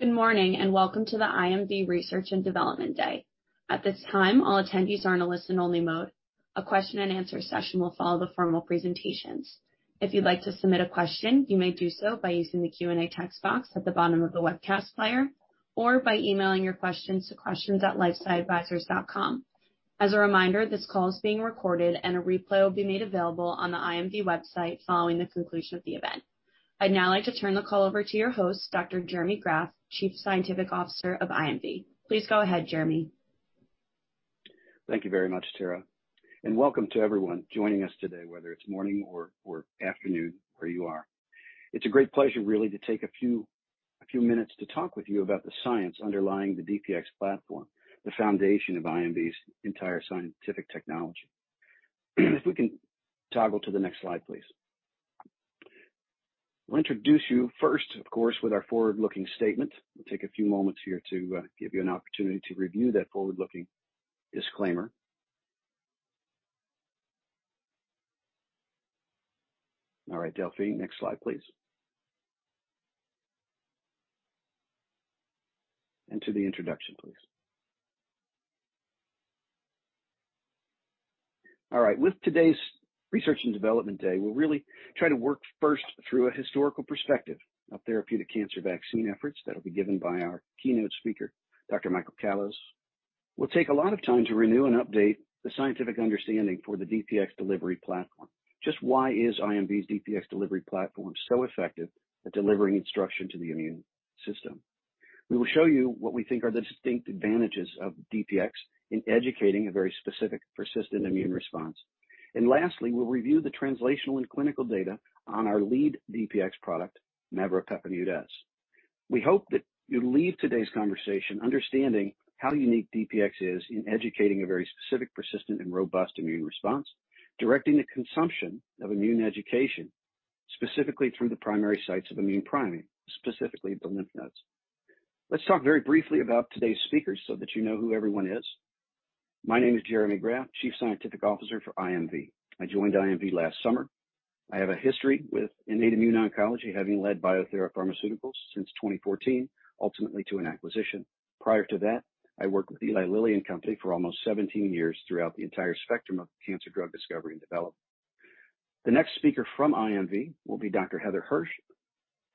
Good morning, and welcome to the IMV Research and Development Day. At this time, all attendees are in a listen-only mode. A question and answer session will follow the formal presentations. If you'd like to submit a question, you may do so by using the Q&A text box at the bottom of the webcast player or by emailing your questions to questions@lifesciadvisors.com. As a reminder, this call is being recorded, and a replay will be made available on the IMV website following the conclusion of the event. I'd now like to turn the call over to your host, Dr. Jeremy Graff, Chief Scientific Officer of IMV. Please go ahead, Jeremy. Thank you very much, Tara, and welcome to everyone joining us today, whether it's morning or afternoon where you are. It's a great pleasure really to take a few minutes to talk with you about the science underlying the DPX platform, the foundation of IMV's entire scientific technology. If we can toggle to the next slide, please. We'll introduce you first, of course, with our forward-looking statement. We'll take a few moments here to give you an opportunity to review that forward-looking disclaimer. All right, Delphine, next slide, please. To the introduction, please. All right. With today's research and development day, we'll really try to work first through a historical perspective of therapeutic cancer vaccine efforts that'll be given by our keynote speaker, Dr. Michael Kalos. We'll take a lot of time to renew and update the scientific understanding for the DPX delivery platform. Just why is IMV's DPX delivery platform so effective at delivering instruction to the immune system? We will show you what we think are the distinct advantages of DPX in educating a very specific, persistent immune response. Lastly, we'll review the translational and clinical data on our lead DPX product, maveropepimut-S. We hope that you leave today's conversation understanding how unique DPX is in educating a very specific, persistent, and robust immune response, directing the consumption of immune education, specifically through the primary sites of immune priming, specifically the lymph nodes. Let's talk very briefly about today's speakers so that you know who everyone is. My name is Jeremy Graff, Chief Scientific Officer for IMV. I joined IMV last summer. I have a history with innate immune oncology, having led Biothera Pharmaceuticals since 2014, ultimately to an acquisition. Prior to that, I worked with Eli Lilly and Company for almost 17 years throughout the entire spectrum of cancer drug discovery and development. The next speaker from IMV will be Dr. Heather Hirsch.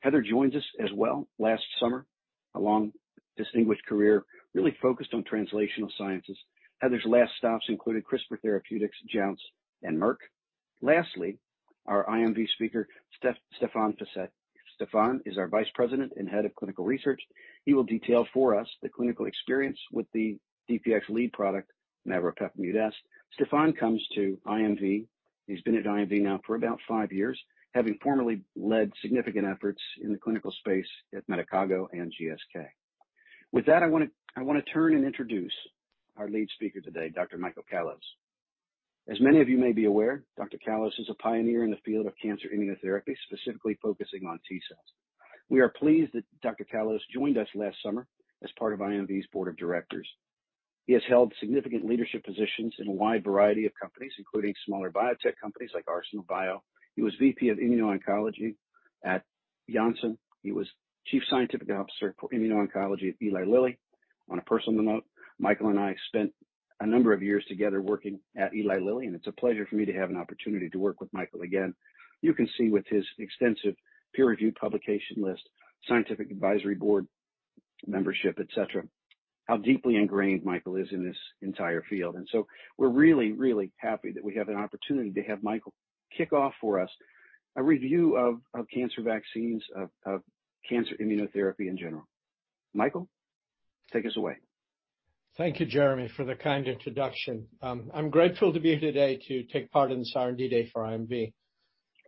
Heather joins us as well last summer, a long, distinguished career really focused on translational sciences. Heather's last stops included CRISPR Therapeutics, Jounce, and Merck. Lastly, our IMV speaker, Stephan Fiset. Stephan is our Vice President and Head of Clinical Research. He will detail for us the clinical experience with the DPX lead product, maveropepimut-S. Stephan comes to IMV. He's been at IMV now for about five years, having formerly led significant efforts in the clinical space at Medicago and GSK. With that, I wanna turn and introduce our lead speaker today, Dr. Michael Kalos. As many of you may be aware, Dr. Kalos is a pioneer in the field of cancer immunotherapy, specifically focusing on T cells. We are pleased that Dr. Kalos joined us last summer as part of IMV's board of directors. He has held significant leadership positions in a wide variety of companies, including smaller biotech companies like Arsenal Biosciences. He was VP of Immuno-oncology at Janssen. He was Chief Scientific Officer for Immuno-oncology at Eli Lilly. On a personal note, Michael and I spent a number of years together working at Eli Lilly, and it's a pleasure for me to have an opportunity to work with Michael again. You can see with his extensive peer-reviewed publication list, scientific advisory board membership, et cetera, how deeply ingrained Michael is in this entire field. We're really, really happy that we have an opportunity to have Michael kick off for us a review of cancer vaccines, of cancer immunotherapy in general. Michael, take us away. Thank you, Jeremy, for the kind introduction. I'm grateful to be here today to take part in this R&D day for IMV.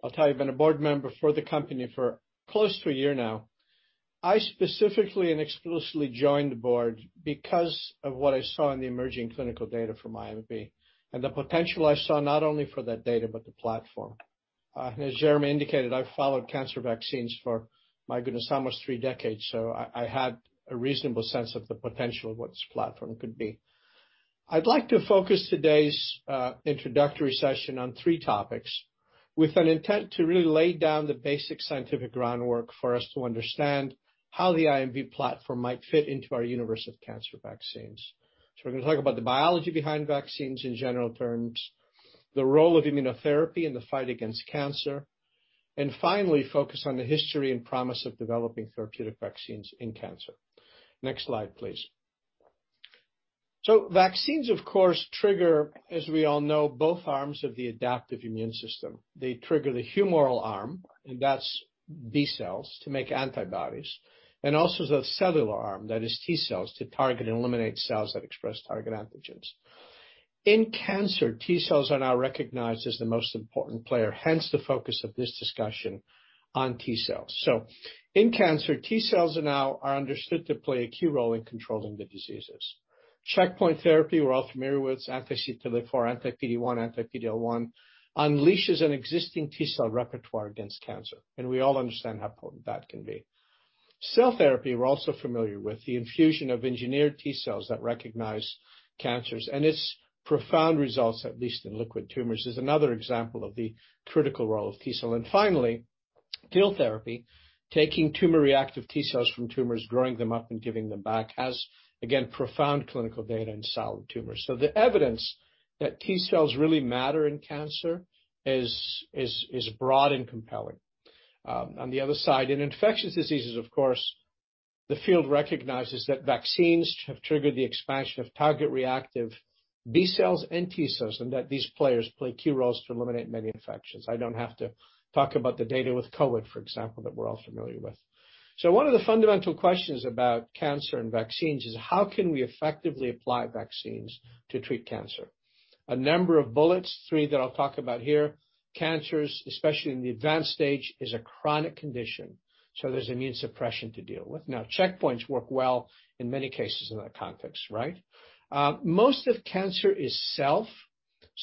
I'll tell you, I've been a board member for the company for close to a year now. I specifically and exclusively joined the board because of what I saw in the emerging clinical data from IMV and the potential I saw not only for that data, but the platform. As Jeremy indicated, I followed cancer vaccines for, my goodness, almost three decades, so I had a reasonable sense of the potential of what this platform could be. I'd like to focus today's introductory session on three topics with an intent to really lay down the basic scientific groundwork for us to understand how the IMV platform might fit into our universe of cancer vaccines. We're gonna talk about the biology behind vaccines in general terms, the role of immunotherapy in the fight against cancer, and finally focus on the history and promise of developing therapeutic vaccines in cancer. Next slide, please. Vaccines, of course, trigger, as we all know, both arms of the adaptive immune system. They trigger the humoral arm, and that's B cells to make antibodies, and also the cellular arm that is T cells to target and eliminate cells that express target antigens. In cancer, T cells are now recognized as the most important player, hence the focus of this discussion on T cells. In cancer, T cells are understood to play a key role in controlling the diseases. Checkpoint therapy, we're all familiar with, anti-CTLA-4, anti-PD-1, anti-PD-L1, unleashes an existing T cell repertoire against cancer, and we all understand how important that can be. Cell therapy, we're also familiar with the infusion of engineered T cells that recognize cancers and its profound results, at least in liquid tumors, is another example of the critical role of T cell. Finally TIL therapy, taking tumor-reactive T cells from tumors, growing them up and giving them back, has, again, profound clinical data in solid tumors. The evidence that T cells really matter in cancer is broad and compelling. On the other side, in infectious diseases, of course, the field recognizes that vaccines have triggered the expansion of target-reactive B cells and T cells, and that these players play key roles to eliminate many infections. I don't have to talk about the data with COVID, for example, that we're all familiar with. One of the fundamental questions about cancer and vaccines is. How can we effectively apply vaccines to treat cancer? A number of bullets, three that I'll talk about here. Cancers, especially in the advanced stage, is a chronic condition, so there's immune suppression to deal with. Now, checkpoints work well in many cases in that context, right? Most of cancer is self.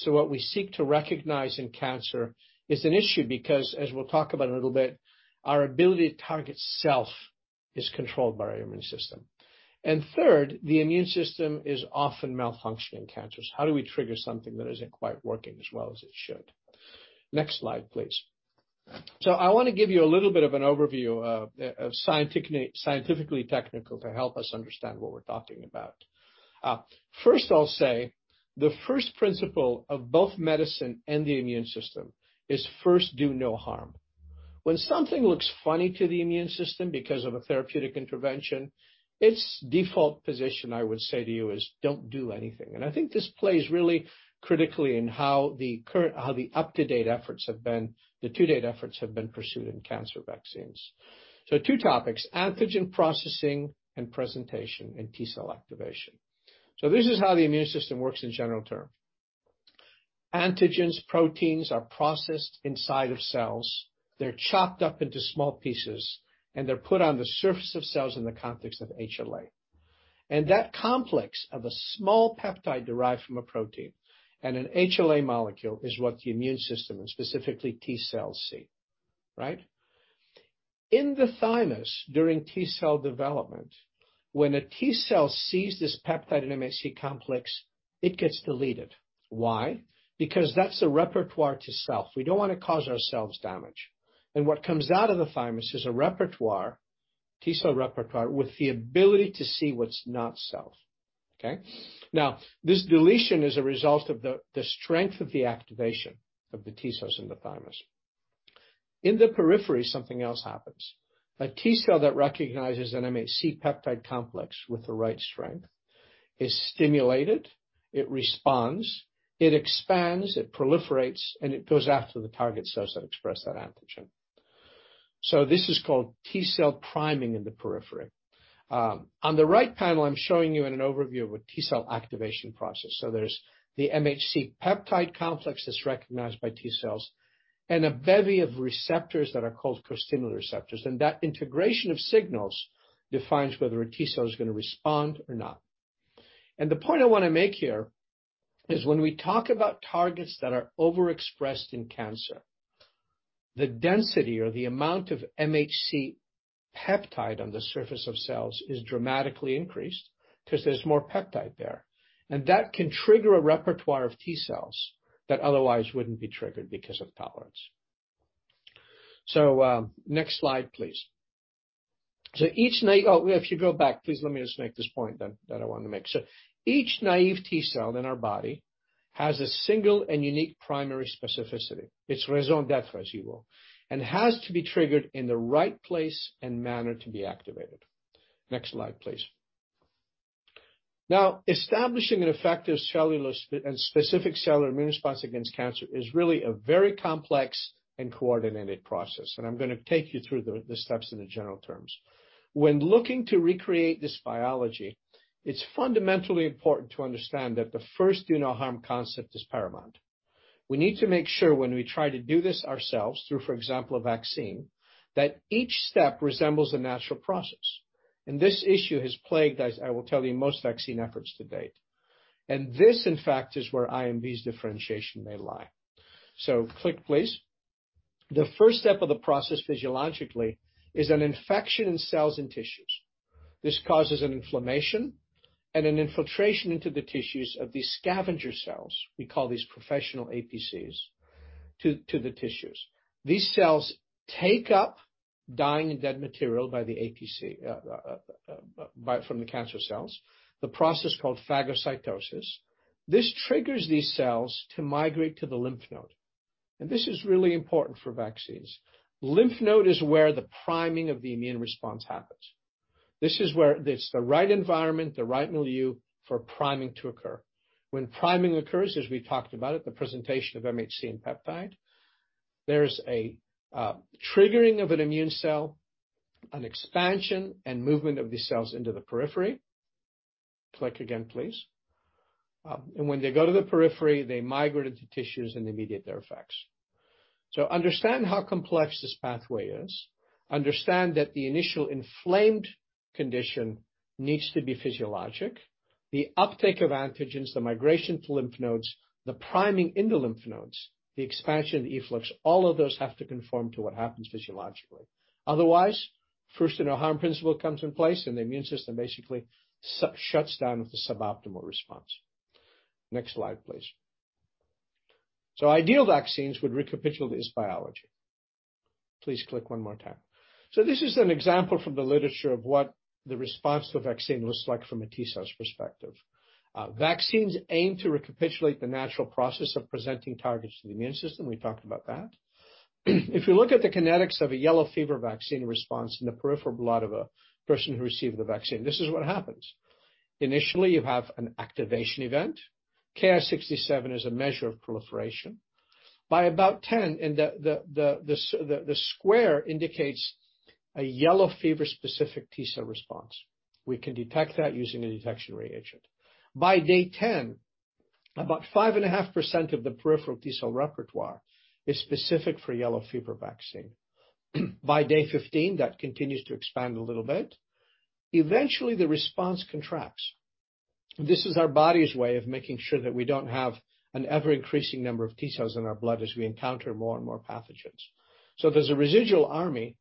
What we seek to recognize in cancer is an issue because, as we'll talk about in a little bit, our ability to target self is controlled by our immune system. Third, the immune system is often malfunctioning in cancers. How do we trigger something that isn't quite working as well as it should? Next slide, please. I wanna give you a little bit of an overview of scientific, scientifically technical to help us understand what we're talking about. First, I'll say the first principle of both medicine and the immune system is first, do no harm. When something looks funny to the immune system because of a therapeutic intervention, its default position, I would say to you, is don't do anything. I think this plays really critically in how the to-date efforts have been pursued in cancer vaccines. Two topics, antigen processing and presentation, and T cell activation. This is how the immune system works in general term. Antigens, proteins are processed inside of cells. They're chopped up into small pieces, and they're put on the surface of cells in the context of HLA. And that complex of a small peptide derived from a protein and an HLA molecule is what the immune system, and specifically T cells see. Right? In the thymus, during T cell development, when a T cell sees this peptide and MHC complex, it gets deleted. Why? That's a repertoire to self. We don't wanna cause ourselves damage. What comes out of the thymus is a repertoire, T cell repertoire, with the ability to see what's not self. Okay? Now, this deletion is a result of the strength of the activation of the T cells in the thymus. In the periphery, something else happens. A T cell that recognizes an MHC peptide complex with the right strength is stimulated, it responds, it expands, it proliferates, and it goes after the target cells that express that antigen. This is called T cell priming in the periphery. On the right panel, I'm showing you an overview of a T cell activation process. There's the MHC peptide complex that's recognized by T cells and a bevy of receptors that are called costimulatory receptors. That integration of signals defines whether a T cell is gonna respond or not. The point I wanna make here is when we talk about targets that are overexpressed in cancer, the density or the amount of MHC peptide on the surface of cells is dramatically increased 'cause there's more peptide there. That can trigger a repertoire of T cells that otherwise wouldn't be triggered because of tolerance. Next slide, please. If you go back, please let me just make this point that I wanted to make sure. Each naive T cell in our body has a single and unique primary specificity. Its raison d'être, as you will. It has to be triggered in the right place and manner to be activated. Next slide, please. Now, establishing an effective and specific cellular immune response against cancer is really a very complex and coordinated process, and I'm gonna take you through the steps in general terms. When looking to recreate this biology, it's fundamentally important to understand that the first do no harm concept is paramount. We need to make sure when we try to do this ourselves through, for example, a vaccine, that each step resembles a natural process. This issue has plagued, as I will tell you, most vaccine efforts to date. This, in fact, is where IMV's differentiation may lie. So click, please. The first step of the process physiologically is an infection in cells and tissues. This causes an inflammation and an infiltration into the tissues of these scavenger cells we call these professional APCs to the tissues. These cells take up dying and dead material by the APC from the cancer cells. The process called phagocytosis. This triggers these cells to migrate to the lymph node. This is really important for vaccines. The lymph node is where the priming of the immune response happens. This is where it's the right environment, the right milieu for priming to occur. When priming occurs, as we talked about it, the presentation of MHC and peptide, there's a triggering of an immune cell, an expansion and movement of these cells into the periphery. Click again, please. When they go to the periphery, they migrate into tissues and they mediate their effects. Understand how complex this pathway is, understand that the initial inflamed condition needs to be physiologic. The uptake of antigens, the migration to lymph nodes, the priming in the lymph nodes, the expansion, the efflux, all of those have to conform to what happens physiologically. Otherwise, first do no harm principle comes in place and the immune system basically shuts down with a suboptimal response. Next slide, please. So ideal vaccines would recapitulate this biology. Please click one more time. So this is an example from the literature of what the response to the vaccine looks like from a T cells perspective. Vaccines aim to recapitulate the natural process of presenting targets to the immune system. We talked about that. If you look at the kinetics of a yellow fever vaccine response in the peripheral blood of a person who received the vaccine, this is what happens. Initially, you have an activation event. Ki-67 is a measure of proliferation. By about 10, the square indicates a yellow fever specific T cell response. We can detect that using a detection reagent. By day 10, about 5.5% of the peripheral T cell repertoire is specific for yellow fever vaccine. By day 15, that continues to expand a little bit. Eventually, the response contracts. This is our body's way of making sure that we don't have an ever-increasing number of T cells in our blood as we encounter more and more pathogens. There's a residual army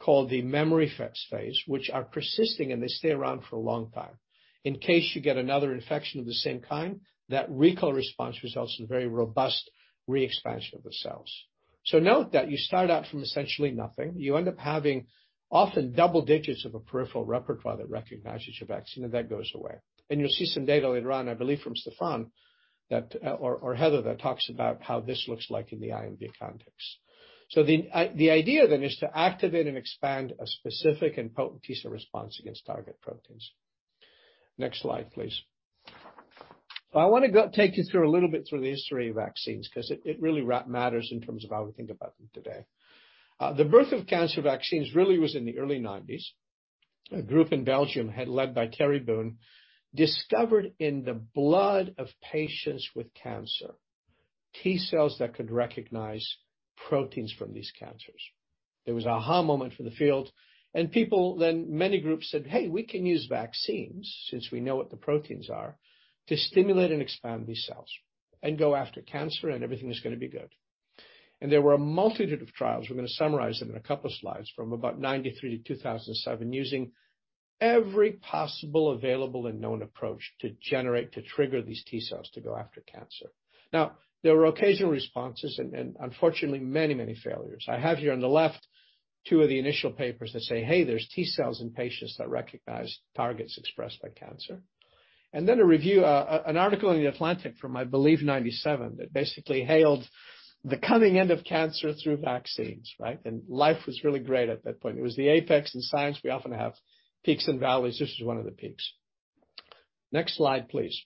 called the memory effects phase, which are persisting, and they stay around for a long time. In case you get another infection of the same kind, that recall response results in very robust re-expansion of the cells. Note that you start out from essentially nothing. You end up having often double digits of a peripheral repertoire that recognizes your vaccine, and that goes away. You'll see some data later on, I believe, from Stephan or Heather, that talks about how this looks like in the IMV context. The idea then is to activate and expand a specific and potent T cell response against target proteins. Next slide, please. I wanna take you through a little bit through the history of vaccines 'cause it really matters in terms of how we think about them today. The birth of cancer vaccines really was in the early 1990s. A group in Belgium was led by Thierry Boon discovered in the blood of patients with cancer, T cells that could recognize proteins from these cancers. There was an aha moment for the field, and people then many groups said, "Hey, we can use vaccines since we know what the proteins are to stimulate and expand these cells and go after cancer, and everything is gonna be good." There were a multitude of trials, we're gonna summarize them in a couple of slides from about 1993 to 2007, using every possible available and known approach to generate, to trigger these T cells to go after cancer. Now, there were occasional responses and unfortunately many, many failures. I have here on the left two of the initial papers that say, "Hey, there's T cells in patients that recognize targets expressed by cancer." A review, an article in The Atlantic from I believe 1997, that basically hailed the coming end of cancer through vaccines, right? Life was really great at that point. It was the apex in science. We often have peaks and valleys. This is one of the peaks. Next slide, please.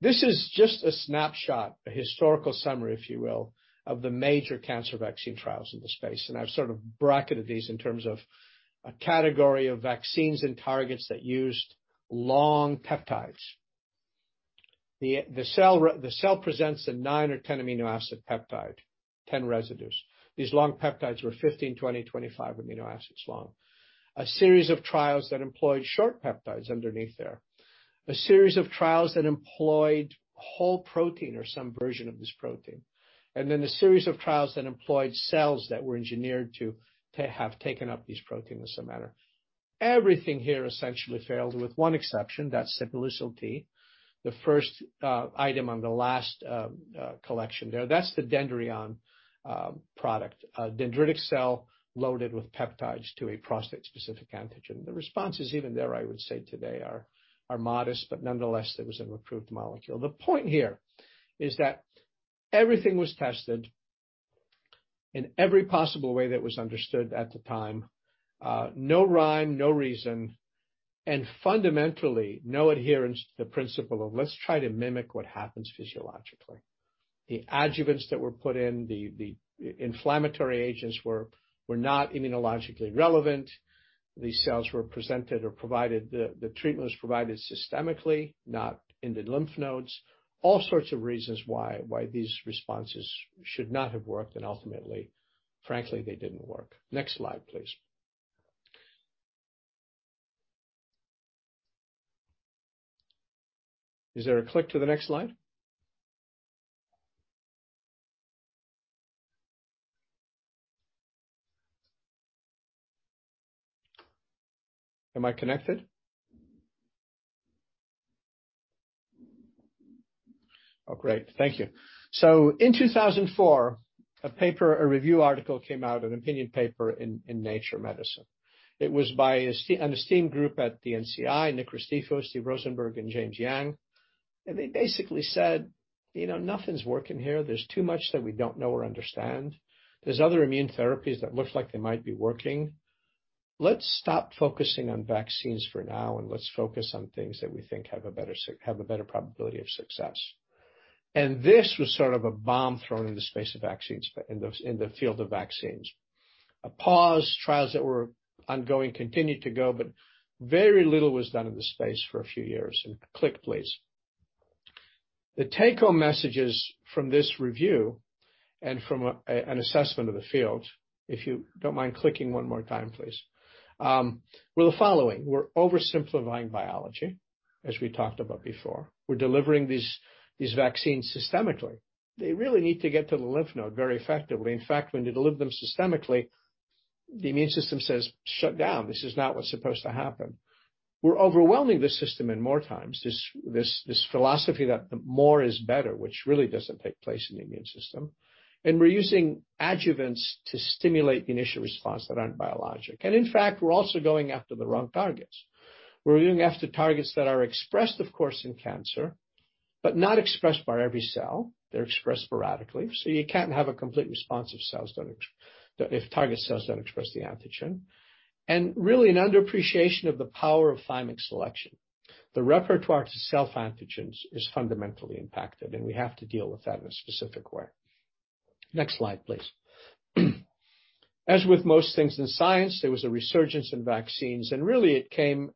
This is just a snapshot, a historical summary, if you will, of the major cancer vaccine trials in the space. I've sort of bracketed these in terms of a category of vaccines and targets that used long peptides. The cell presents a nine or 10 amino acid peptide, 10 residues. These long peptides were 15, 20, 25 amino acids long. A series of trials that employed short peptides underneath there. A series of trials that employed whole protein or some version of this protein, and then a series of trials that employed cells that were engineered to have taken up these protein as a matter. Everything here essentially failed with one exception. That's Sipuleucel-T, the first item on the last collection there. That's the Dendreon product, dendritic cell loaded with peptides to a prostate-specific antigen. The responses even there, I would say today are modest, but nonetheless, there was an approved molecule. The point here is that everything was tested in every possible way that was understood at the time. No rhyme, no reason, and fundamentally, no adherence to the principle of let's try to mimic what happens physiologically. The adjuvants that were put in, the inflammatory agents were not immunologically relevant. These cells were presented or provided the treatment was provided systemically, not in the lymph nodes. All sorts of reasons why these responses should not have worked, and ultimately, frankly, they didn't work. Next slide, please. Is there a click to the next slide? Am I connected? Oh, great. Thank you. In 2004, a paper, a review article came out, an opinion paper in Nature Medicine. It was by an esteemed group at the NCI, Nick Restifo, Steve Rosenberg, and James Yang. They basically said, "You know, nothing's working here. There's too much that we don't know or understand. There's other immune therapies that look like they might be working. Let's stop focusing on vaccines for now, and let's focus on things that we think have a better su-- have a better probability of success." This was sort of a bomb thrown in the space of vaccines, in the field of vaccines. A pause, trials that were ongoing continued to go, but very little was done in this space for a few years. Click, please. The take home messages from this review and from an assessment of the field, if you don't mind clicking one more time, please, were the following. We're oversimplifying biology, as we talked about before. We're delivering these vaccines systemically. They really need to get to the lymph node very effectively. In fact, when you deliver them systemically, the immune system says, "Shut down. This is not what's supposed to happen." We're overwhelming the system in more times, this philosophy that more is better, which really doesn't take place in the immune system. We're using adjuvants to stimulate the initial response that aren't biologic. In fact, we're also going after the wrong targets. We're going after targets that are expressed, of course, in cancer, but not expressed by every cell. They're expressed sporadically. You can't have a complete response if target cells don't express the antigen. Really, an underappreciation of the power of thymic selection. The repertoire to self-antigens is fundamentally impacted, and we have to deal with that in a specific way. Next slide, please. As with most things in science, there was a resurgence in vaccines, and really it came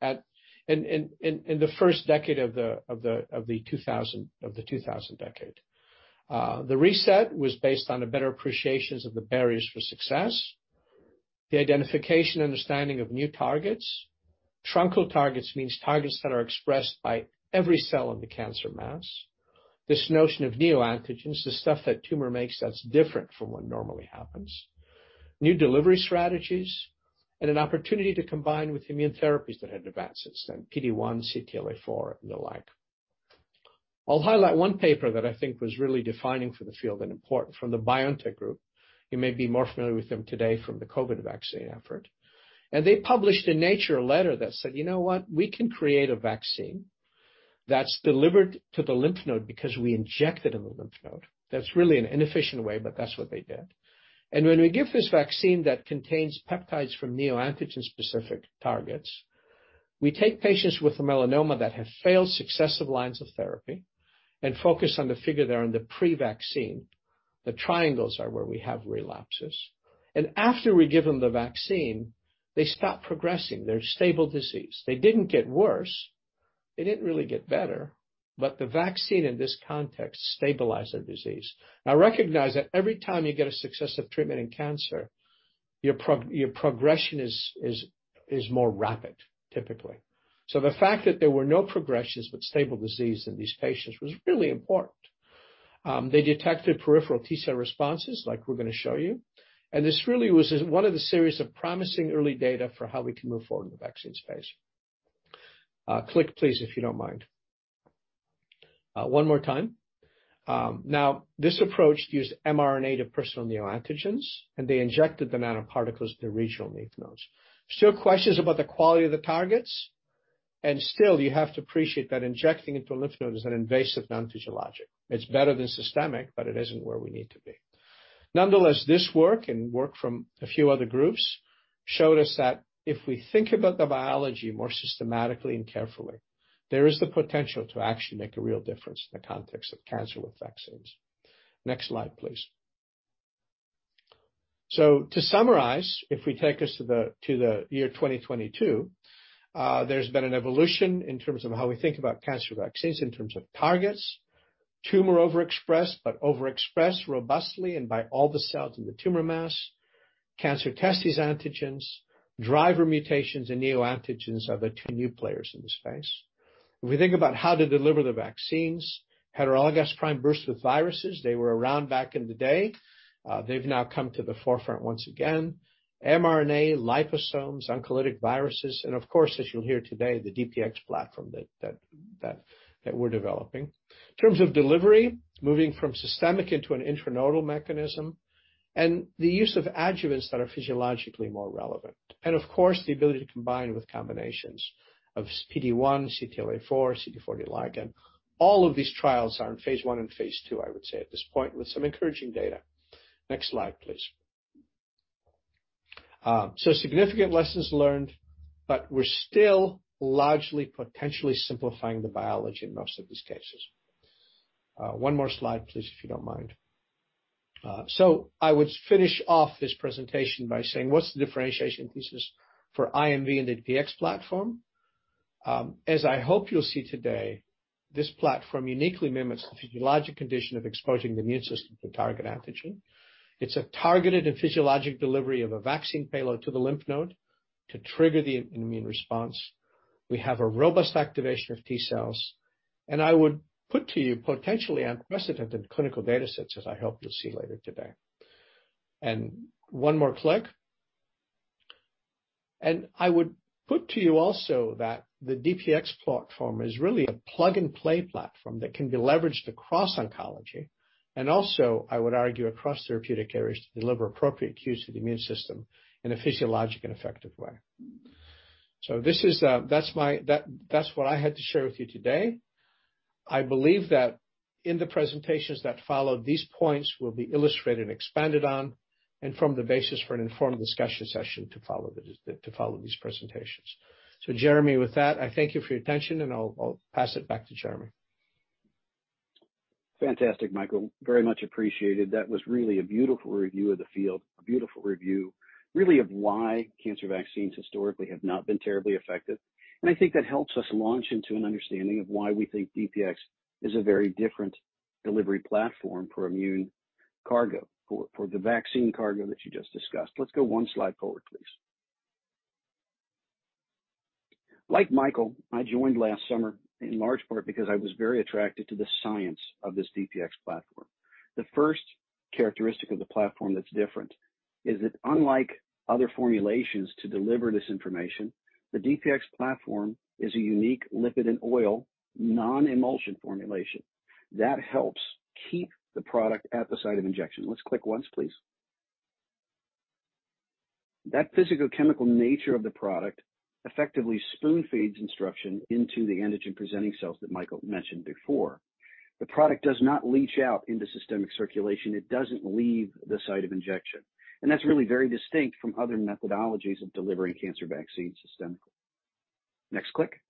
in the first decade of the 2000 decade. The reset was based on the better appreciations of the barriers for success, the identification understanding of new targets. Truncal targets means targets that are expressed by every cell in the cancer mass. This notion of neoantigens, the stuff that tumor makes that's different from what normally happens. New delivery strategies, and an opportunity to combine with immune therapies that had advances then PD-1, CTLA-4 and the like. I'll highlight one paper that I think was really defining for the field and important from the BioNTech group. You may be more familiar with them today from the COVID vaccine effort. They published in Nature a letter that said, "You know what? We can create a vaccine that's delivered to the lymph node because we injected in the lymph node." That's really an inefficient way, but that's what they did. When we give this vaccine that contains peptides from neoantigen-specific targets, we take patients with melanoma that have failed successive lines of therapy and focus on the figure there on the pre-vaccine. The triangles are where we have relapses. After we give them the vaccine, they stop progressing. They have stable disease. They didn't get worse. They didn't really get better. The vaccine in this context stabilized their disease. Now recognize that every time you get a successive treatment in cancer, your progression is more rapid, typically. The fact that there were no progressions but stable disease in these patients was really important. They detected peripheral T-cell responses like we're gonna show you. This really was one of the series of promising early data for how we can move forward in the vaccine space. Click, please, if you don't mind. One more time. Now, this approach used mRNA to personalized neoantigens, and they injected the nanoparticles to the regional lymph nodes. Still, questions about the quality of the targets, and still you have to appreciate that injecting into a lymph node is an invasive non-physiologic. It's better than systemic, but it isn't where we need to be. Nonetheless, this work and work from a few other groups showed us that if we think about the biology more systematically and carefully, there is the potential to actually make a real difference in the context of cancer with vaccines. Next slide, please. To summarize, if we take us to the year 2022, there's been an evolution in terms of how we think about cancer vaccines in terms of targets, tumor overexpressed, but overexpressed robustly and by all the cells in the tumor mass. Cancer/testis antigens, driver mutations and neoantigens are the two new players in the space. If we think about how to deliver the vaccines, heterologous prime-boost with viruses, they were around back in the day. They've now come to the forefront once again. mRNA, liposomes, oncolytic viruses, and of course, as you'll hear today, the DPX platform that we're developing. In terms of delivery, moving from systemic into an intranodal mechanism, and the use of adjuvants that are physiologically more relevant. Of course, the ability to combine with combinations of PD-1, CTLA-4, CD40 ligand. All of these trials are in phase I and phase II, I would say at this point, with some encouraging data. Next slide, please. Significant lessons learned, but we're still largely potentially simplifying the biology in most of these cases. One more slide, please, if you don't mind. I would finish off this presentation by saying, what's the differentiation thesis for IMV and the DPX platform? As I hope you'll see today, this platform uniquely mimics the physiologic condition of exposing the immune system to target antigen. It's a targeted and physiologic delivery of a vaccine payload to the lymph node to trigger the immune response. We have a robust activation of T-cells, and I would put to you potentially unprecedented clinical data sets, as I hope you'll see later today. One more click. I would put to you also that the DPX platform is really a plug-and-play platform that can be leveraged across oncology, and also I would argue, across therapeutic areas to deliver appropriate cues to the immune system in a physiologic and effective way. That's what I had to share with you today. I believe that in the presentations that follow, these points will be illustrated and expanded on and form the basis for an informed discussion session to follow these presentations. Jeremy, with that, I thank you for your attention, and I'll pass it back to Jeremy. Fantastic, Michael. Very much appreciated. That was really a beautiful review of the field. A beautiful review, really of why cancer vaccines historically have not been terribly effective. I think that helps us launch into an understanding of why we think DPX is a very different delivery platform for immune cargo, for the vaccine cargo that you just discussed. Let's go one slide forward, please. Like Michael, I joined last summer in large part because I was very attracted to the science of this DPX platform. The first characteristic of the platform that's different is that unlike other formulations to deliver this information, the DPX platform is a unique lipid and oil non-emulsion formulation that helps keep the product at the site of injection. Let's click once, please. That physicochemical nature of the product effectively spoon feeds instruction into the antigen-presenting cells that Michael mentioned before. The product does not leach out into systemic circulation. It doesn't leave the site of injection, and that's really very distinct from other methodologies of delivering cancer vaccines systemically. Next click.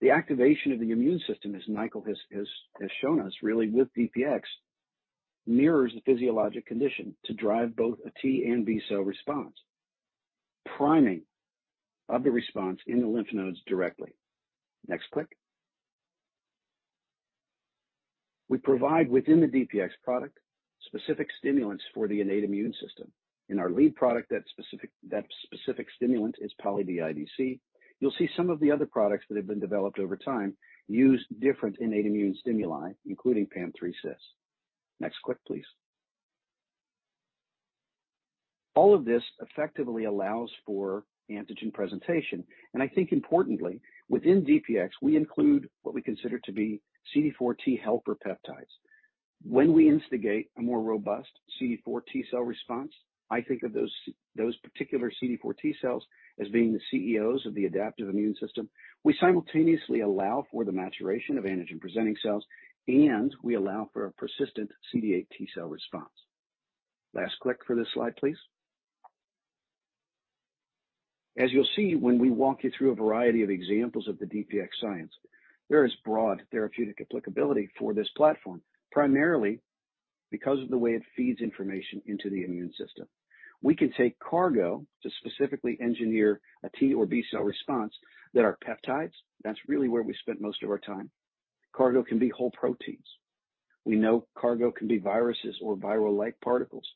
The activation of the immune system, as Michael has shown us really with DPX, mirrors the physiologic condition to drive both a T and B cell response, priming of the response in the lymph nodes directly. Next click. We provide within the DPX product specific stimulants for the innate immune system. In our lead product, that specific stimulant is Poly-ICLC. You'll see some of the other products that have been developed over time use different innate immune stimuli, including Pam3Cys. Next click, please. All of this effectively allows for antigen presentation. I think importantly, within DPX we include what we consider to be CD4 T helper peptides. When we instigate a more robust CD4 T cell response, I think of those particular CD4 T cells as being the CEOs of the adaptive immune system. We simultaneously allow for the maturation of antigen-presenting cells, and we allow for a persistent CD8 T cell response. Last click for this slide, please. As you'll see when we walk you through a variety of examples of the DPX science, there is broad therapeutic applicability for this platform, primarily because of the way it feeds information into the immune system. We can take cargo to specifically engineer a T or B cell response that are peptides. That's really where we spent most of our time. Cargo can be whole proteins. We know cargo can be viruses or viral-like particles,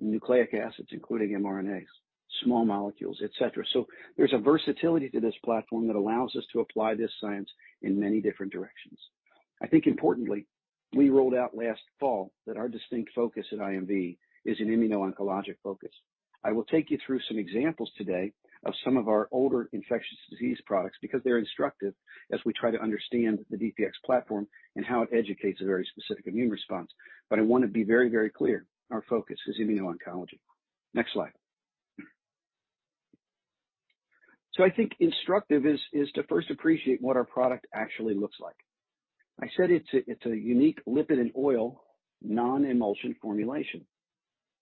nucleic acids, including mRNAs, small molecules, et cetera. There's a versatility to this platform that allows us to apply this science in many different directions. I think importantly, we rolled out last fall that our distinct focus at IMV is an immuno-oncologic focus. I will take you through some examples today of some of our older infectious disease products because they're instructive as we try to understand the DPX platform and how it educates a very specific immune response. I want to be very, very clear. Our focus is immuno-oncology. Next slide. I think instructive is to first appreciate what our product actually looks like. I said it's a unique lipid and oil non-emulsion formulation.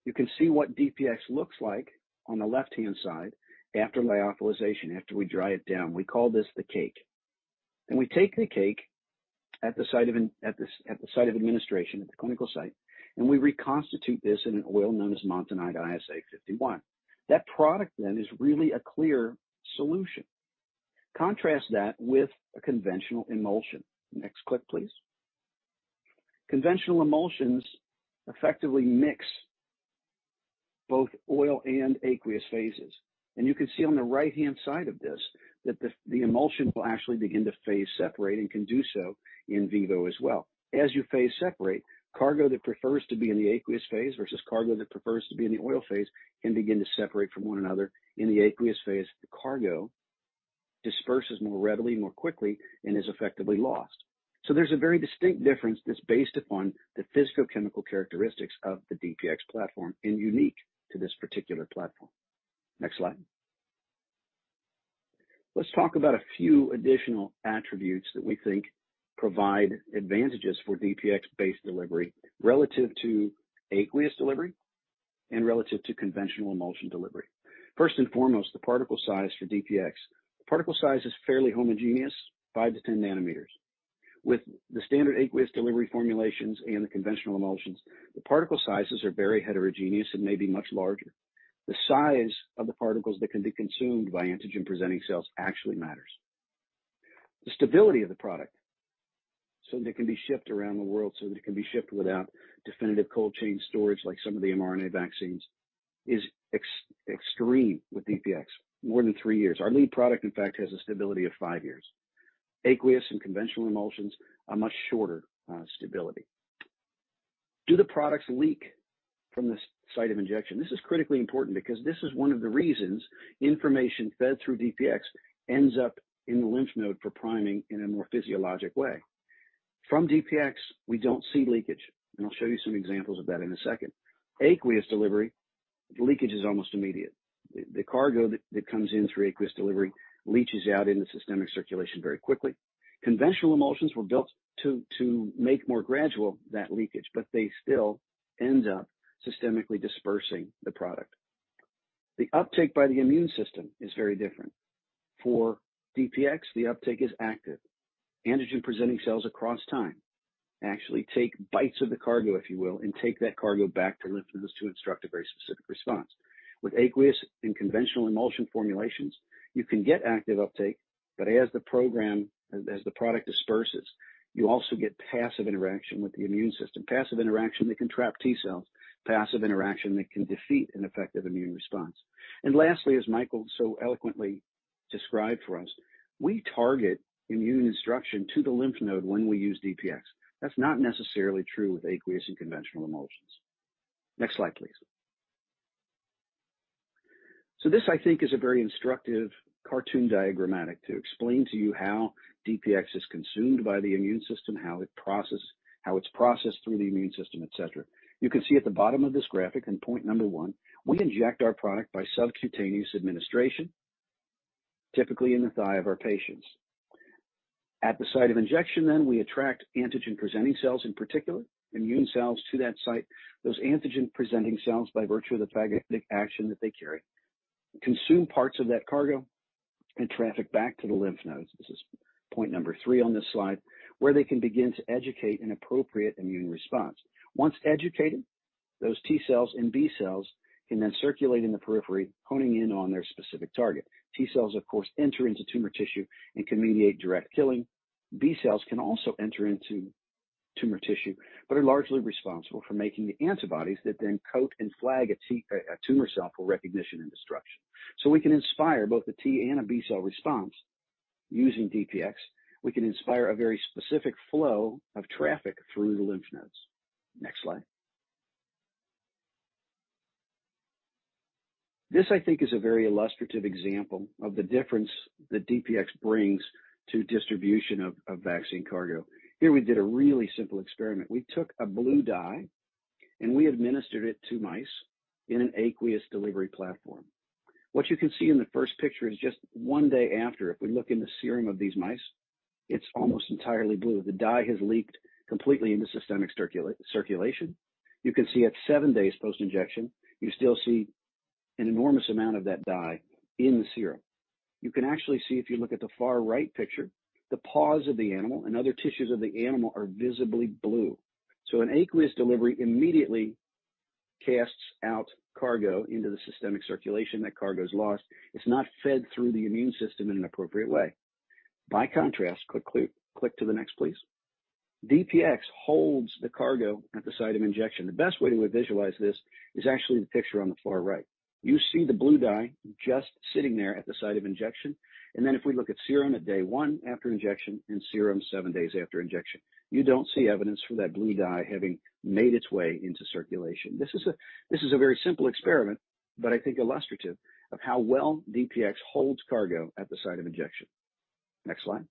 You can see what DPX looks like on the left-hand side after lyophilization, after we dry it down. We call this the cake. We take the cake at the site of administration, at the clinical site, and we reconstitute this in an oil known as Montanide ISA 51. That product then is really a clear solution. Contrast that with a conventional emulsion. Next clip, please. Conventional emulsions effectively mix both oil and aqueous phases. You can see on the right-hand side of this that the emulsion will actually begin to phase separate and can do so in vivo as well. As you phase separate, cargo that prefers to be in the aqueous phase versus cargo that prefers to be in the oil phase can begin to separate from one another. In the aqueous phase, the cargo disperses more readily, more quickly, and is effectively lost. There's a very distinct difference that's based upon the physicochemical characteristics of the DPX platform and unique to this particular platform. Next slide. Let's talk about a few additional attributes that we think provide advantages for DPX-based delivery relative to aqueous delivery and relative to conventional emulsion delivery. First and foremost, the particle size for DPX. Particle size is fairly homogeneous, five to 10 nanometers. With the standard aqueous delivery formulations and the conventional emulsions, the particle sizes are very heterogeneous and may be much larger. The size of the particles that can be consumed by antigen-presenting cells actually matters. The stability of the product, so that it can be shipped around the world, so that it can be shipped without definitive cold chain storage, like some of the mRNA vaccines, is extreme with DPX, more than three years. Our lead product, in fact, has a stability of five years. Aqueous and conventional emulsions are much shorter stability. Do the products leak from the site of injection? This is critically important because this is one of the reasons information fed through DPX ends up in the lymph node for priming in a more physiologic way. From DPX, we don't see leakage, and I'll show you some examples of that in a second. Aqueous delivery, the leakage is almost immediate. The cargo that comes in through aqueous delivery leaches out into systemic circulation very quickly. Conventional emulsions were built to make more gradual that leakage, but they still end up systemically dispersing the product. The uptake by the immune system is very different. For DPX, the uptake is active. Antigen-presenting cells across time actually take bites of the cargo, if you will, and take that cargo back to lymph nodes to instruct a very specific response. With aqueous and conventional emulsion formulations, you can get active uptake, but as the product disperses. You also get passive interaction with the immune system, passive interaction that can trap T cells, passive interaction that can defeat an effective immune response. Lastly, as Michael so eloquently described for us, we target immune instruction to the lymph node when we use DPX. That's not necessarily true with aqueous and conventional emulsions. Next slide, please. So this, I think, is a very instructive cartoon diagrammatic to explain to you how DPX is consumed by the immune system, how it's processed through the immune system, et cetera. You can see at the bottom of this graphic in point number one, we inject our product by subcutaneous administration, typically in the thigh of our patients. At the site of injection then we attract antigen-presenting cells, in particular immune cells to that site. Those antigen-presenting cells, by virtue of the phagocytic action that they carry, consume parts of that cargo and traffic back to the lymph nodes. This is point number three on this slide, where they can begin to educate an appropriate immune response. Once educated, those T cells and B cells can then circulate in the periphery, honing in on their specific target. T cells, of course, enter into tumor tissue and can mediate direct killing. B cells can also enter into tumor tissue, but are largely responsible for making the antibodies that then coat and flag a tumor cell for recognition and destruction. We can inspire both the T and a B cell response using DPX. We can inspire a very specific flow of traffic through the lymph nodes. Next slide. This, I think, is a very illustrative example of the difference that DPX brings to distribution of vaccine cargo. Here we did a really simple experiment. We took a blue dye, and we administered it to mice in an aqueous delivery platform. What you can see in the first picture is just one day after, if we look in the serum of these mice, it's almost entirely blue. The dye has leaked completely into systemic circulation. You can see at seven days post-injection, you still see an enormous amount of that dye in the serum. You can actually see, if you look at the far right picture, the paws of the animal and other tissues of the animal are visibly blue. So an aqueous delivery immediately casts out cargo into the systemic circulation. That cargo is lost. It's not fed through the immune system in an appropriate way. By contrast, quickly click to the next, please. DPX holds the cargo at the site of injection. The best way to visualize this is actually the picture on the far right. You see the blue dye just sitting there at the site of injection. If we look at serum at day one after injection and serum seven days after injection, you don't see evidence for that blue dye having made its way into circulation. This is a very simple experiment, but I think illustrative of how well DPX holds cargo at the site of injection. Next slide.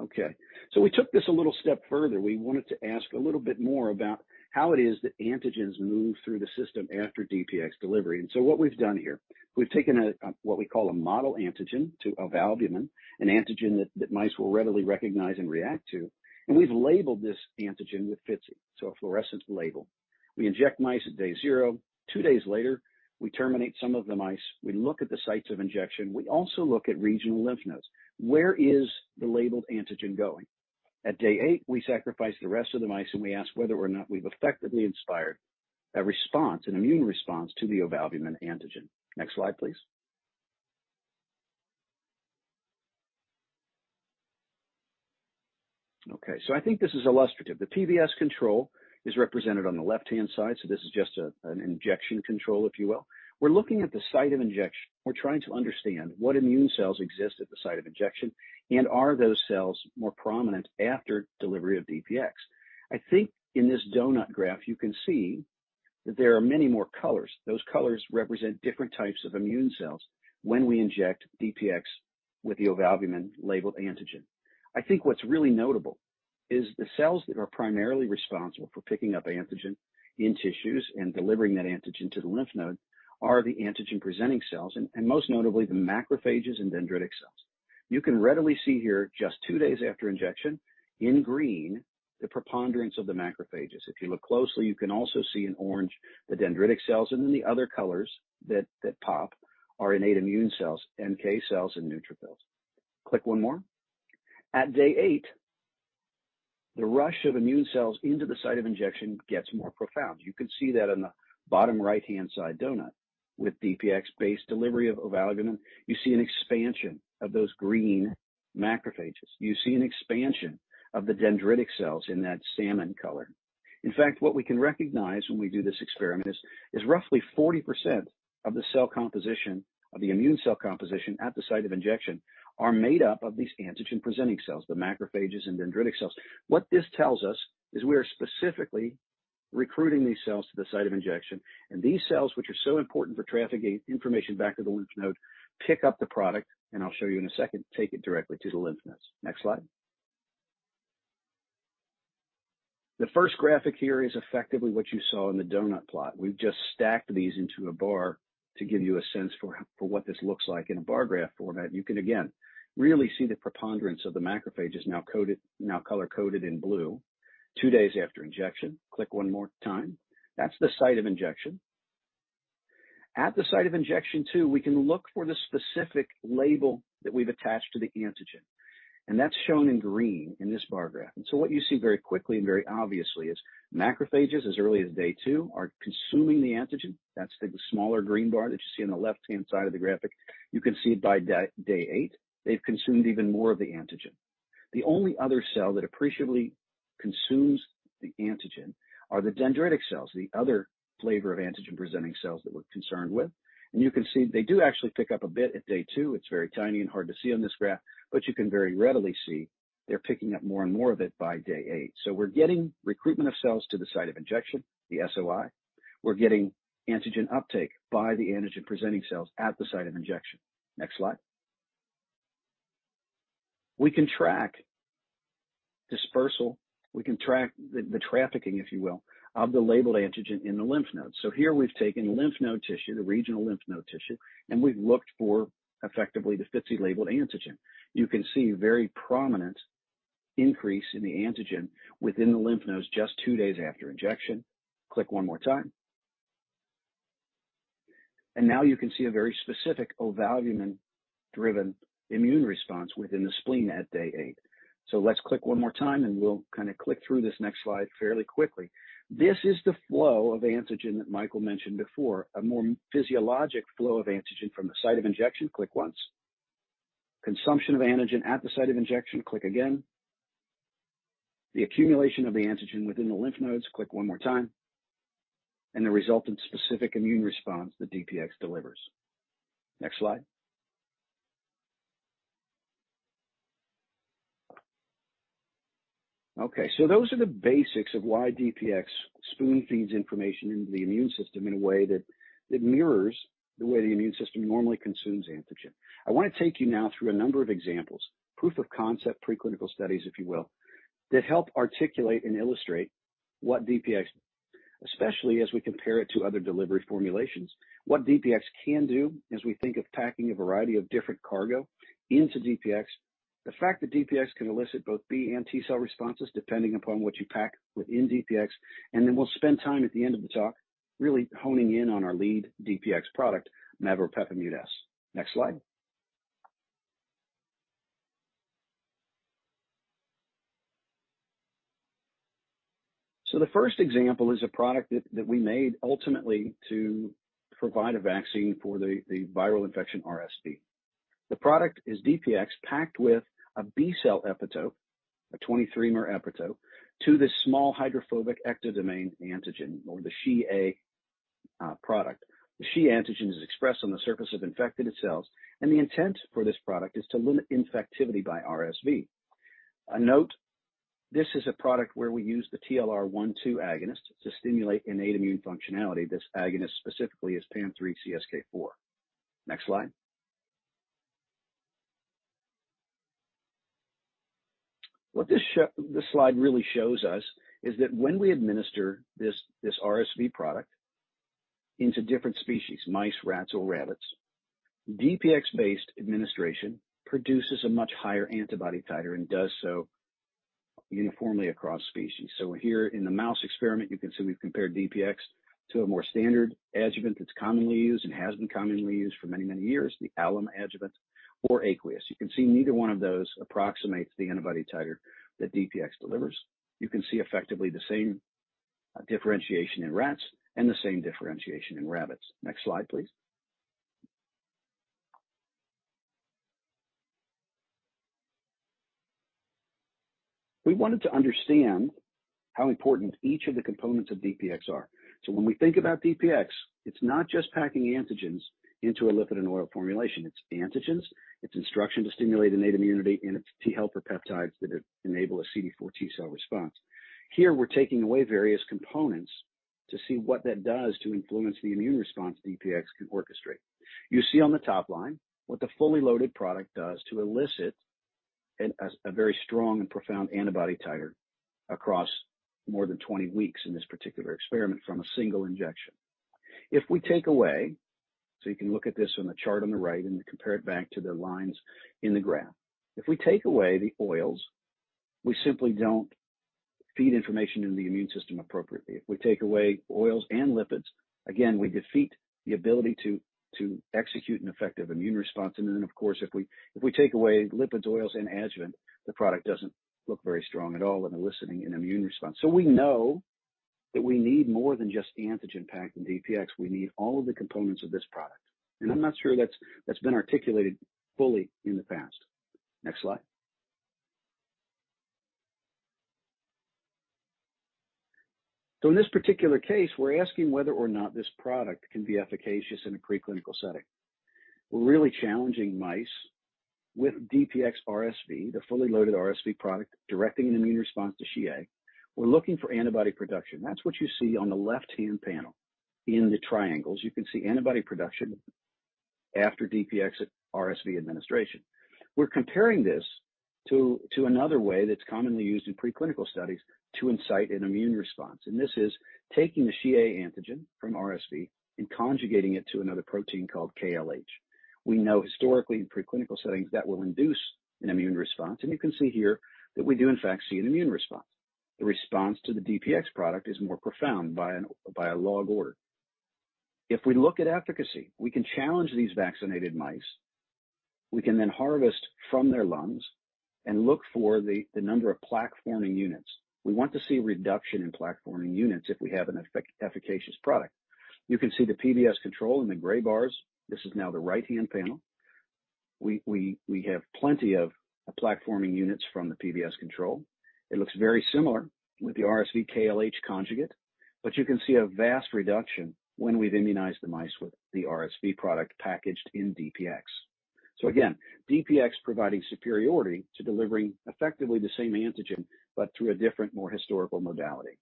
Okay, so we took this a little step further. We wanted to ask a little bit more about how it is that antigens move through the system after DPX delivery. What we've done here, we've taken what we call a model antigen, ovalbumin, an antigen that mice will readily recognize and react to. We've labeled this antigen with FITC, so a fluorescent label. We inject mice at day zero. Two days later, we terminate some of the mice. We look at the sites of injection. We also look at regional lymph nodes. Where is the labeled antigen going? At day eight, we sacrifice the rest of the mice, and we ask whether or not we've effectively inspired a response, an immune response to the ovalbumin antigen. Next slide, please. Okay, so I think this is illustrative. The PBS control is represented on the left-hand side, so this is just an injection control, if you will. We're looking at the site of injection. We're trying to understand what immune cells exist at the site of injection, and are those cells more prominent after delivery of DPX? I think in this donut graph you can see that there are many more colors. Those colors represent different types of immune cells when we inject DPX with the ovalbumin labeled antigen. I think what's really notable is the cells that are primarily responsible for picking up antigen in tissues and delivering that antigen to the lymph node are the antigen-presenting cells and most notably, the macrophages and dendritic cells. You can readily see here, just two days after injection in green, the preponderance of the macrophages. If you look closely, you can also see in orange the dendritic cells, and then the other colors that pop are innate immune cells, NK cells and neutrophils. Click one more. At day eight, the rush of immune cells into the site of injection gets more profound. You can see that in the bottom right-hand side donut with DPX-based delivery of ovalbumin, you see an expansion of those green macrophages. You see an expansion of the dendritic cells in that salmon color. In fact, what we can recognize when we do this experiment is roughly 40% of the cell composition, of the immune cell composition at the site of injection are made up of these antigen-presenting cells, the macrophages and dendritic cells. What this tells us is we are specifically recruiting these cells to the site of injection, and these cells, which are so important for trafficking information back to the lymph node, pick up the product, and I'll show you in a second, take it directly to the lymph nodes. Next slide. The first graphic here is effectively what you saw in the donut plot. We've just stacked these into a bar to give you a sense for what this looks like in a bar graph format. You can again really see the preponderance of the macrophages now coded, now color-coded in blue two days after injection. Click one more time. That's the site of injection. At the site of injection too, we can look for the specific label that we've attached to the antigen. That's shown in green in this bar graph. What you see very quickly and very obviously is macrophages as early as day two are consuming the antigen. That's the smaller green bar that you see on the left-hand side of the graphic. You can see by day eight, they've consumed even more of the antigen. The only other cell that appreciably consumes the antigen are the dendritic cells, the other flavor of antigen-presenting cells that we're concerned with. You can see they do actually pick up a bit at day two. It's very tiny and hard to see on this graph, but you can very readily see they're picking up more and more of it by day eight. We're getting recruitment of cells to the site of injection, the SOI. We're getting antigen uptake by the antigen-presenting cells at the site of injection. Next slide. We can track dispersal, we can track the trafficking, if you will, of the labeled antigen in the lymph nodes. Here we've taken lymph node tissue, the regional lymph node tissue, and we've looked for effectively the FITC-labeled antigen. You can see very prominent increase in the antigen within the lymph nodes just two days after injection. Click one more time. Now you can see a very specific ovalbumin-driven immune response within the spleen at day eight. Let's click one more time, and we'll kinda click through this next slide fairly quickly. This is the flow of antigen that Michael mentioned before, a more physiologic flow of antigen from the site of injection. Click once. Consumption of antigen at the site of injection. Click again. The accumulation of the antigen within the lymph nodes. Click one more time. The resultant specific immune response that DPX delivers. Next slide. Okay, those are the basics of why DPX spoon feeds information into the immune system in a way that mirrors the way the immune system normally consumes antigen. I wanna take you now through a number of examples, proof of concept preclinical studies, if you will, that help articulate and illustrate what DPX, especially as we compare it to other delivery formulations, what DPX can do as we think of packing a variety of different cargo into DPX. The fact that DPX can elicit both B and T cell responses depending upon what you pack within DPX, and then we'll spend time at the end of the talk really honing in on our lead DPX product, maveropepimut-S. Next slide. The first example is a product that we made ultimately to provide a vaccine for the viral infection RSV. The product is DPX packed with a B cell epitope, a 23-mer epitope, to this small hydrophobic ectodomain antigen or the SHeA product. The SHeA antigen is expressed on the surface of infected cells, and the intent for this product is to limit infectivity by RSV. A note, this is a product where we use the TLR one-two agonist to stimulate innate immune functionality. This agonist specifically is Pam3CSK4. Next slide. What this slide really shows us is that when we administer this RSV product into different species, mice, rats or rabbits, DPX-based administration produces a much higher antibody titer and does so uniformly across species. Here in the mouse experiment, you can see we've compared DPX to a more standard adjuvant that's commonly used and has been commonly used for many, many years, the alum adjuvant or aqueous. You can see neither one of those approximates the antibody titer that DPX delivers. You can see effectively the same differentiation in rats and the same differentiation in rabbits. Next slide, please. We wanted to understand how important each of the components of DPX are. When we think about DPX, it's not just packing antigens into a lipid and oil formulation, it's antigens, it's instruction to stimulate innate immunity, and it's T helper peptides that enable a CD4 T cell response. Here we're taking away various components to see what that does to influence the immune response DPX can orchestrate. You see on the top line what the fully loaded product does to elicit a very strong and profound antibody titer across more than 20 weeks in this particular experiment from a single injection. You can look at this on the chart on the right and compare it back to the lines in the graph. If we take away the oils, we simply don't feed information into the immune system appropriately. If we take away oils and lipids, again, we defeat the ability to execute an effective immune response. Of course, if we take away lipids, oils and adjuvant, the product doesn't look very strong at all in eliciting an immune response. We know that we need more than just the antigen packed in DPX. We need all of the components of this product. I'm not sure that's been articulated fully in the past. Next slide. In this particular case, we're asking whether or not this product can be efficacious in a preclinical setting. We're really challenging mice with DPX-RSV, the fully loaded RSV product, directing an immune response to SHeA. We're looking for antibody production. That's what you see on the left-hand panel in the triangles. You can see antibody production after DPX-RSV administration. We're comparing this to another way that's commonly used in preclinical studies to incite an immune response, and this is taking the SHeA antigen from RSV and conjugating it to another protein called KLH. We know historically in preclinical settings that will induce an immune response, and you can see here that we do in fact see an immune response. The response to the DPX product is more profound by a log order. If we look at efficacy, we can challenge these vaccinated mice. We can then harvest from their lungs and look for the number of plaque-forming units. We want to see a reduction in plaque-forming units if we have an efficacious product. You can see the PBS control in the gray bars. This is now the right-hand panel. We have plenty of plaque-forming units from the PBS control. It looks very similar with the RSV KLH conjugate, but you can see a vast reduction when we've immunized the mice with the RSV product packaged in DPX. Again, DPX providing superiority to delivering effectively the same antigen, but through a different, more historical modality.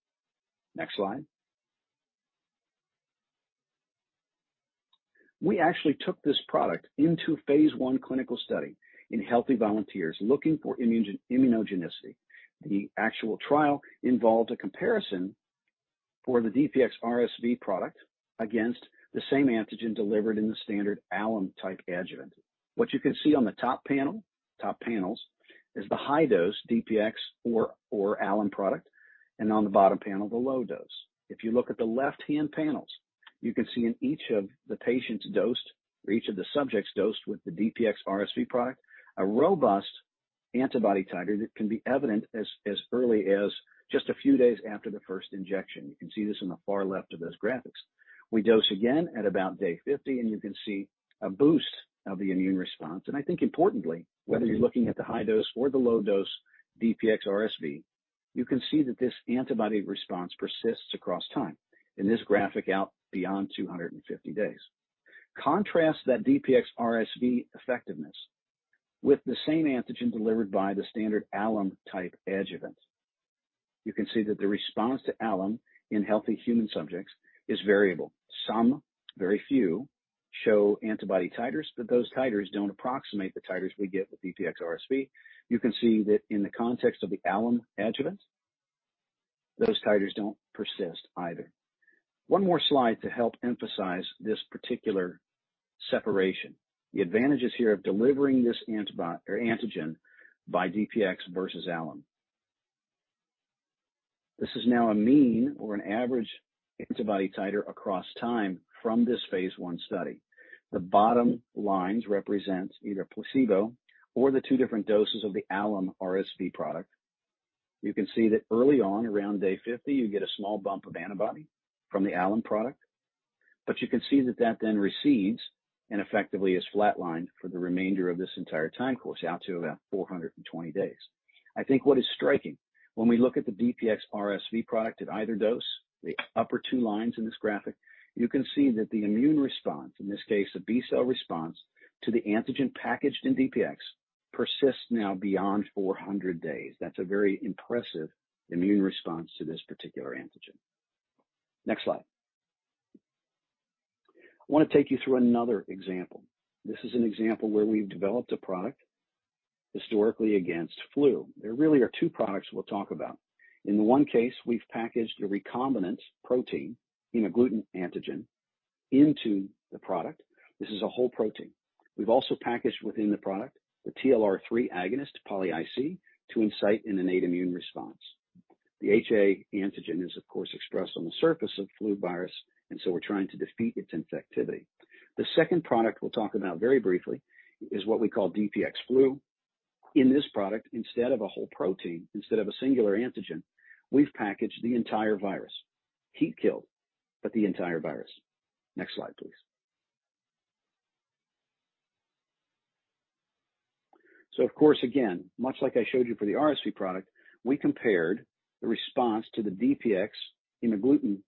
Next slide. We actually took this product into phase I clinical study in healthy volunteers looking for immunogenicity. The actual trial involved a comparison for the DPX-RSV product against the same antigen delivered in the standard alum-type adjuvant. What you can see on the top panels is the high-dose DPX or alum product, and on the bottom panel, the low dose. If you look at the left-hand panels, you can see in each of the patients dosed or each of the subjects dosed with the DPX-RSV product, a robust antibody titer that can be evident as early as just a few days after the first injection. You can see this in the far left of those graphics. We dose again at about day 50, and you can see a boost of the immune response. I think importantly, whether you're looking at the high dose or the low dose DPX-RSV, you can see that this antibody response persists across time. In this graphic out beyond 250 days. Contrast that DPX-RSV effectiveness with the same antigen delivered by the standard alum-type adjuvant. You can see that the response to alum in healthy human subjects is variable. Some, very few, show antibody titers, but those titers don't approximate the titers we get with DPX-RSV. You can see that in the context of the alum adjuvant, those titers don't persist either. One more slide to help emphasize this particular separation. The advantages here of delivering this or antigen by DPX versus alum. This is now a mean or an average antibody titer across time from this phase I study. The bottom lines represent either placebo or the two different doses of the alum RSV product. You can see that early on, around day 50, you get a small bump of antibody from the alum product, but you can see that then recedes and effectively is flatlined for the remainder of this entire time course, out to about 420 days. I think what is striking when we look at the DPX-RSV product at either dose, the upper two lines in this graphic, you can see that the immune response, in this case a B cell response to the antigen packaged in DPX, persists now beyond 400 days. That's a very impressive immune response to this particular antigen. Next slide. I want to take you through another example. This is an example where we've developed a product historically against flu. There really are two products we'll talk about. In the one case, we've packaged a recombinant protein, hemagglutinin antigen, into the product. This is a whole protein. We've also packaged within the product the TLR3 agonist Poly(I:C) to incite an innate immune response. The HA antigen is of course expressed on the surface of flu virus, and so we're trying to defeat its infectivity. The second product we'll talk about very briefly is what we call DPX flu. In this product, instead of a whole protein, instead of a singular antigen, we've packaged the entire virus, heat killed, but the entire virus. Next slide, please. Of course, again, much like I showed you for the RSV product, we compared the response to the DPX hemagglutinin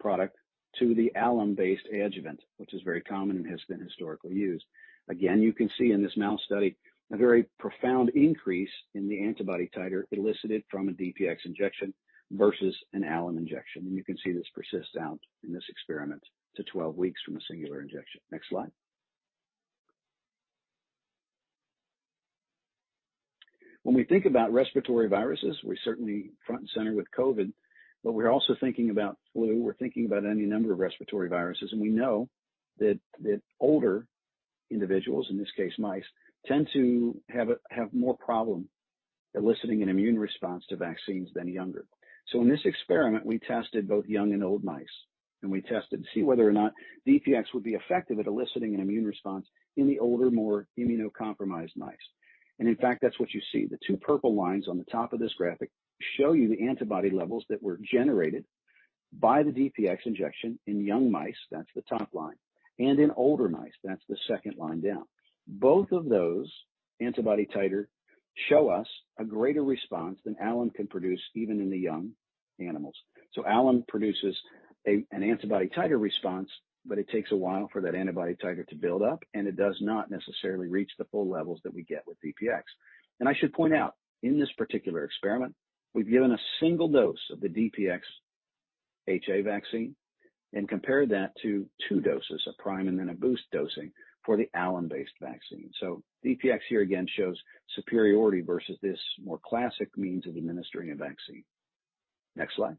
product to the alum-based adjuvant, which is very common and has been historically used. Again, you can see in this mouse study a very profound increase in the antibody titer elicited from a DPX injection versus an alum injection. You can see this persists out in this experiment to 12 weeks from a singular injection. Next slide. When we think about respiratory viruses, we're certainly front and center with COVID, but we're also thinking about flu. We're thinking about any number of respiratory viruses, and we know that older individuals, in this case mice, tend to have more problem eliciting an immune response to vaccines than younger. In this experiment, we tested both young and old mice, and we tested to see whether or not DPX would be effective at eliciting an immune response in the older, more immunocompromised mice. In fact, that's what you see. The two purple lines on the top of this graphic show you the antibody levels that were generated by the DPX injection in young mice, that's the top line, and in older mice, that's the second line down. Both of those antibody titer show us a greater response than alum can produce even in the young animals. Alum produces an antibody titer response, but it takes a while for that antibody titer to build up, and it does not necessarily reach the full levels that we get with DPX. I should point out, in this particular experiment, we've given a single dose of the DPX HA vaccine and compared that to two doses of prime, and then a boost dosing for the alum-based vaccine. DPX here again shows superiority versus this more classic means of administering a vaccine. Next slide.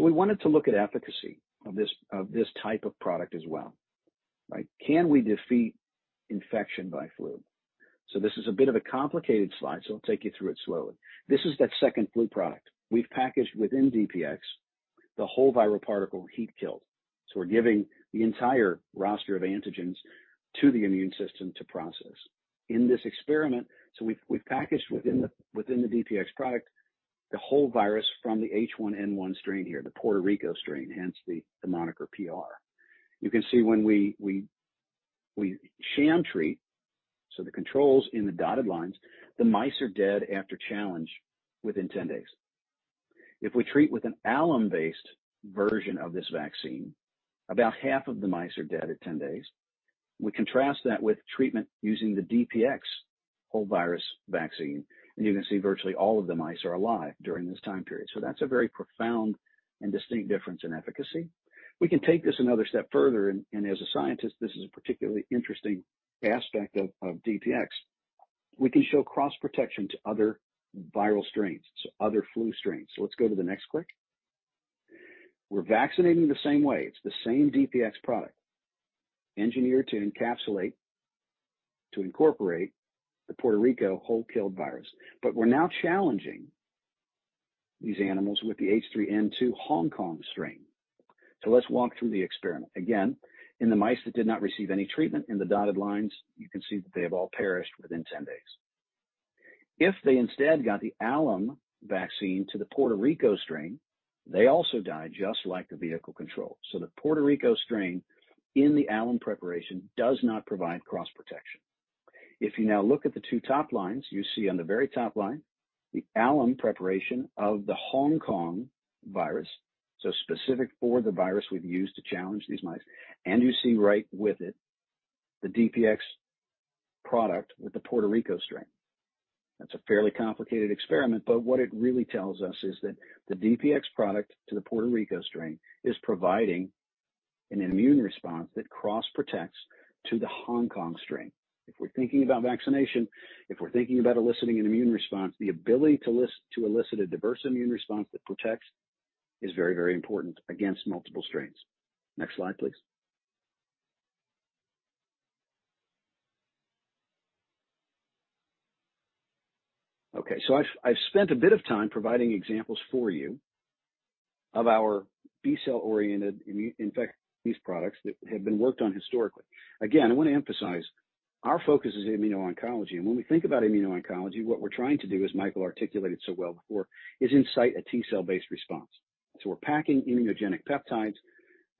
We wanted to look at efficacy of this type of product as well, right? Can we defeat infection by flu? This is a bit of a complicated slide, so I'll take you through it slowly. This is that second flu product we've packaged within DPX, the whole viral particle heat kill. We're giving the entire roster of antigens to the immune system to process. In this experiment, we've packaged within the DPX product, the whole virus from the H1N1 strain here, the Puerto Rico strain, hence the moniker PR. You can see when we sham treat, so the controls in the dotted lines, the mice are dead after challenge within 10 days. If we treat with an alum-based version of this vaccine, about half of the mice are dead at 10 days. We contrast that with treatment using the DPX whole virus vaccine, and you can see virtually all of the mice are alive during this time period. That's a very profound and distinct difference in efficacy. We can take this another step further, and as a scientist, this is a particularly interesting aspect of DPX. We can show cross-protection to other viral strains, so other flu strains. Let's go to the next click. We're vaccinating the same way. It's the same DPX product, engineered to encapsulate, to incorporate the Puerto Rico whole killed virus. We're now challenging these animals with the H3N2 Hong Kong strain. Let's walk through the experiment. Again, in the mice that did not receive any treatment in the dotted lines, you can see that they have all perished within 10 days. If they instead got the alum vaccine to the Puerto Rico strain, they also die just like the vehicle control. The Puerto Rico strain in the alum preparation does not provide cross-protection. If you now look at the two top lines, you see on the very top line, the alum preparation of the Hong Kong virus, so specific for the virus we've used to challenge these mice. You see right with it, the DPX product with the Puerto Rico strain. That's a fairly complicated experiment, but what it really tells us is that the DPX product to the Puerto Rico strain is providing an immune response that cross-protects to the Hong Kong strain. If we're thinking about vaccination, if we're thinking about eliciting an immune response, the ability to elicit a diverse immune response that protects is very, very important against multiple strains. Next slide, please. Okay, so I've spent a bit of time providing examples for you of our B cell-oriented immunoinfectious products that have been worked on historically. Again, I wanna emphasize our focus is immuno-oncology, and when we think about immuno-oncology, what we're trying to do, as Michael articulated so well before, is incite a T cell-based response. We're packing immunogenic peptides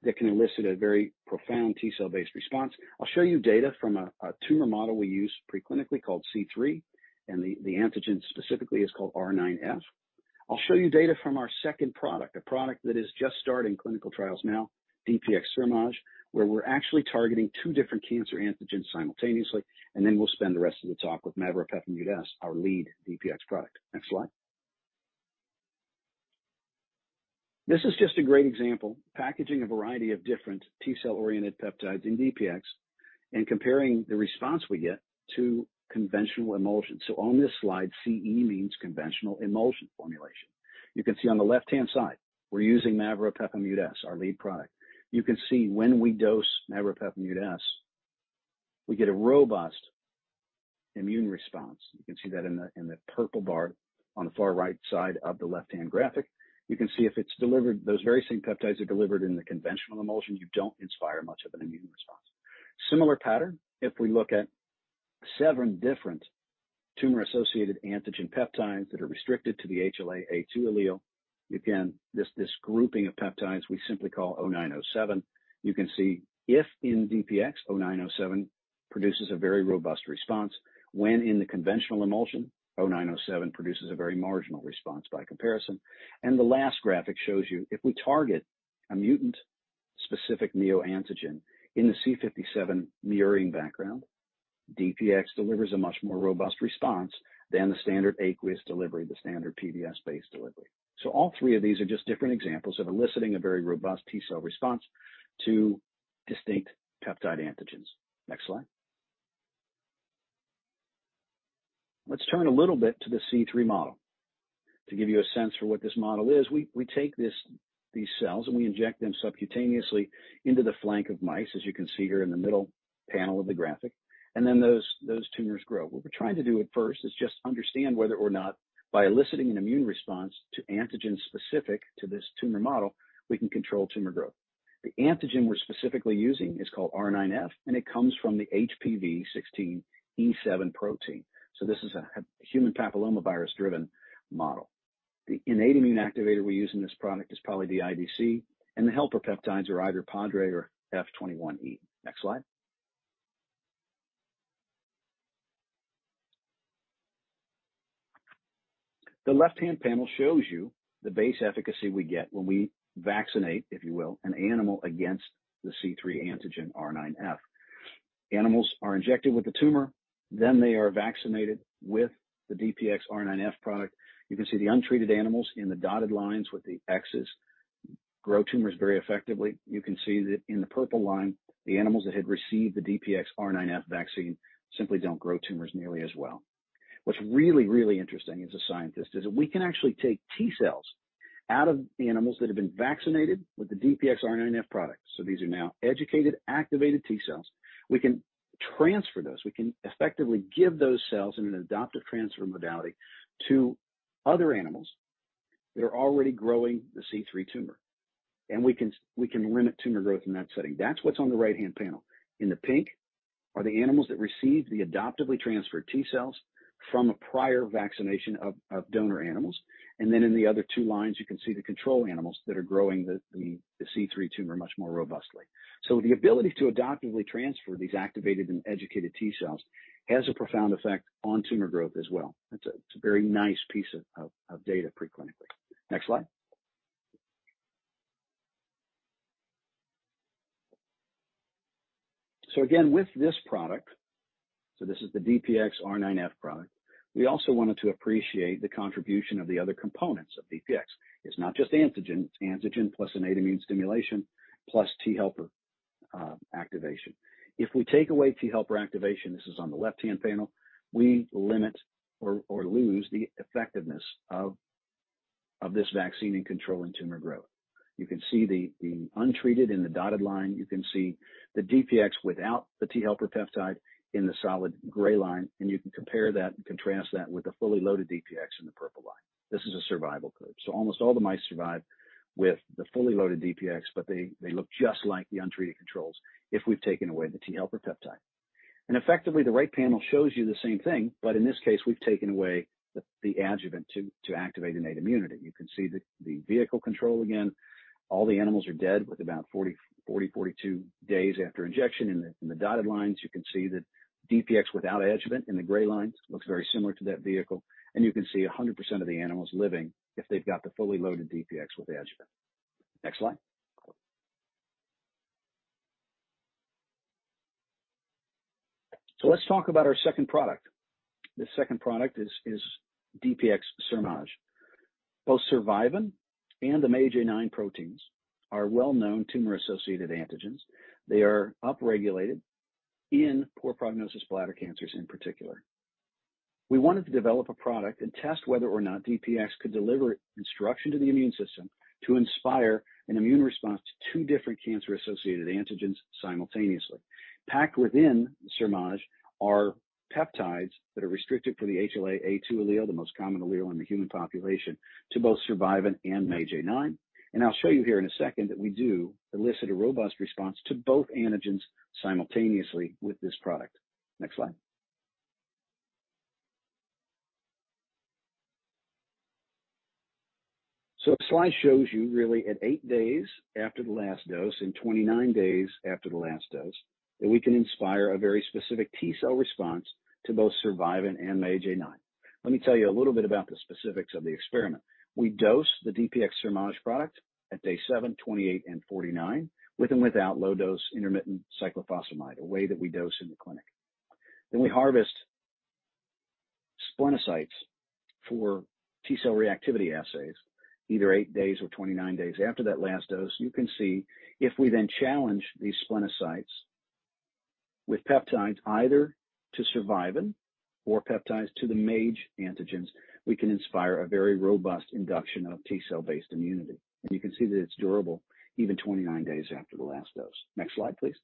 that can elicit a very profound T cell-based response. I'll show you data from a tumor model we use pre-clinically called C3, and the antigen specifically is called R9F. I'll show you data from our second product, a product that is just starting clinical trials now, DPX-SurMAGE, where we're actually targeting two different cancer antigens simultaneously, and then we'll spend the rest of the talk with maveropepimut-S, our lead DPX product. Next slide. This is just a great example, packaging a variety of different T cell-oriented peptides in DPX and comparing the response we get to conventional emulsion. On this slide, CE means conventional emulsion formulation. You can see on the left-hand side, we're using maveropepimut-S, our lead product. You can see when we dose maveropepimut-S, we get a robust immune response. You can see that in the purple bar on the far right side of the left-hand graphic. You can see if it's delivered, those very same peptides are delivered in the conventional emulsion, you don't inspire much of an immune response. Similar pattern, if we look at seven different tumor-associated antigen peptides that are restricted to the HLA-A2 allele. Again, this grouping of peptides we simply call 0907. You can see if in DPX-0907 produces a very robust response, when in the conventional emulsion, 0907 produces a very marginal response by comparison. The last graphic shows you if we target a mutant-specific neoantigen in the C57 mirroring background, DPX delivers a much more robust response than the standard aqueous delivery, the standard PBS-based delivery. All three of these are just different examples of eliciting a very robust T cell response to distinct peptide antigens. Next slide. Let's turn a little bit to the C3 model. To give you a sense for what this model is, we take these cells, and we inject them subcutaneously into the flank of mice, as you can see here in the middle panel of the graphic, and then those tumors grow. What we're trying to do at first is just understand whether or not by eliciting an immune response to antigens specific to this tumor model, we can control tumor growth. The antigen we're specifically using is called R9F, and it comes from the HPV-16 E7 protein. This is a human papillomavirus-driven model. The innate immune activator we use in this product is Poly(dI:dC), and the helper peptides are either PADRE or F21E. Next slide. The left-hand panel shows you the base efficacy we get when we vaccinate, if you will, an animal against the C3 antigen R9F. Animals are injected with the tumor, then they are vaccinated with the DPX-R9F product. You can see the untreated animals in the dotted lines with the Xs grow tumors very effectively. You can see that in the purple line, the animals that had received the DPX-R9F vaccine simply don't grow tumors nearly as well. What's really, really interesting as a scientist is that we can actually take T cells out of animals that have been vaccinated with the DPX-R9F product. These are now educated, activated T cells. We can transfer those. We can effectively give those cells in an adoptive transfer modality to other animals that are already growing the C3 tumor, and we can limit tumor growth in that setting. That's what's on the right-hand panel. In the pink are the animals that received the adoptively transferred T cells from a prior vaccination of donor animals. In the other two lines, you can see the control animals that are growing the C3 tumor much more robustly. The ability to adoptively transfer these activated and educated T cells has a profound effect on tumor growth as well. It's a very nice piece of data pre-clinically. Next slide. Again, with this product, this is the DPX-R9F product. We also wanted to appreciate the contribution of the other components of DPX. It's not just antigen, it's antigen plus an immune stimulation plus T helper activation. If we take away T helper activation, this is on the left-hand panel, we limit or lose the effectiveness of this vaccine in controlling tumor growth. You can see the untreated in the dotted line. You can see the DPX without the T helper peptide in the solid gray line, and you can compare that and contrast that with the fully loaded DPX in the purple line. This is a survival curve. Almost all the mice survive with the fully loaded DPX, but they look just like the untreated controls if we've taken away the T helper peptide. Effectively, the right panel shows you the same thing, but in this case, we've taken away the adjuvant to activate innate immunity. You can see the vehicle control again, all the animals are dead with about 42 days after injection. In the dotted lines, you can see that DPX without adjuvant in the gray lines looks very similar to that vehicle. You can see 100% of the animals living if they've got the fully loaded DPX with adjuvant. Next slide. Let's talk about our second product. The second product is DPX-SurMAGE. Both survivin and the MAGE-A9 proteins are well-known tumor-associated antigens. They are upregulated in poor prognosis bladder cancers in particular. We wanted to develop a product and test whether or not DPX could deliver instruction to the immune system to inspire an immune response to two different cancer-associated antigens simultaneously. Packed within SurMAGE are peptides that are restricted for the HLA-A2 allele, the most common allele in the human population, to both survivin and MAGE-A9. I'll show you here in a second that we do elicit a robust response to both antigens simultaneously with this product. Next slide. This slide shows you really at eight days after the last dose and 29 days after the last dose, that we can inspire a very specific T cell response to both survivin and MAGE-A9. Let me tell you a little bit about the specifics of the experiment. We dose the DPX-SurMAGE product at day seven, 28, and 49 with and without low dose intermittent cyclophosphamide, a way that we dose in the clinic. Then we harvest splenocytes for T cell reactivity assays, either eight days or 29 days after that last dose. You can see if we then challenge these splenocytes with peptides either to survivin or peptides to the MAGE antigens, we can inspire a very robust induction of T cell-based immunity. You can see that it's durable even 29 days after the last dose. Next slide, please.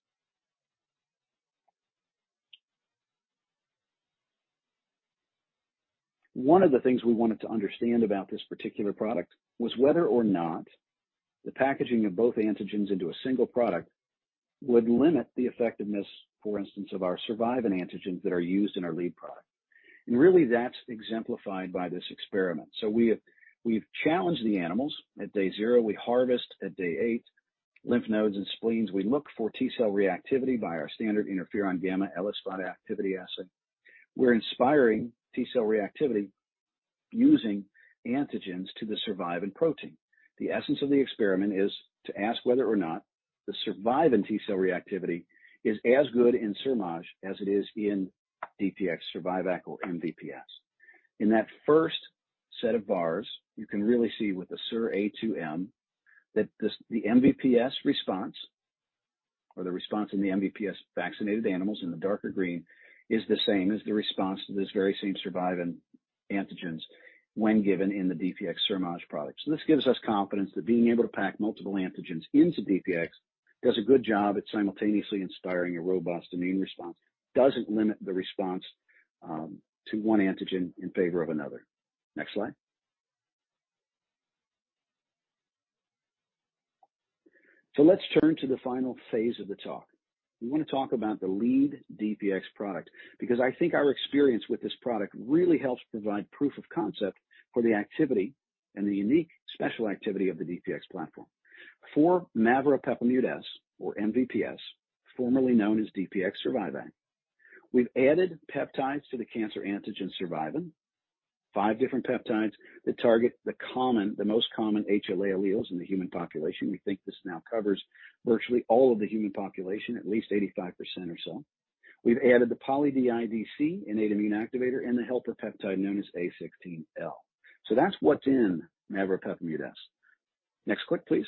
One of the things we wanted to understand about this particular product was whether or not the packaging of both antigens into a single product would limit the effectiveness, for instance, of our survivin antigens that are used in our lead product. Really that's exemplified by this experiment. We've challenged the animals at day zero. We harvest at day eight, lymph nodes and spleens. We look for T cell reactivity by our standard interferon-gamma ELISpot activity assay. We're inducing T cell reactivity using antigens to the survivin protein. The essence of the experiment is to ask whether or not the survivin T cell reactivity is as good in SurMAGE as it is in DPX-Survivac or MVP-S. In that first set of bars, you can really see with the SurA2M that this, the MVP-S response or the response in the MVP-S vaccinated animals in the darker green, is the same as the response to this very same survivin antigens when given in the DPX-Montanide product. This gives us confidence that being able to pack multiple antigens into DPX does a good job at simultaneously inspiring a robust immune response, doesn't limit the response to one antigen in favor of another. Next slide. Let's turn to the final phase of the talk. We wanna talk about the lead DPX product because I think our experience with this product really helps provide proof of concept for the activity and the unique special activity of the DPX platform. For maveropepimut-S or MVP-S, formerly known as DPX-Survivac, we've added peptides to the cancer antigen survivin, five different peptides that target the most common HLA alleles in the human population. We think this now covers virtually all of the human population, at least 85% or so. We've added the PolydIdC innate immune activator and the helper peptide known as A16L. That's what's in maveropepimut-S. Next click, please.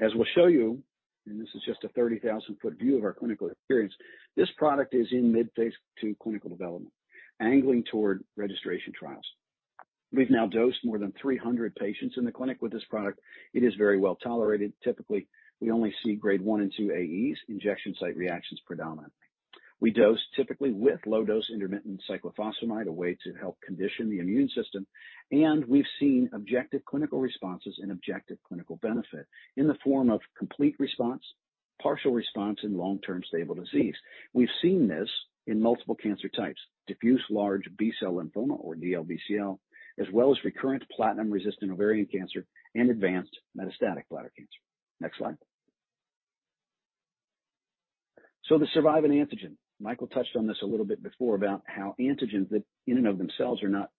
As we'll show you, and this is just a 30,000-foot view of our clinical experience, this product is in mid-phase II clinical development, angling toward registration trials. We've now dosed more than 300 patients in the clinic with this product. It is very well-tolerated. Typically, we only see grade 1 and 2 AEs, injection site reactions predominantly. We dose typically with low-dose intermittent cyclophosphamide, a way to help condition the immune system, and we've seen objective clinical responses and objective clinical benefit in the form of complete response, partial response, and long-term stable disease. We've seen this in multiple cancer types, diffuse large B-cell lymphoma or DLBCL, as well as recurrent platinum-resistant ovarian cancer and advanced metastatic bladder cancer. Next slide. The survivin antigen, Michael touched on this a little bit before about how antigens that in and of themselves are not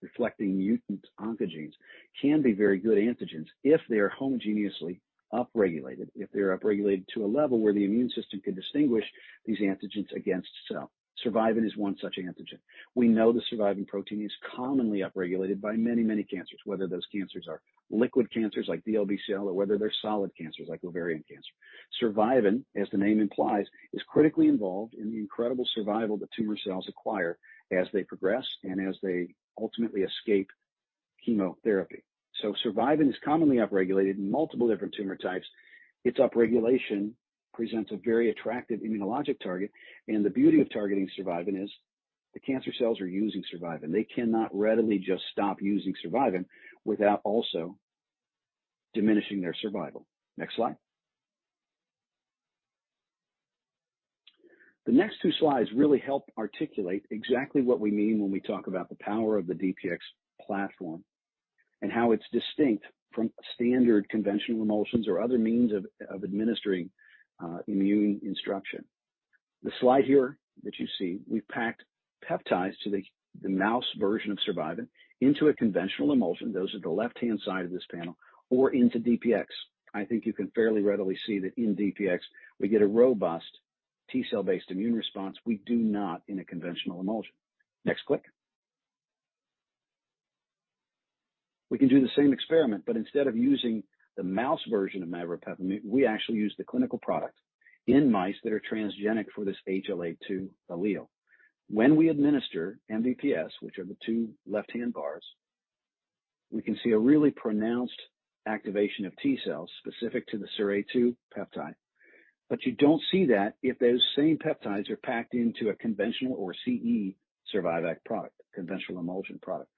reflecting mutant oncogenes can be very good antigens if they are homogeneously upregulated. If they're upregulated to a level where the immune system can distinguish these antigens against itself. Survivin is one such antigen. We know the survivin protein is commonly upregulated by many, many cancers. Whether those cancers are liquid cancers like DLBCL or whether they're solid cancers like ovarian cancer. Survivin, as the name implies, is critically involved in the incredible survival the tumor cells acquire as they progress and as they ultimately escape chemotherapy. Survivin is commonly upregulated in multiple different tumor types. Its upregulation presents a very attractive immunologic target, and the beauty of targeting survivin is the cancer cells are using survivin. They cannot readily just stop using survivin without also diminishing their survival. Next slide. The next two slides really help articulate exactly what we mean when we talk about the power of the DPX platform and how it's distinct from standard conventional emulsions or other means of administering immune instruction. The slide here that you see, we've packed peptides to the mouse version of survivin into a conventional emulsion, those at the left-hand side of this panel, or into DPX. I think you can fairly readily see that in DPX we get a robust T-cell based immune response we do not in a conventional emulsion. Next click. We can do the same experiment, but instead of using the mouse version of maveropepimut-S, we actually use the clinical product in mice that are transgenic for this HLA-A2 allele. When we administer MVP-S, which are the two left-hand bars, we can see a really pronounced activation of T-cells specific to the SurA 2 peptide. But you don't see that if those same peptides are packed into a conventional or CE Survivac product, conventional emulsion product.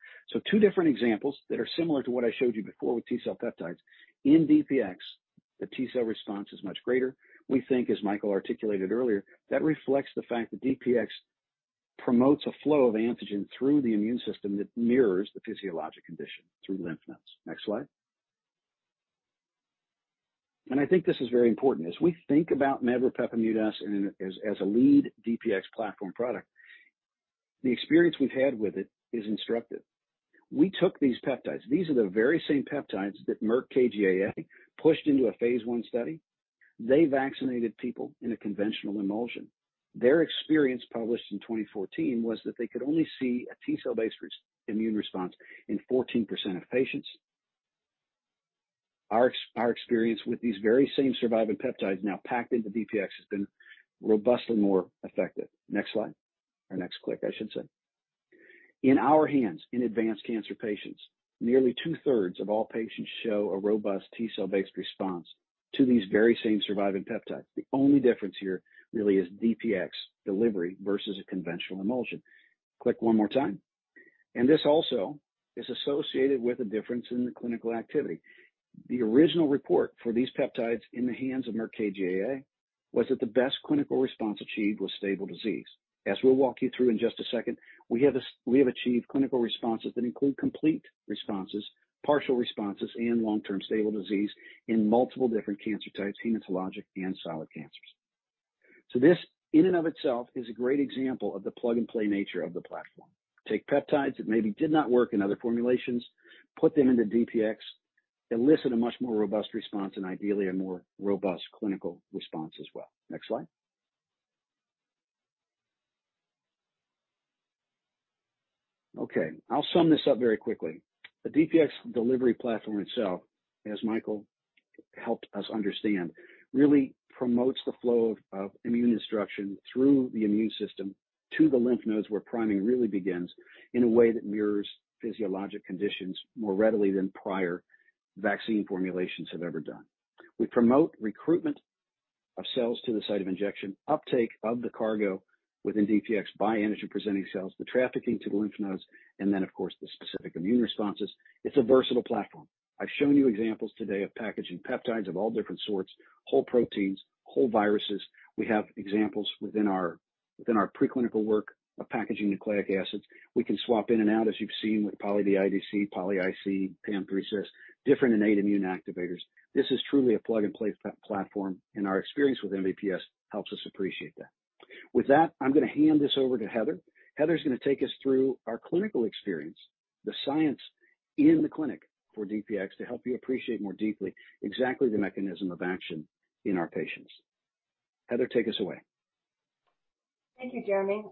Two different examples that are similar to what I showed you before with T-cell peptides. In DPX, the T-cell response is much greater. We think, as Michael articulated earlier, that reflects the fact that DPX promotes a flow of antigen through the immune system that mirrors the physiologic condition through lymph nodes. Next slide. I think this is very important. As we think about maveropepimut-S as a lead DPX platform product, the experience we've had with it is instructive. We took these peptides, these are the very same peptides that Merck KGaA pushed into a phase I study. They vaccinated people in a conventional emulsion. Their experience, published in 2014, was that they could only see a T-cell based immune response in 14% of patients. Our experience with these very same survivin peptides now packed into DPX has been robust and more effective. Next slide, or next click, I should say. In our hands, in advanced cancer patients, nearly two-thirds of all patients show a robust T-cell based response to these very same survivin peptides. The only difference here really is DPX delivery versus a conventional emulsion. Click one more time. This also is associated with a difference in the clinical activity. The original report for these peptides in the hands of Merck KGaA was that the best clinical response achieved was stable disease. As we'll walk you through in just a second, we have achieved clinical responses that include complete responses, partial responses, and long-term stable disease in multiple different cancer types, hematologic and solid cancers. This in and of itself is a great example of the plug-and-play nature of the platform. Take peptides that maybe did not work in other formulations, put them into DPX, elicit a much more robust response, and ideally a more robust clinical response as well. Next slide. Okay, I'll sum this up very quickly. The DPX delivery platform itself, as Michael helped us understand, really promotes the flow of immune instruction through the immune system to the lymph nodes, where priming really begins, in a way that mirrors physiologic conditions more readily than prior vaccine formulations have ever done. We promote recruitment of cells to the site of injection, uptake of the cargo within DPX by antigen-presenting cells, the trafficking to the lymph nodes, and then, of course, the specific immune responses. It's a versatile platform. I've shown you examples today of packaging peptides of all different sorts, whole proteins, whole viruses. We have examples within our preclinical work of packaging nucleic acids. We can swap in and out, as you've seen, with Poly-dIdC, Poly-IC, Pam3CSK, different innate immune activators. This is truly a plug-and-play platform, and our experience with MVP-S helps us appreciate that. With that, I'm gonna hand this over to Heather. Heather's gonna take us through our clinical experience, the science in the clinic for DPX, to help you appreciate more deeply exactly the mechanism of action in our patients. Heather, take us away. Thank you, Jeremy.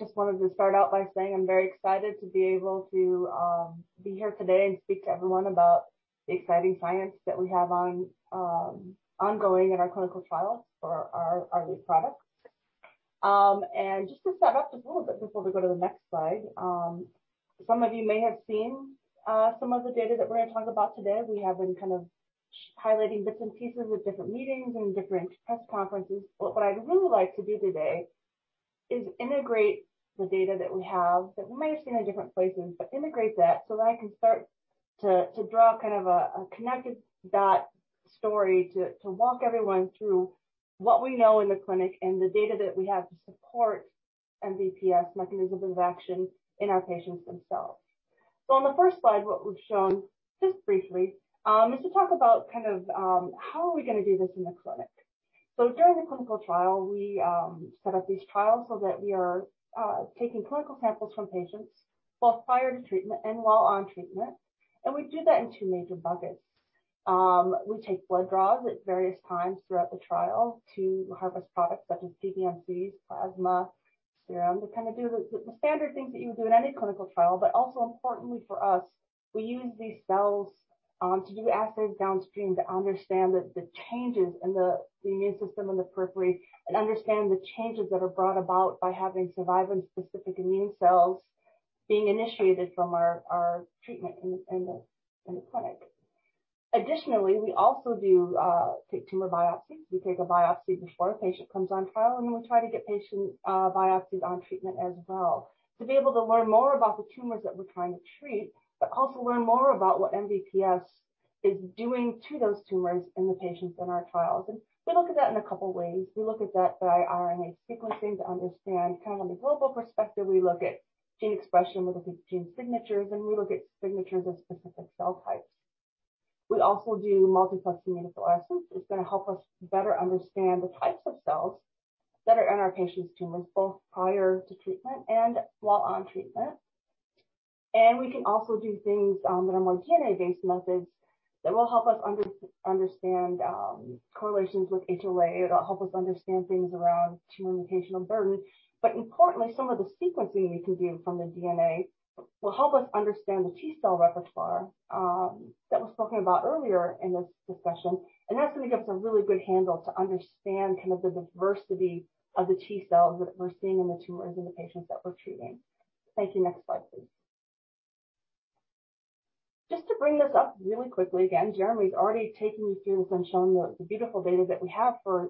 Just wanted to start out by saying I'm very excited to be able to be here today and speak to everyone about the exciting science that we have ongoing in our clinical trials for our lead products. Just to set up just a little bit before we go to the next slide, some of you may have seen some of the data that we're gonna talk about today. We have been kind of highlighting bits and pieces at different meetings and different press conferences. What I'd really like to do today is integrate the data that we have that you may have seen in different places, but integrate that so that I can start to draw kind of a connected dot story to walk everyone through what we know in the clinic and the data that we have to support MVP-S mechanism of action in our patients themselves. On the first slide, what we've shown just briefly is to talk about kind of how are we gonna do this in the clinic. During the clinical trial, we set up these trials so that we are taking clinical samples from patients both prior to treatment and while on treatment, and we do that in two major buckets. We take blood draws at various times throughout the trial to harvest products such as PBMCs, plasma, serum. We kinda do the standard things that you would do in any clinical trial, but also importantly for us, we use these cells to do assays downstream to understand the changes in the immune system and the periphery, and understand the changes that are brought about by having survivin specific immune cells being initiated from our treatment in the clinic. Additionally, we also do take tumor biopsies. We take a biopsy before a patient comes on trial, and we try to get patient biopsies on treatment as well to be able to learn more about the tumors that we're trying to treat, but also learn more about what MVP-S is doing to those tumors in the patients in our trials. We look at that in a couple ways. We look at that by RNA sequencing to understand kind of on the global perspective, we look at gene expression, we look at gene signatures, and we look at signatures of specific cell types. We also do multiplex immunofluorescence. It's gonna help us better understand the types of cells that are in our patients' tumors, both prior to treatment and while on treatment. We can also do things that are more DNA-based methods that will help us understand correlations with HLA. It'll help us understand things around tumor mutational burden. Importantly, some of the sequencing we can do from the DNA will help us understand the T-cell repertoire that was spoken about earlier in this discussion. That's gonna give us a really good handle to understand kind of the diversity of the T-cells that we're seeing in the tumors in the patients that we're treating. Thank you. Next slide, please. Just to bring this up really quickly again, Jeremy's already taken you through this and shown the beautiful data that we have for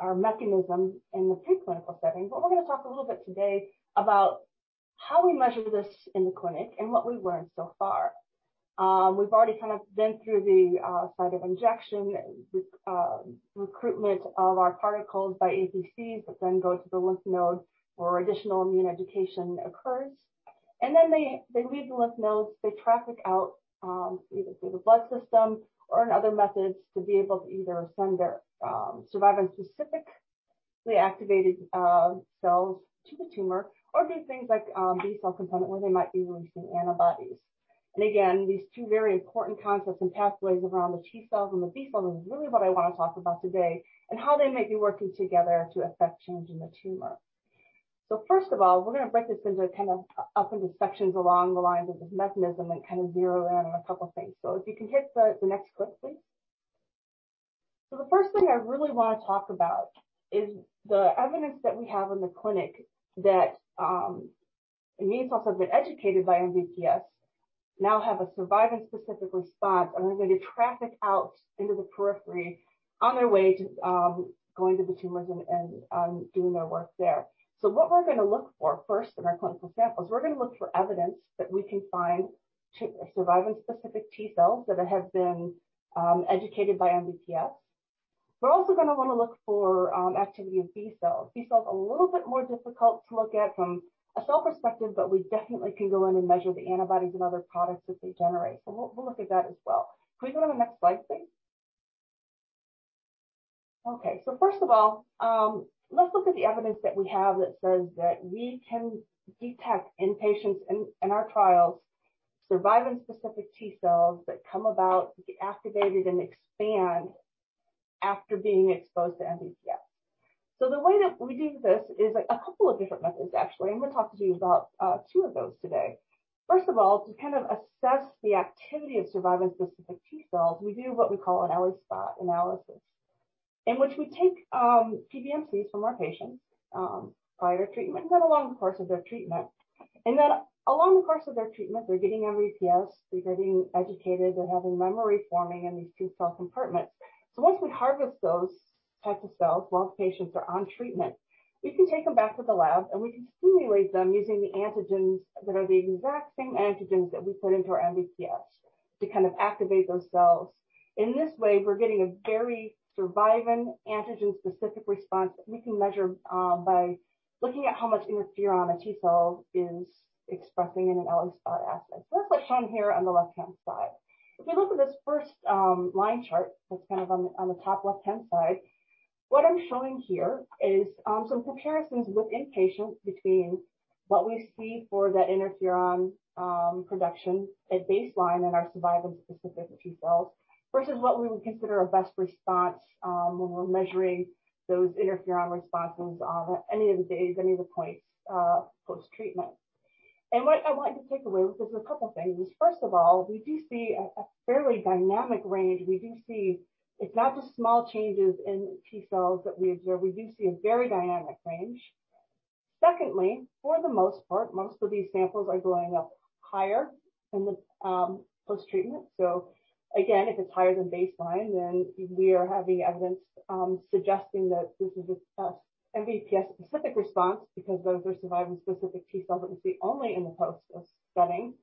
our mechanism in the preclinical setting. We're gonna talk a little bit today about how we measure this in the clinic and what we've learned so far. We've already kind of been through the site of injection, recruitment of our particles by APCs that then go to the lymph node where additional immune education occurs. They leave the lymph nodes, they traffic out, either through the blood system or in other methods to be able to either send their survivin specifically activated cells to the tumor or do things like B-cell component where they might be releasing antibodies. Again, these two very important concepts and pathways around the T-cells and the B-cell is really what I wanna talk about today and how they may be working together to affect change in the tumor. First of all, we're gonna break this into kind of up into sections along the lines of this mechanism and kind of zero in on a couple things. If you can hit the next clip, please. The first thing I really wanna talk about is the evidence that we have in the clinic that immune cells have been educated by MVP-S now have a survivin-specific response, and they're going to traffic out into the periphery on their way to going to the tumors and doing their work there. What we're gonna look for first in our clinical samples, we're gonna look for evidence that we can find survivin-specific T cells that have been educated by MVP-S. We're also gonna wanna look for activity of B cells. B cell is a little bit more difficult to look at from a cell perspective, but we definitely can go in and measure the antibodies and other products that they generate. We'll look at that as well. Can we go to the next slide, please? Okay. First of all, let's look at the evidence that we have that says that we can detect in patients in our trials survivin-specific T cells that come about, get activated, and expand after being exposed to MVP-S. The way that we do this is a couple of different methods actually, and we'll talk to you about two of those today. First of all, to kind of assess the activity of survivin-specific T cells, we do what we call an ELISpot analysis, in which we take PBMCs from our patients prior to treatment and then along the course of their treatment. Then along the course of their treatment, they're getting MVP-S, they're getting educated, they're having memory forming in these T-cell compartments. Once we harvest those types of cells while the patients are on treatment, we can take them back to the lab, and we can stimulate them using the antigens that are the exact same antigens that we put into our MVP-S to kind of activate those cells. In this way, we're getting a very survivin antigen-specific response that we can measure by looking at how much interferon a T-cell is expressing in an ELISpot assay. That's what's shown here on the left-hand side. If you look at this first line chart that's kind of on the top left-hand side, what I'm showing here is some comparisons within patients between what we see for the interferon production at baseline in our survivin specific T-cells versus what we would consider a best response when we're measuring those interferon responses on any of the days, any of the points post-treatment. What I want you to take away, because there's a couple things, is first of all, we do see a fairly dynamic range. We do see it's not just small changes in T cells that we observe. We do see a very dynamic range. Secondly, for the most part, most of these samples are going up higher in the post-treatment. Again, if it's higher than baseline, then we are having evidence suggesting that this is a MVP-S specific response because those are survivin specific T cells that we see only in the post setting.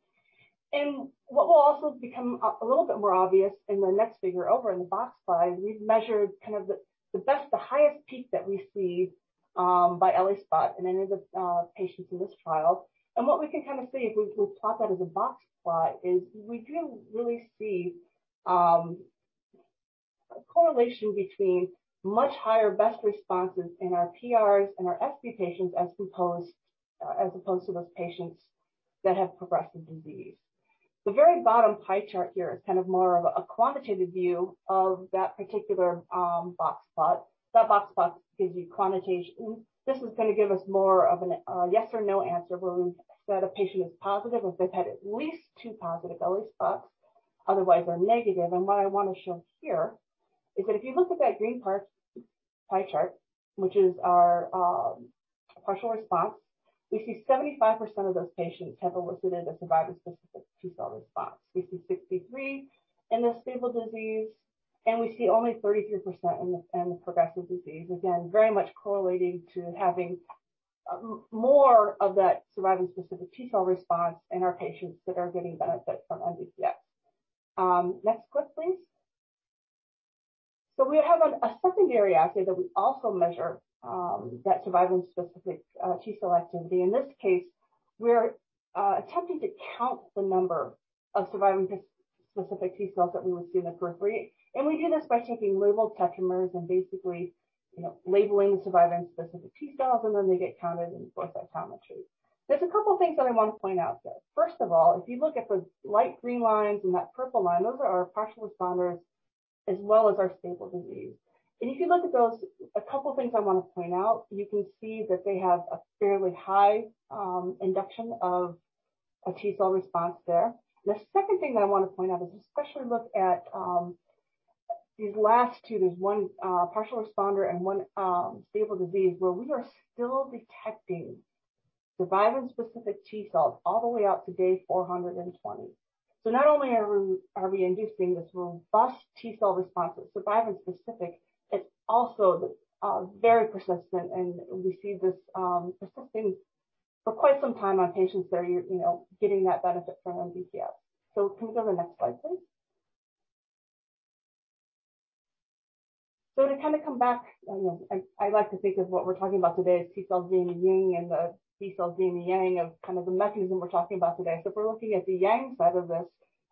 What will also become a little bit more obvious in the next figure over in the box plot, we've measured kind of the best, the highest peak that we see by ELISpot in any of the patients in this trial. What we can kind of see if we plot that as a box plot is we do really see a correlation between much higher best responses in our PRs and our SD patients as opposed to those patients that have progressive disease. The very bottom pie chart here is kind of more of a quantitative view of that particular box plot. That box plot gives you quantitation. This is gonna give us more of a yes or no answer where we've said a patient is positive if they've had at least two positive ELISpots, otherwise they're negative. What I wanna show here is that if you look at that green part pie chart, which is our partial response, we see 75% of those patients have elicited a survivin specific T-cell response. We see 63% in the stable disease, and we see only 33% in the progressive disease. Again, very much correlating to having more of that survivin specific T-cell response in our patients that are getting benefit from MVP-S. Next clip please. We have a secondary assay that we also measure that survivin specific T-cell activity. In this case, we're attempting to count the number of survivin-specific T cells that we would see in the periphery. We do this by taking labeled tetramers and basically, you know, labeling survivin-specific T cells, and then they get counted in the flow cytometry. There's a couple of things that I want to point out though. First of all, if you look at the light green lines and that purple line, those are our partial responders as well as our stable disease. If you look at those, a couple of things I wanna point out, you can see that they have a fairly high induction of a T cell response there. The second thing that I want to point out is especially look at these last two. There's one partial responder and one stable disease where we are still detecting survivin specific T cells all the way out to day 420. Not only are we inducing this robust T cell response that's survivin specific, it's also very persistent and we see this persisting for quite some time on patients that are, you know, getting that benefit from MVP-S. Can we go to the next slide, please? To kinda come back, you know, I like to think of what we're talking about today as T cells being a yin and the B cells being the yang of kind of the mechanism we're talking about today. If we're looking at the yang side of this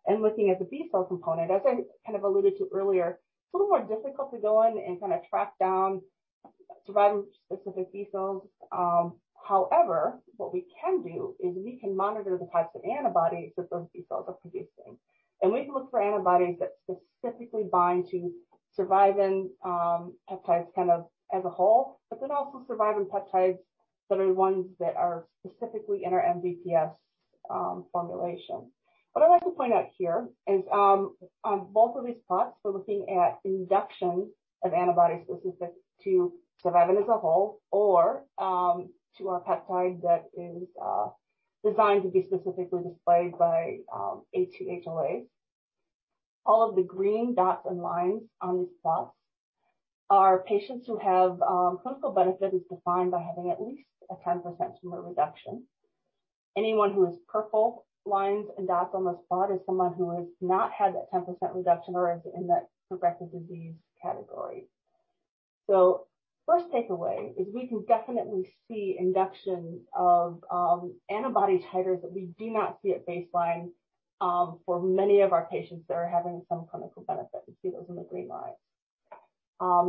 and looking at the B cell component, as I kind of alluded to earlier, it's a little more difficult to go in and kinda track down survivin-specific B cells. However, what we can do is we can monitor the types of antibodies that those B cells are producing. We can look for antibodies that specifically bind to survivin peptides kind of as a whole, but then also survivin peptides that are ones that are specifically in our MVP-S formulation. What I'd like to point out here is, on both of these plots, we're looking at induction of antibody specific to survivin as a whole or to our peptide that is designed to be specifically displayed by HLA. All of the green dots and lines on these plots are patients who have clinical benefit as defined by having at least a 10% tumor reduction. Anyone who has purple lines and dots on the spot is someone who has not had that 10% reduction or is in that progressive disease category. First takeaway is we can definitely see induction of antibody titers that we do not see at baseline for many of our patients that are having some clinical benefit. We see those in the green lines.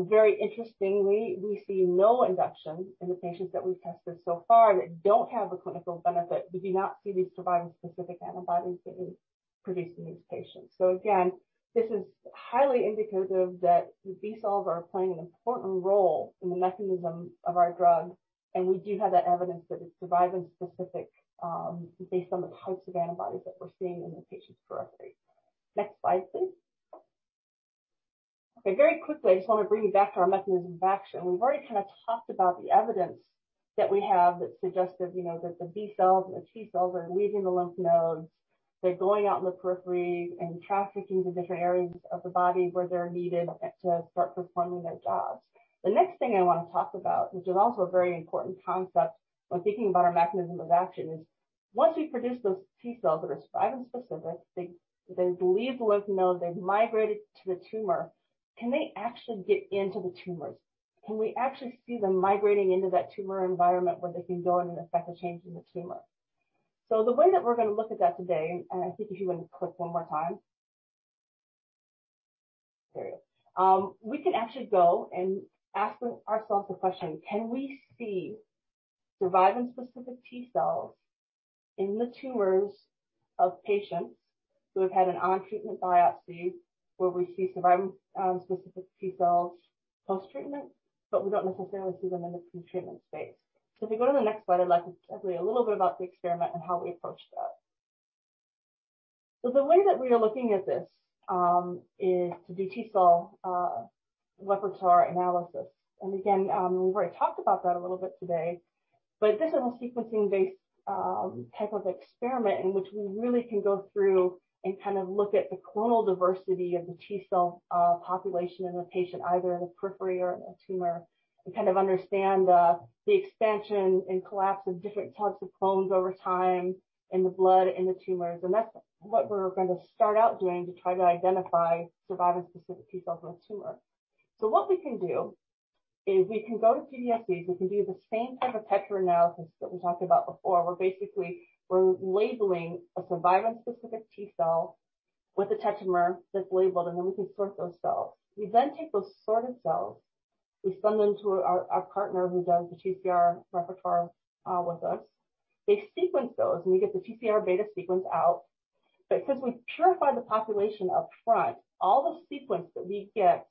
Very interestingly, we see no induction in the patients that we've tested so far that don't have a clinical benefit. We do not see these survivin specific antibodies getting produced in these patients. This is highly indicative that the B cells are playing an important role in the mechanism of our drug, and we do have that evidence that it's survivin-specific based on the types of antibodies that we're seeing in the patient's periphery. Next slide, please. Okay, very quickly, I just wanna bring you back to our mechanism of action. We've already kind of talked about the evidence that we have that suggested, you know, that the B cells and the T cells are leaving the lymph nodes. They're going out in the periphery and trafficking to different areas of the body where they're needed to start performing their jobs. The next thing I wanna talk about, which is also a very important concept when thinking about our mechanism of action, is once we produce those T cells that are survivin specific, they leave the lymph node, they've migrated to the tumor. Can they actually get into the tumors? Can we actually see them migrating into that tumor environment where they can go in and affect a change in the tumor? The way that we're gonna look at that today, and I think if you wanna click one more time. There we go. We can actually go and ask ourselves a question. Can we see survivin specific T cells in the tumors of patients who have had an on-treatment biopsy where we see survivin specific T cells post-treatment, but we don't necessarily see them in the pre-treatment space. If you go to the next slide, I'd like to tell you a little bit about the experiment and how we approached that. The way that we are looking at this is to do T cell repertoire analysis. Again, we've already talked about that a little bit today, but this is a sequencing-based type of experiment in which we really can go through and kind of look at the clonal diversity of the T cell population in the patient, either in the periphery or in the tumor, and kind of understand the expansion and collapse of different types of clones over time in the blood, in the tumors. That's what we're gonna start out doing to try to identify survivin-specific T cells in the tumor. What we can do is we can go to, [inaudible] we can do the same type of tetramer analysis that we talked about before, where basically we're labeling a survivin specific T cell with a tetramer that's labeled, and then we can sort those cells. We then take those sorted cells, we send them to our partner who does the TCR repertoire with us. They sequence those, and we get the TCR beta sequence out. But because we purify the population up front, all the sequence that we get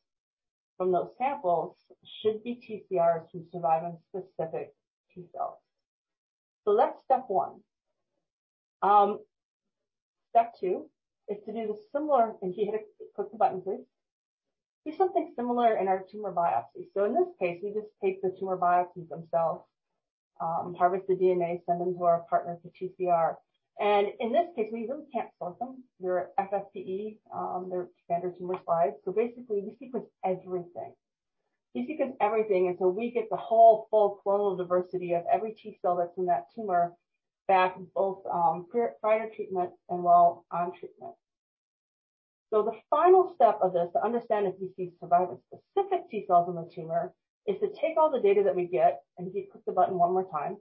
from those samples should be TCRs from survivin specific T cells. That's step one. Step two is to do something similar in our tumor biopsy. In this case, we just take the tumor biopsy themselves, harvest the DNA, send them to our partner for TCR. In this case, we really can't sort them. They're FFPE, they're standard tumor slides. Basically, we sequence everything until we get the whole full clonal diversity of every T cell that's in that tumor back both prior to treatment and while on treatment. The final step of this to understand if you see survivin-specific T cells in the tumor is to take all the data that we get, and Gee, click the button one more time.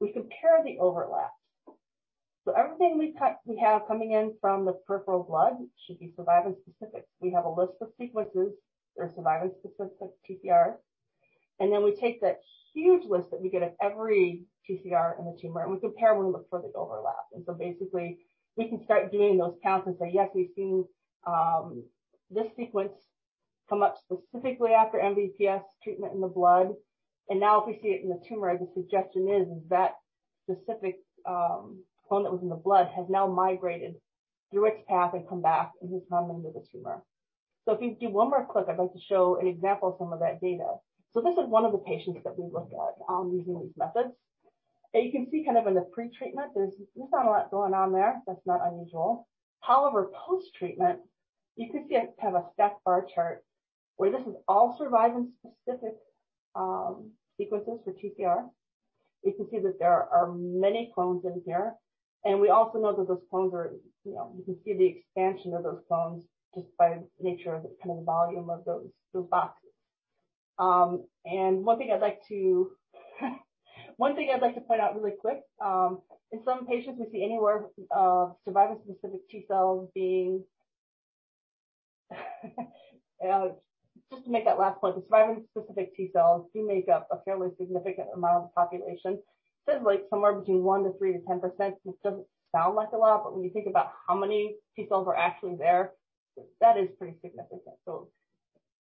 We compare the overlap. Everything we have coming in from the peripheral blood should be survivin specifics. We have a list of sequences that are survivin-specific TCRs, and then we take that huge list that we get of every TCR in the tumor, and we compare them and look for the overlap. Basically, we can start doing those counts and say, yes, we've seen this sequence come up specifically after MVP-S treatment in the blood. If we see it in the tumor, the suggestion is that specific clone that was in the blood has now migrated through its path and come back and has homed to the tumor. If you do one more click, I'd like to show an example of some of that data. This is one of the patients that we looked at using these methods. You can see kind of in the pretreatment, there's not a lot going on there. That's not unusual. However, post-treatment, you can see kind of a stacked bar chart where this is all survivin-specific sequences for TCR. You can see that there are many clones in here. We also know that those clones are, you know, you can see the expansion of those clones just by nature of the kind of volume of those boxes. One thing I'd like to point out really quick, in some patients, we see anywhere of survivin-specific T cells being just to make that last point, the survivin-specific T cells do make up a fairly significant amount of the population. Say like somewhere between 1% to 3% to 10%, which doesn't sound like a lot, but when you think about how many T cells are actually there, that is pretty significant.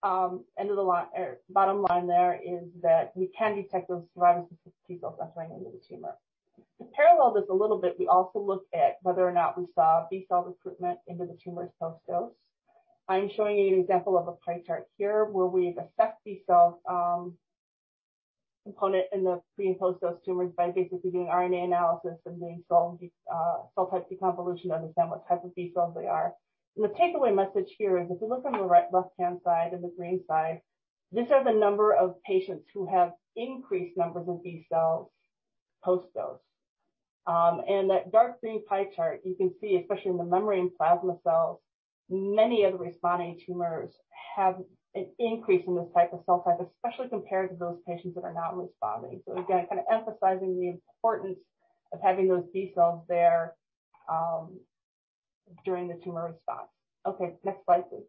Bottom line there is that we can detect those survivin specific T cells that's running into the tumor. To parallel this a little bit, we also looked at whether or not we saw B cell recruitment into the tumors post-dose. I'm showing you an example of a pie chart here where we assess B cell component in the pre- and post-dose tumors by basically doing RNA analysis and doing cell type deconvolution to understand what type of B cells they are. The takeaway message here is if you look on the left-hand side or the green side, these are the number of patients who have increased numbers of B cells post-dose. That dark green pie chart, you can see especially in the memory and plasma cells, many of the responding tumors have an increase in this type of cell type, especially compared to those patients that are not responding. Again, kind of emphasizing the importance of having those B cells there, during the tumor response. Okay, next slide, please.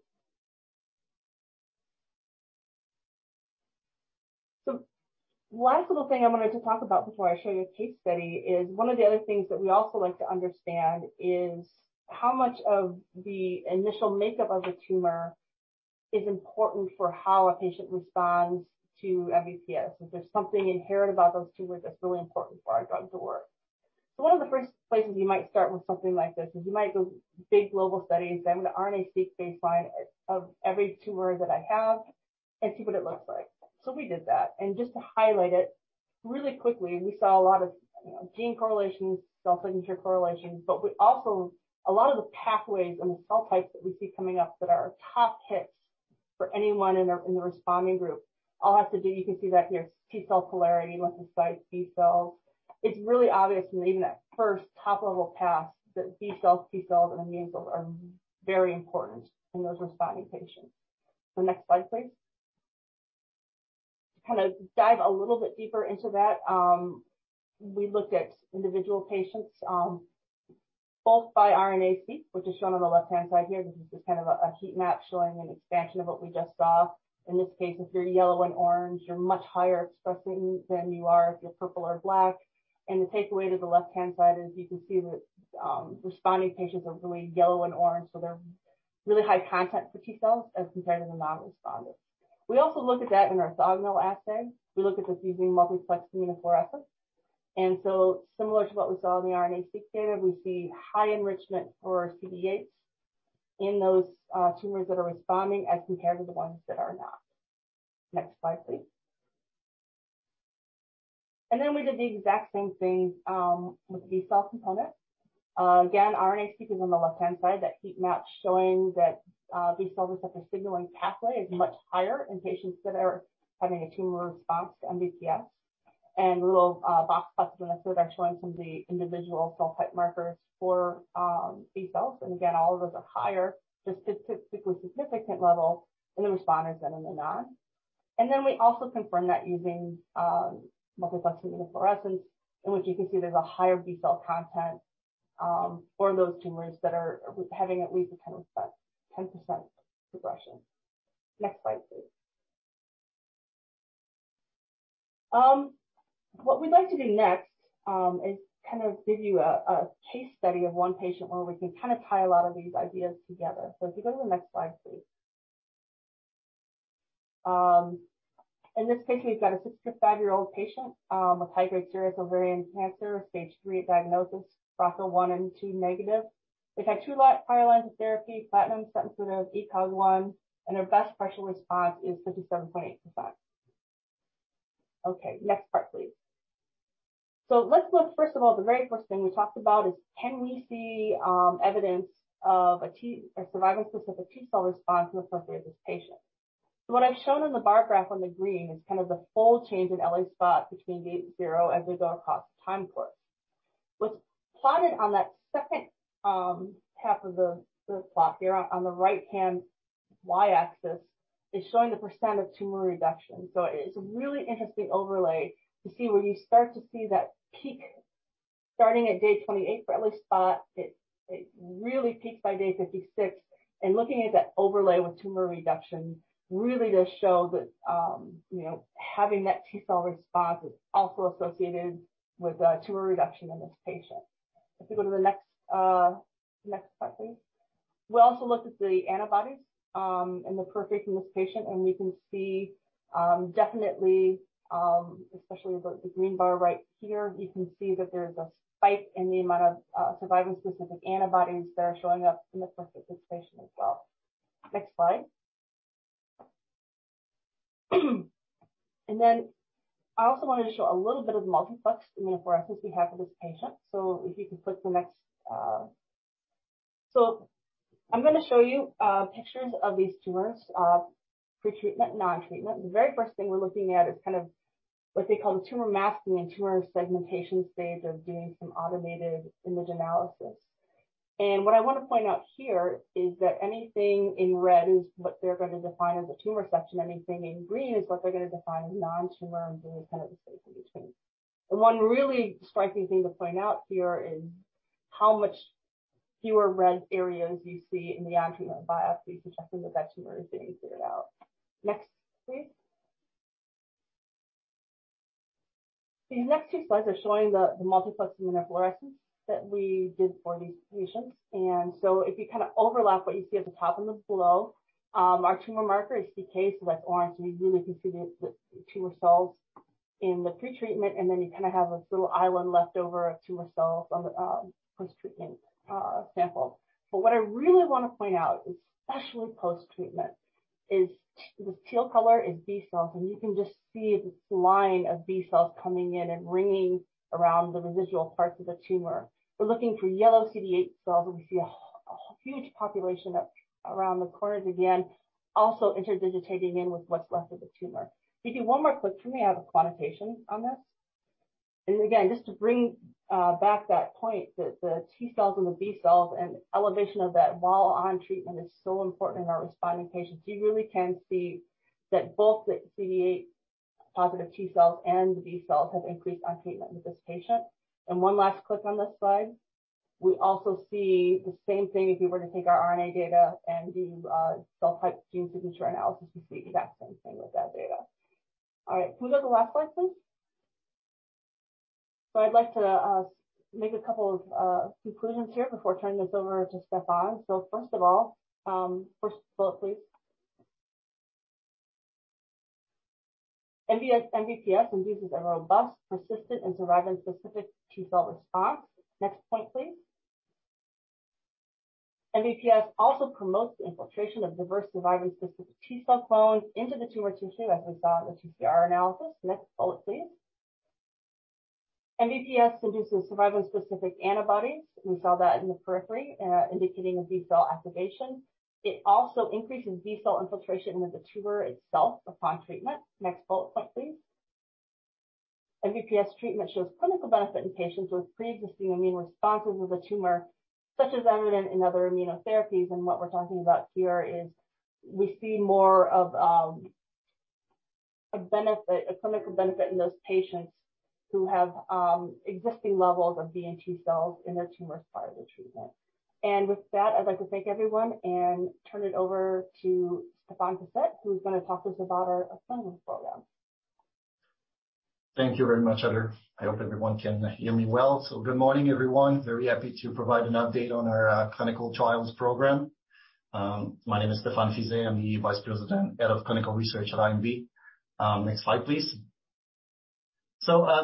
Last little thing I wanted to talk about before I show you a case study is one of the other things that we also like to understand is how much of the initial makeup of the tumor is important for how a patient responds to MVP-S, if there's something inherent about those tumors that's really important for our drug to work. One of the first places you might start with something like this is you might go big global studies and say, "I'm gonna RNA-Seq baseline of every tumor that I have and see what it looks like." We did that, and just to highlight it really quickly, we saw a lot of, you know, gene correlations, cell signature correlations, but we also, a lot of the pathways and the cell types that we see coming up that are top hits for anyone in the, in the responding group, all have to do, you can see that here, T-cell polarity, lymphocytes, B cells. It's really obvious from even that first top-level pass that B cells, T cells, and immune cells are very important in those responding patients. Next slide, please. To kinda dive a little bit deeper into that, we looked at individual patients, both by RNA-Seq, which is shown on the left-hand side here. This is just kind of a heat map showing an expansion of what we just saw. In this case, if you're yellow and orange, you're much higher expressing than you are if you're purple or black. The takeaway to the left-hand side is you can see that responding patients are really yellow and orange, so they're really high content for T cells as compared to the non-responders. We also look at that in our orthogonal assay. We look at this using multiplex immunofluorescence. Similar to what we saw in the RNA-Seq data, we see high enrichment for CD8s in those tumors that are responding as compared to the ones that are not. Next slide, please. We did the exact same thing with the B-cell component. Again, RNA-Seq is on the left-hand side, that heat map showing that B-cell receptor signaling pathway is much higher in patients that are having a tumor response to MVP-S. The little box plots in the middle are showing some of the individual cell type markers for B cells. Again, all of those are higher, the statistically significant level in the responders than in the non. We also confirm that using multiplex immunofluorescence, in which you can see there's a higher B cell content for those tumors that are having at least a 10% regression. Next slide, please. What we'd like to do next is kind of give you a case study of one patient where we can kind of tie a lot of these ideas together. If you go to the next slide, please. In this case, we've got a 65-year-old patient with high-grade serous ovarian cancer, stage three at diagnosis, BRCA 1 and 2 negative. They've had two prior lines of therapy, platinum sensitive, ECOG 1, and their best partial response is 57.8%. Okay, next part, please. Let's look, first of all, the very first thing we talked about is can we see evidence of a survivin specific T-cell response in the periphery of this patient? What I've shown in the bar graph in green is kind of the full change in ELISpot between day zero as we go across the time course. What's plotted on that H2 of the plot here on the right-hand y-axis is showing the percent of tumor reduction. It's a really interesting overlay to see where you start to see that peak starting at day 28 for ELISpot. It really peaks by day 56. Looking at that overlay with tumor reduction really does show that having that T cell response is also associated with tumor reduction in this patient. If you go to the next slide, please. We also looked at the antibodies in the periphery from this patient, and we can see definitely, especially the green bar right here, you can see that there's a spike in the amount of survivin specific antibodies that are showing up in the periphery of this patient as well. Next slide. Then I also wanted to show a little bit of the multiplex immunofluorescence we have for this patient. I'm gonna show you pictures of these tumors pre-treatment, non-treatment. The very first thing we're looking at is kind of what they call the tumor masking and tumor segmentation stage of doing some automated image analysis. What I wanna point out here is that anything in red is what they're gonna define as a tumor section. Anything in green is what they're gonna define as non-tumor, and blue is kind of the space in between. The one really striking thing to point out here is how much fewer red areas you see in the anti-tumor biopsy, which I think that tumor is getting figured out. Next, please. These next two slides are showing the multiplex immunofluorescence that we did for these patients. If you kinda overlap what you see at the top and the below, our tumor marker is CK, so that's orange, and you really can see the tumor cells in the pre-treatment, and then you kinda have this little island left over of tumor cells on the post-treatment sample. What I really wanna point out, especially post-treatment, is the teal color is B cells, and you can just see this line of B cells coming in and ringing around the residual parts of the tumor. We're looking for yellow CD8 cells, and we see a huge population up around the corners again, also interdigitating in with what's left of the tumor. If you do one more click for me, I have a quantitation on this. Again, just to bring back that point that the T cells and the B cells and elevation of that while on treatment is so important in our responding patients. You really can see that both the CD8 positive T cells and the B cells have increased on treatment with this patient. One last click on this slide. We also see the same thing if you were to take our RNA data and do cell-type gene signature analysis. We see the exact same thing with that data. All right. Can we go to the last slide, please? I'd like to make a couple of conclusions here before turning this over to Stephan. First of all, first bullet, please. MVP-S induces a robust, persistent, and survivin specific T-cell response. Next point, please. MVP-S also promotes the infiltration of diverse survivin specific T-cell clones into the tumor tissue, as we saw in the TCR analysis. Next bullet, please. MVP-S induces survivin specific antibodies. We saw that in the periphery, indicating a B-cell activation. It also increases B-cell infiltration into the tumor itself upon treatment. Next bullet point, please. MVP-S treatment shows clinical benefit in patients with preexisting immune responses within the tumor, as evident in other immunotherapies. What we're talking about here is we see more of a benefit, a clinical benefit in those patients who have existing levels of B and T cells in their tumors prior to the treatment. With that, I'd like to thank everyone and turn it over to Stephan Fiset, who's gonna talk to us about our affiliates program. Thank you very much, Heather. I hope everyone can hear me well. Good morning, everyone. Very happy to provide an update on our clinical trials program. My name is Stephan Fiset. I'm the Vice President, Head of Clinical Research at IMV. Next slide, please.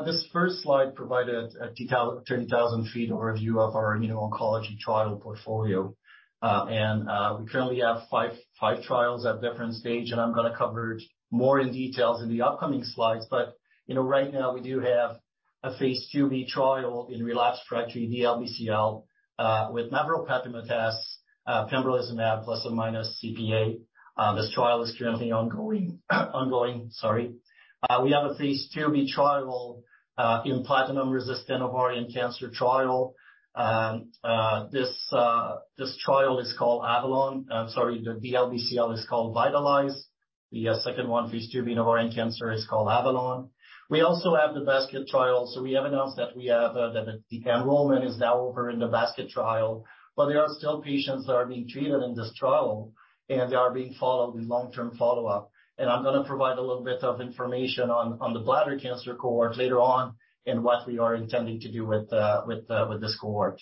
This first slide provided a 10,000-foot overview of our immuno-oncology trial portfolio. We currently have five trials at different stages, and I'm gonna cover more details in the upcoming slides, but you know, right now we do have a phase IIb trial in relapsed refractory DLBCL with maveropepimut-S, pembrolizumab plus or minus CPA. This trial is currently ongoing. Sorry. We have a phase IIb trial in platinum-resistant ovarian cancer. This trial is called AVALON. Sorry, the DLBCL is called VITALIZE. The second one, phase IIb ovarian cancer is called AVALON. We also have the basket trial. We have announced that the enrollment is now over in the basket trial. There are still patients that are being treated in this trial, and they are being followed with long-term follow-up. I'm gonna provide a little bit of information on the bladder cancer cohort later on and what we are intending to do with this cohort.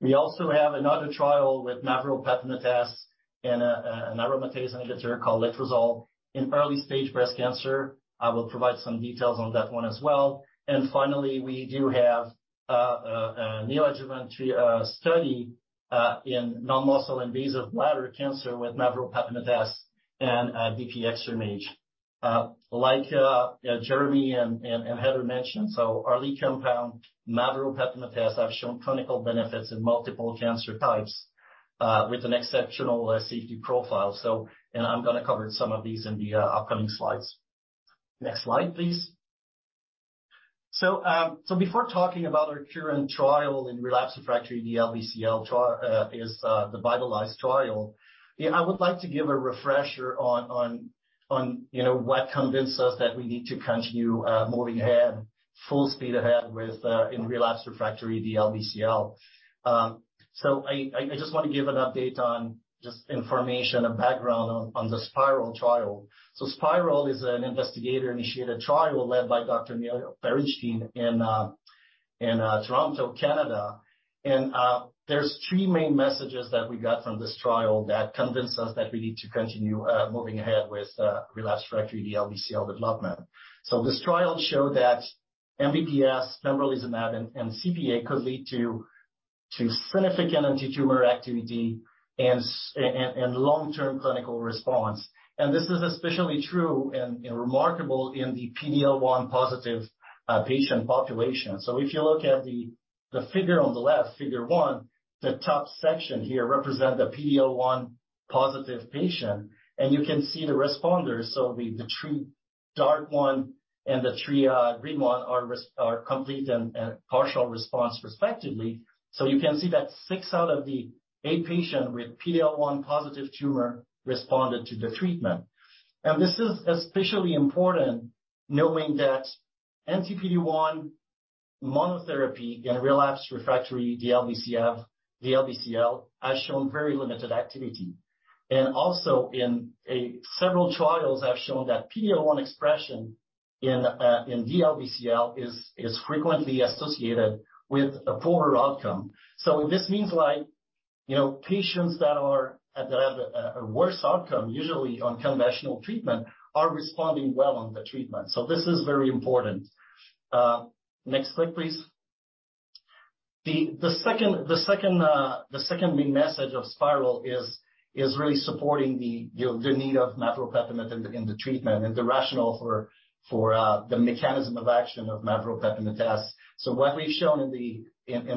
We also have another trial with maveropepimut-S and an aromatase inhibitor called letrozole in early-stage breast cancer. I will provide some details on that one as well. Finally, we do have a neoadjuvant study in non-muscle invasive bladder cancer with maveropepimut-S and DPX-SurMAGE. Like, Jeremy and Heather mentioned, our lead compound, maveropepimut-S, have shown clinical benefits in multiple cancer types, with an exceptional safety profile. I'm gonna cover some of these in the upcoming slides. Next slide, please. Before talking about our current trial in relapsed refractory DLBCL trial is the VITALIZE trial. Yeah, I would like to give a refresher on you know what convinced us that we need to continue moving ahead, full speed ahead with in relapsed refractory DLBCL. I just want to give an update on just information and background on the SPiReL trial. SPiReL is an investigator-initiated trial led by Dr. Neil Berinstein in Toronto, Canada. There's three main messages that we got from this trial that convince us that we need to continue moving ahead with relapsed refractory DLBCL development. This trial showed that MVP-S, pembrolizumab and CPA could lead to significant antitumor activity and long-term clinical response. This is especially true and remarkable in the PD-L1 positive patient population. If you look at the figure on the left, figure one, the top section here represent the PD-L1 positive patient, and you can see the responders. The three dark one and the three green one are complete and partial response respectively. You can see that six out of the eight patient with PD-L1 positive tumor responded to the treatment. This is especially important knowing that PD-L1 monotherapy in relapsed refractory DLBCL has shown very limited activity. Also in several trials have shown that PD-L1 expression in DLBCL is frequently associated with a poorer outcome. This means like, you know, patients that are at a worse outcome, usually on conventional treatment, are responding well on the treatment. This is very important. Next slide, please. The second main message of SPIRAL is really supporting the need of maveropepimut-S in the treatment and the rationale for the mechanism of action of maveropepimut-S. What we've shown in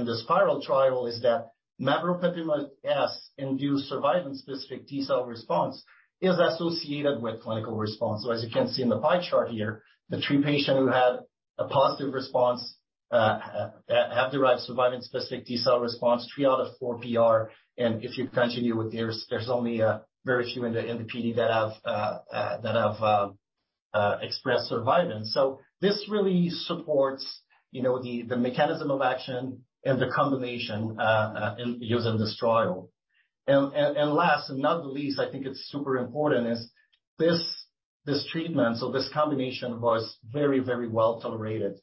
the SPIRAL trial is that maveropepimut-S induced survivin specific T cell response is associated with clinical response. As you can see in the pie chart here, the three patients who had a positive response have derived survivin-specific T-cell response, three out of four PR. If you continue with there is, there is only a very few in the MPD that have expressed survivin. This really supports, you know, the mechanism of action and the combination in using this trial. Last and not least, I think it's super important, this treatment, so this combination was very, very well tolerated.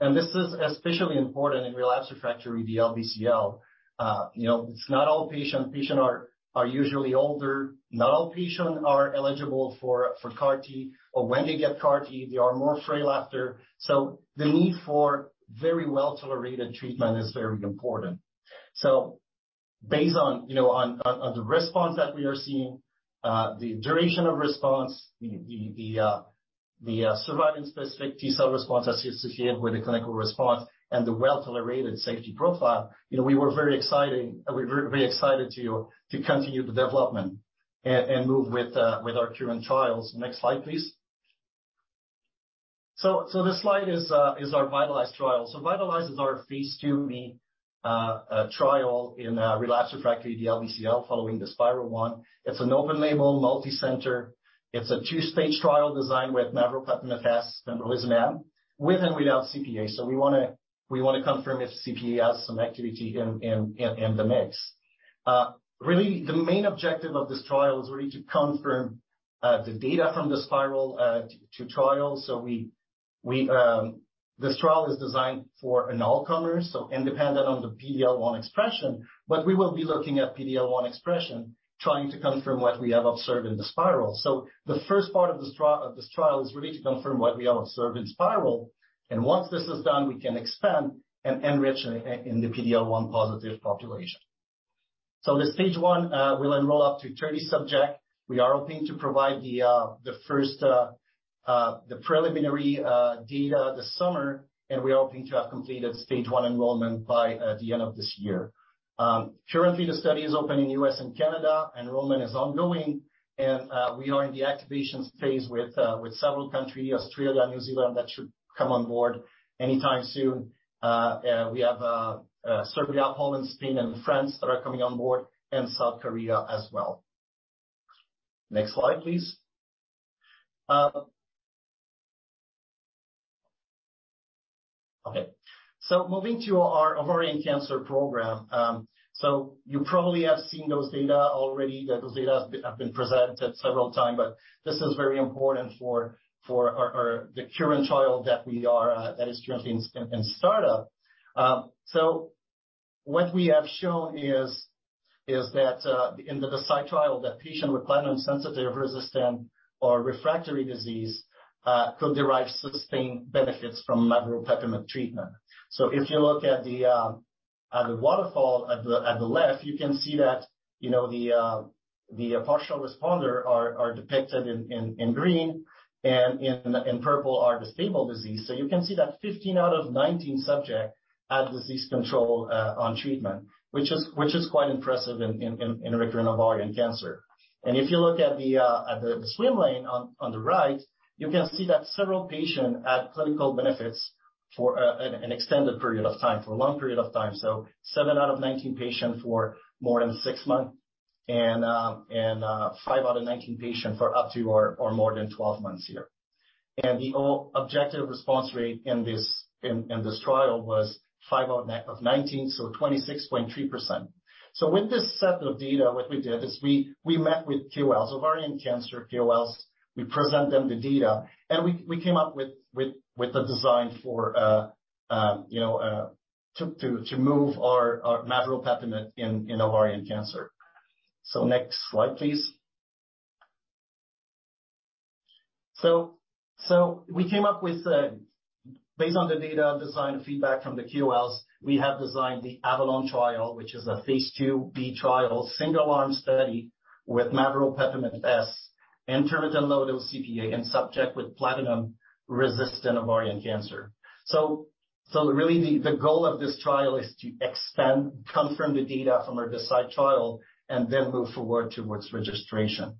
This is especially important in relapsed refractory DLBCL. You know, it's not all patients are usually older. Not all patients are eligible for CAR-T, or when they get CAR-T, they are more frail after. The need for very well-tolerated treatment is very important. Based on, you know, the response that we are seeing, the duration of response, the survivin specific T cell response associated with the clinical response and the well-tolerated safety profile, you know, we're very excited to continue the development and move with our current trials. Next slide, please. This slide is our VITALIZE trial. VITALIZE is our phase IIb trial in relapse refractory DLBCL following the SPIRAL-1. It's an open-label multicenter two-stage trial designed with maveropepimut-S, pembrolizumab, with and without CPA. We wanna confirm if CPA has some activity in the mix. Really the main objective of this trial is to confirm the data from the SPIRAL trial. This trial is designed for an all comers, so independent of the PD-L1 expression, but we will be looking at PD-L1 expression, trying to confirm what we have observed in the SPIRAL. The first part of this trial is really to confirm what we have observed in SPIRAL. Once this is done, we can expand and enrich in the PD-L1 positive population. The stage one will enroll up to 30 subjects. We are hoping to provide the preliminary data this summer, and we're hoping to have completed stage one enrollment by the end of this year. Currently the study is open in the US and Canada. Enrollment is ongoing and we are in the activations phase with several countries, Australia, New Zealand, that should come on board anytime soon. We have Serbia, Poland, Spain and France that are coming on board, and South Korea as well. Next slide, please. Okay, moving to our ovarian cancer program. You probably have seen those data already. Those data have been presented several times, but this is very important for our current trial that is currently in startup. What we have shown is that in the DeCidE trial, patients with platinum-sensitive resistant or refractory disease could derive sustained benefits from maveropepimut-S treatment. If you look at the waterfall at the left, you can see that, you know, the partial responders are depicted in green, and in purple are the stable disease. You can see that 15 out of 19 subjects had disease control on treatment, which is quite impressive in recurrent ovarian cancer. If you look at the swim lane on the right, you can see that several patients had clinical benefits for an extended period of time, for a long period of time. Seven out of 19 patients for more than six months and five out of 19 patients for up to or more than 12 months here. The objective response rate in this trial was five out of 19, so 26.3%. With this set of data, what we did is we met with QLs, ovarian cancer QLs. We present them the data and we came up with a design for to move our maveropepimut-S in ovarian cancer. Next slide, please. We came up with, based on the data design feedback from the QLs, we have designed the AVALON trial, which is a phase IIb trial, single arm study with maveropepimut-S, intermittent low-dose CPA in subject with platinum resistant ovarian cancer. Really the goal of this trial is to extend, confirm the data from our DeCidE trial and then move forward towards registration.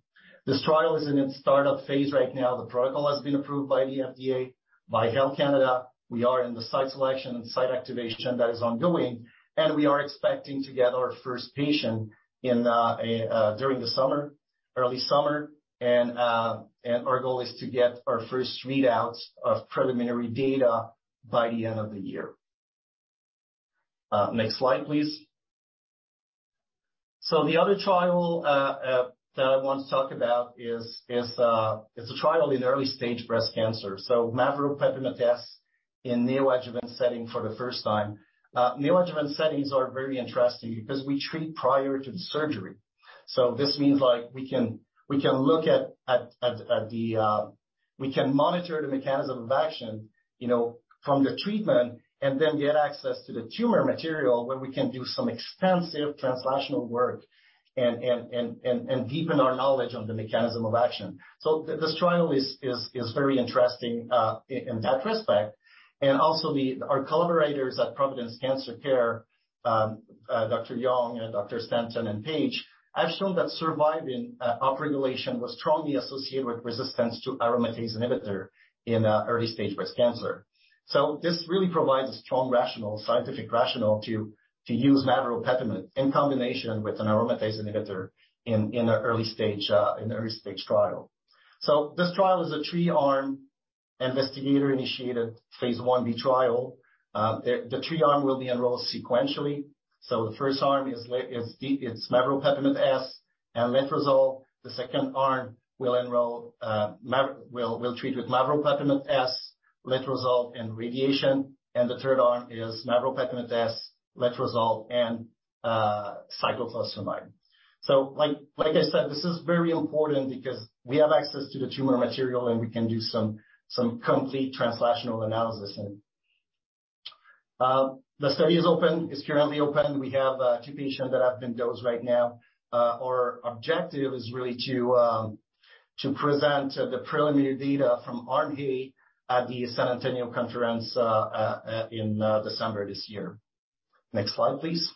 This trial is in its startup phase right now. The protocol has been approved by the FDA, by Health Canada. We are in the site selection and site activation that is ongoing, and we are expecting to get our first patient in during the summer, early summer. Our goal is to get our first readouts of preliminary data by the end of the year. Next slide, please. The other trial that I want to talk about is a trial in early-stage breast cancer. Maveropepimut-S in neoadjuvant setting for the first time. Neoadjuvant settings are very interesting because we treat prior to the surgery. This means like we can monitor the mechanism of action, you know, from the treatment and then get access to the tumor material where we can do some extensive translational work and deepen our knowledge on the mechanism of action. This trial is very interesting in that respect. Our collaborators at Providence Cancer Institute, Dr. Yong and Dr. Stanton and Page, have shown that survivin upregulation was strongly associated with resistance to aromatase inhibitor in early-stage breast cancer. This really provides a strong, rational, scientific rationale to use maveropepimut-S in combination with an aromatase inhibitor in an early stage trial. This trial is a three-arm investigator-initiated phase Ib trial. The three-arm will be enrolled sequentially. The first arm is maveropepimut-S and letrozole. The second arm will treat with maveropepimut-S, letrozole and radiation. The third arm is maveropepimut-S, letrozole and cyclophosphamide. Like I said, this is very important because we have access to the tumor material, and we can do some complete translational analysis. The study is open. It's currently open. We have two patients that have been dosed right now. Our objective is really to present the preliminary data from arm B at the San Antonio Conference in December this year. Next slide, please.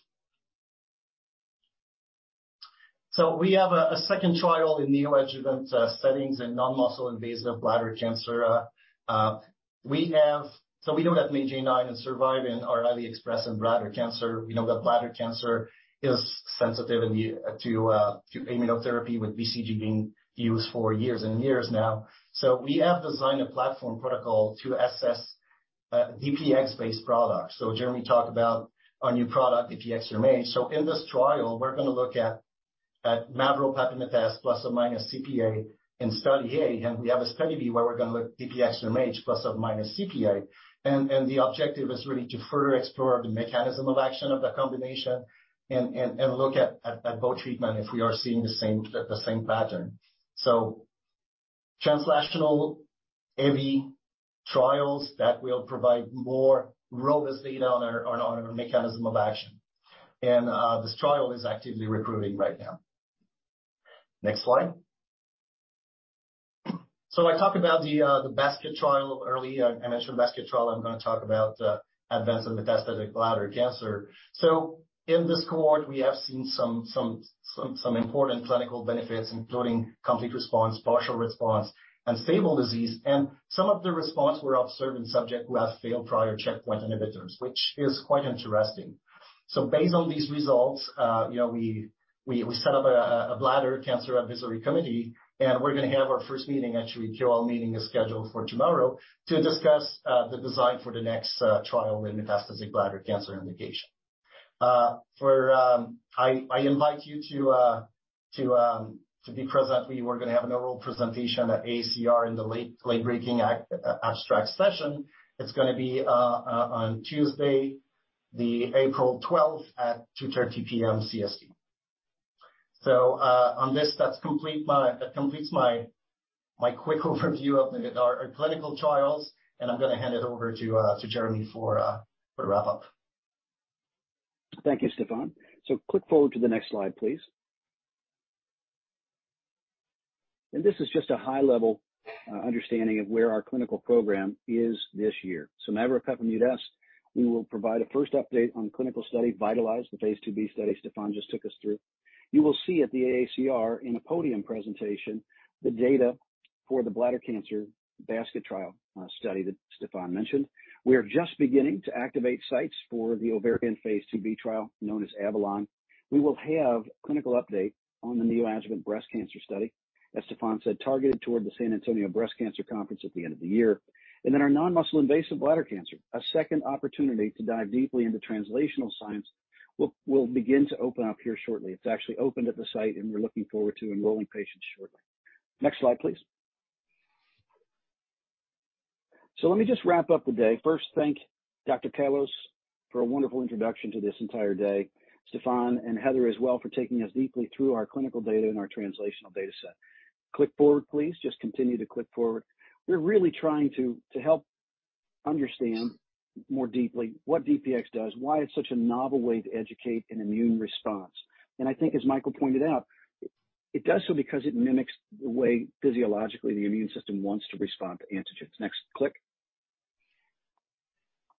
We have a second trial in neoadjuvant settings in non-muscle invasive bladder cancer. We know that MAGE-A9 and survivin are highly expressed in bladder cancer. We know that bladder cancer is sensitive to immunotherapy with BCG being used for years and years now. We have designed a platform protocol to assess DPX-based products. Jeremy talked about our new product, DPX-SurMAGE. In this trial, we're gonna look at maveropepimut-S plus or minus CPA in study A, and we have a study B where we're gonna look at DPX-SurMAGE plus or minus CPA. The objective is really to further explore the mechanism of action of that combination and look at both treatments if we are seeing the same pattern. Translational heavy trials that will provide more robust data on our mechanism of action. This trial is actively recruiting right now. Next slide. I talked about the basket trial early. I mentioned basket trial, I'm gonna talk about advanced and metastatic bladder cancer. In this cohort we have seen some important clinical benefits, including complete response, partial response, and stable disease. Some of the responses were observed in subjects who have failed prior checkpoint inhibitors, which is quite interesting. Based on these results, you know, we set up a bladder cancer advisory committee, and we're gonna have our first meeting, actually, QL meeting is scheduled for tomorrow, to discuss the design for the next trial in metastatic bladder cancer indication. I invite you to be present. We were gonna have an oral presentation at AACR in the late-breaking abstract session. It's gonna be on Tuesday, April 12 at 2:30 P.M. CST. That completes my quick overview of our clinical trials, and I'm gonna hand it over to Jeremy for the wrap-up. Thank you, Stephan. Click forward to the next slide, please. This is just a high level understanding of where our clinical program is this year. Maveropepimut-S, we will provide a first update on clinical study VITALIZE, the phase IIb study Stephan just took us through. You will see at the AACR in a podium presentation, the data for the bladder cancer basket trial, study that Stephan mentioned. We are just beginning to activate sites for the ovarian phase IIb trial known as AVALON. We will have clinical update on the neoadjuvant breast cancer study, as Stephan said, targeted toward the San Antonio Breast Cancer Symposium at the end of the year. Then our non-muscle invasive bladder cancer. A second opportunity to dive deeply into translational science will begin to open up here shortly. It's actually opened at the site, and we're looking forward to enrolling patients shortly. Next slide, please. Let me just wrap up the day. First, I thank Dr. Kalos for a wonderful introduction to this entire day, Stephan and Heather as well for taking us deeply through our clinical data and our translational data set. Click forward, please. Just continue to click forward. We're really trying to help understand more deeply what DPX does, why it's such a novel way to educate an immune response. I think as Michael pointed out, it does so because it mimics the way physiologically the immune system wants to respond to antigens. Next click.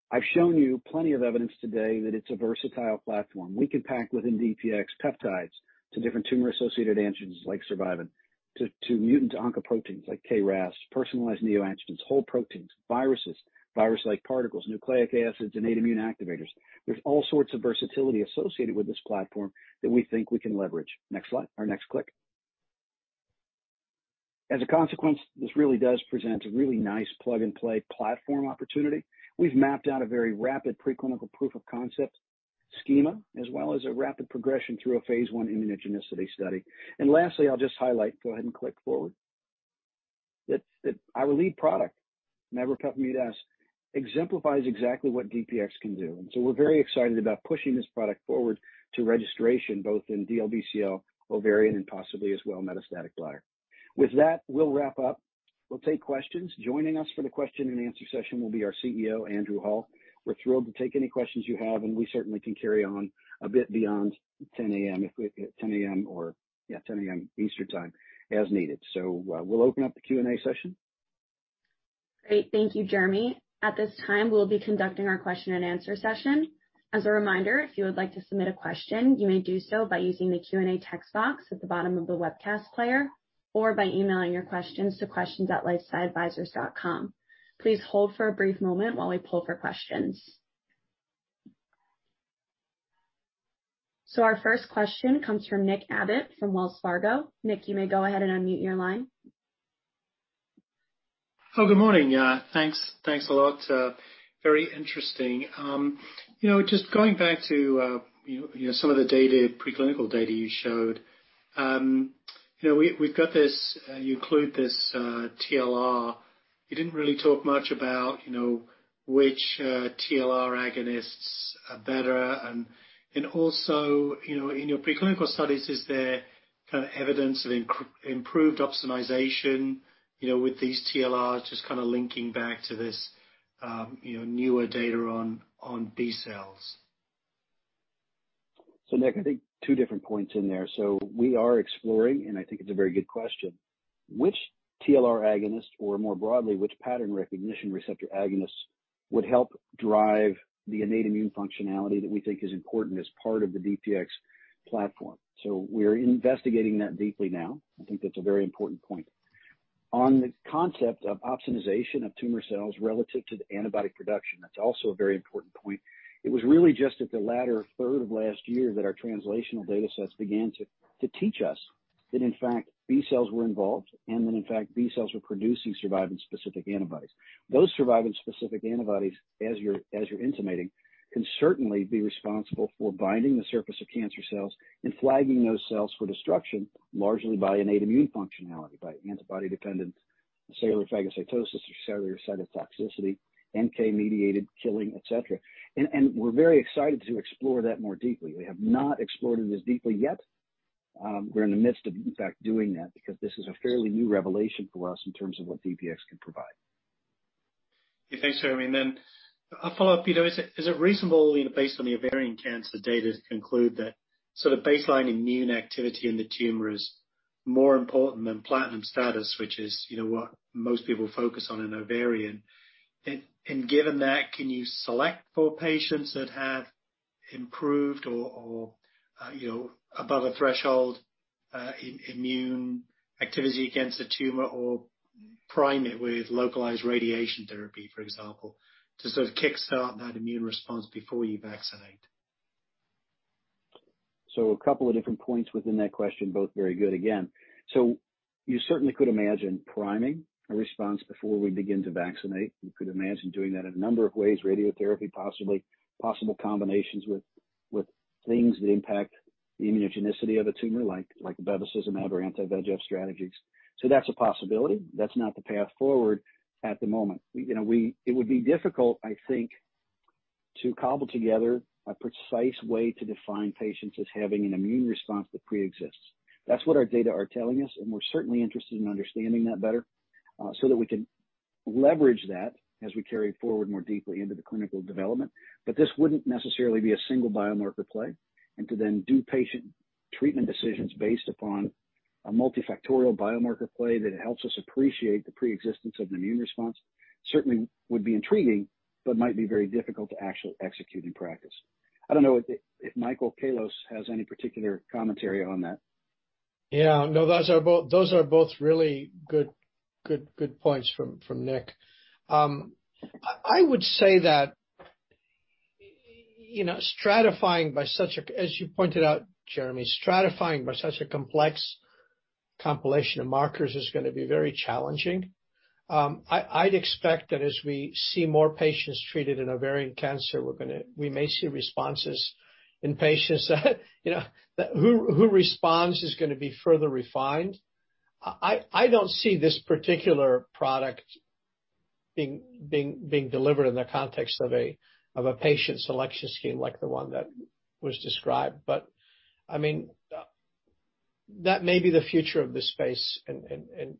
I've shown you plenty of evidence today that it's a versatile platform. We can pack within DPX peptides to different tumor-associated antigens like survivin, to mutant oncoproteins like KRAS, personalized neoantigens, whole proteins, viruses, virus-like particles, nucleic acids, and innate immune activators. There's all sorts of versatility associated with this platform that we think we can leverage. Next slide or next click. As a consequence, this really does present a really nice plug-and-play platform opportunity. We've mapped out a very rapid preclinical proof of concept schema, as well as a rapid progression through a phase I immunogenicity study. Lastly, I'll just highlight, go ahead and click forward, that our lead product, maveropepimut-S, exemplifies exactly what DPX can do. We're very excited about pushing this product forward to registration both in DLBCL, ovarian, and possibly as well metastatic bladder. With that, we'll wrap up. We'll take questions. Joining us for the question and answer session will be our CEO, Andrew Hall. We're thrilled to take any questions you have, and we certainly can carry on a bit beyond 10:00AM. or, yeah, 10:00AM. Eastern Time as needed. We'll open up the Q&A session. Great. Thank you, Jeremy. At this time, we'll be conducting our question and answer session. As a reminder, if you would like to submit a question, you may do so by using the Q&A text box at the bottom of the webcast player or by emailing your questions to questions@lifesciadvisors.com. Please hold for a brief moment while we pull for questions. Our first question comes from Nick Abbott from Wells Fargo. Nick, you may go ahead and unmute your line. Oh, good morning. Thanks a lot. Very interesting. You know, just going back to you know some of the data, preclinical data you showed. You know, we've got this you include this TLR. You didn't really talk much about you know which TLR agonists are better. And also, you know, in your preclinical studies, is there kinda evidence of improved opsonization you know with these TLRs, just kinda linking back to this you know newer data on B cells? Nick, I think two different points in there. We are exploring, and I think it's a very good question, which TLR agonist or more broadly, which pattern recognition receptor agonist would help drive the innate immune functionality that we think is important as part of the DPX platform. We're investigating that deeply now. I think that's a very important point. On the concept of opsonization of tumor cells relative to the antibody production, that's also a very important point. It was really just at the latter third of last year that our translational data sets began to teach us that in fact B cells were involved and that in fact B cells were producing survivin-specific antibodies. Those survivin-specific antibodies, as you're intimating, can certainly be responsible for binding the surface of cancer cells and flagging those cells for destruction, largely by innate immune functionality, by antibody-dependent cellular phagocytosis or cellular cytotoxicity, NK-mediated killing, et cetera. We're very excited to explore that more deeply. We have not explored it as deeply yet. We're in the midst of in fact doing that because this is a fairly new revelation for us in terms of what DPX can provide. Okay. Thanks, Jeremy, and then a follow-up. You know, is it reasonable, you know, based on the ovarian cancer data to conclude that sort of baseline immune activity in the tumor is more important than platinum status, which is, you know, what most people focus on in ovarian. Given that, can you select for patients that have improved or, you know, above a threshold, immune activity against the tumor or prime it with localized radiation therapy, for example, to sort of kickstart that immune response before you vaccinate? A couple of different points within that question, both very good again. You certainly could imagine priming a response before we begin to vaccinate. You could imagine doing that a number of ways, radiotherapy possibly, possible combinations with things that impact the immunogenicity of a tumor like bevacizumab or anti-VEGF strategies. That's a possibility. That's not the path forward at the moment. You know, it would be difficult, I think, to cobble together a precise way to define patients as having an immune response that preexists. That's what our data are telling us, and we're certainly interested in understanding that better, so that we can leverage that as we carry forward more deeply into the clinical development. But this wouldn't necessarily be a single biomarker play. To then do patient treatment decisions based upon a multifactorial biomarker play that helps us appreciate the preexistence of an immune response certainly would be intriguing but might be very difficult to actually execute in practice. I don't know if Michael Kalos has any particular commentary on that. Yeah. No, those are both really good points from Nick. I would say that, you know, as you pointed out, Jeremy, stratifying by such a complex compilation of markers is gonna be very challenging. I'd expect that as we see more patients treated in ovarian cancer, we may see responses in patients that, you know, who responds is gonna be further refined. I don't see this particular product being delivered in the context of a patient selection scheme like the one that was described. But I mean, that may be the future of this space in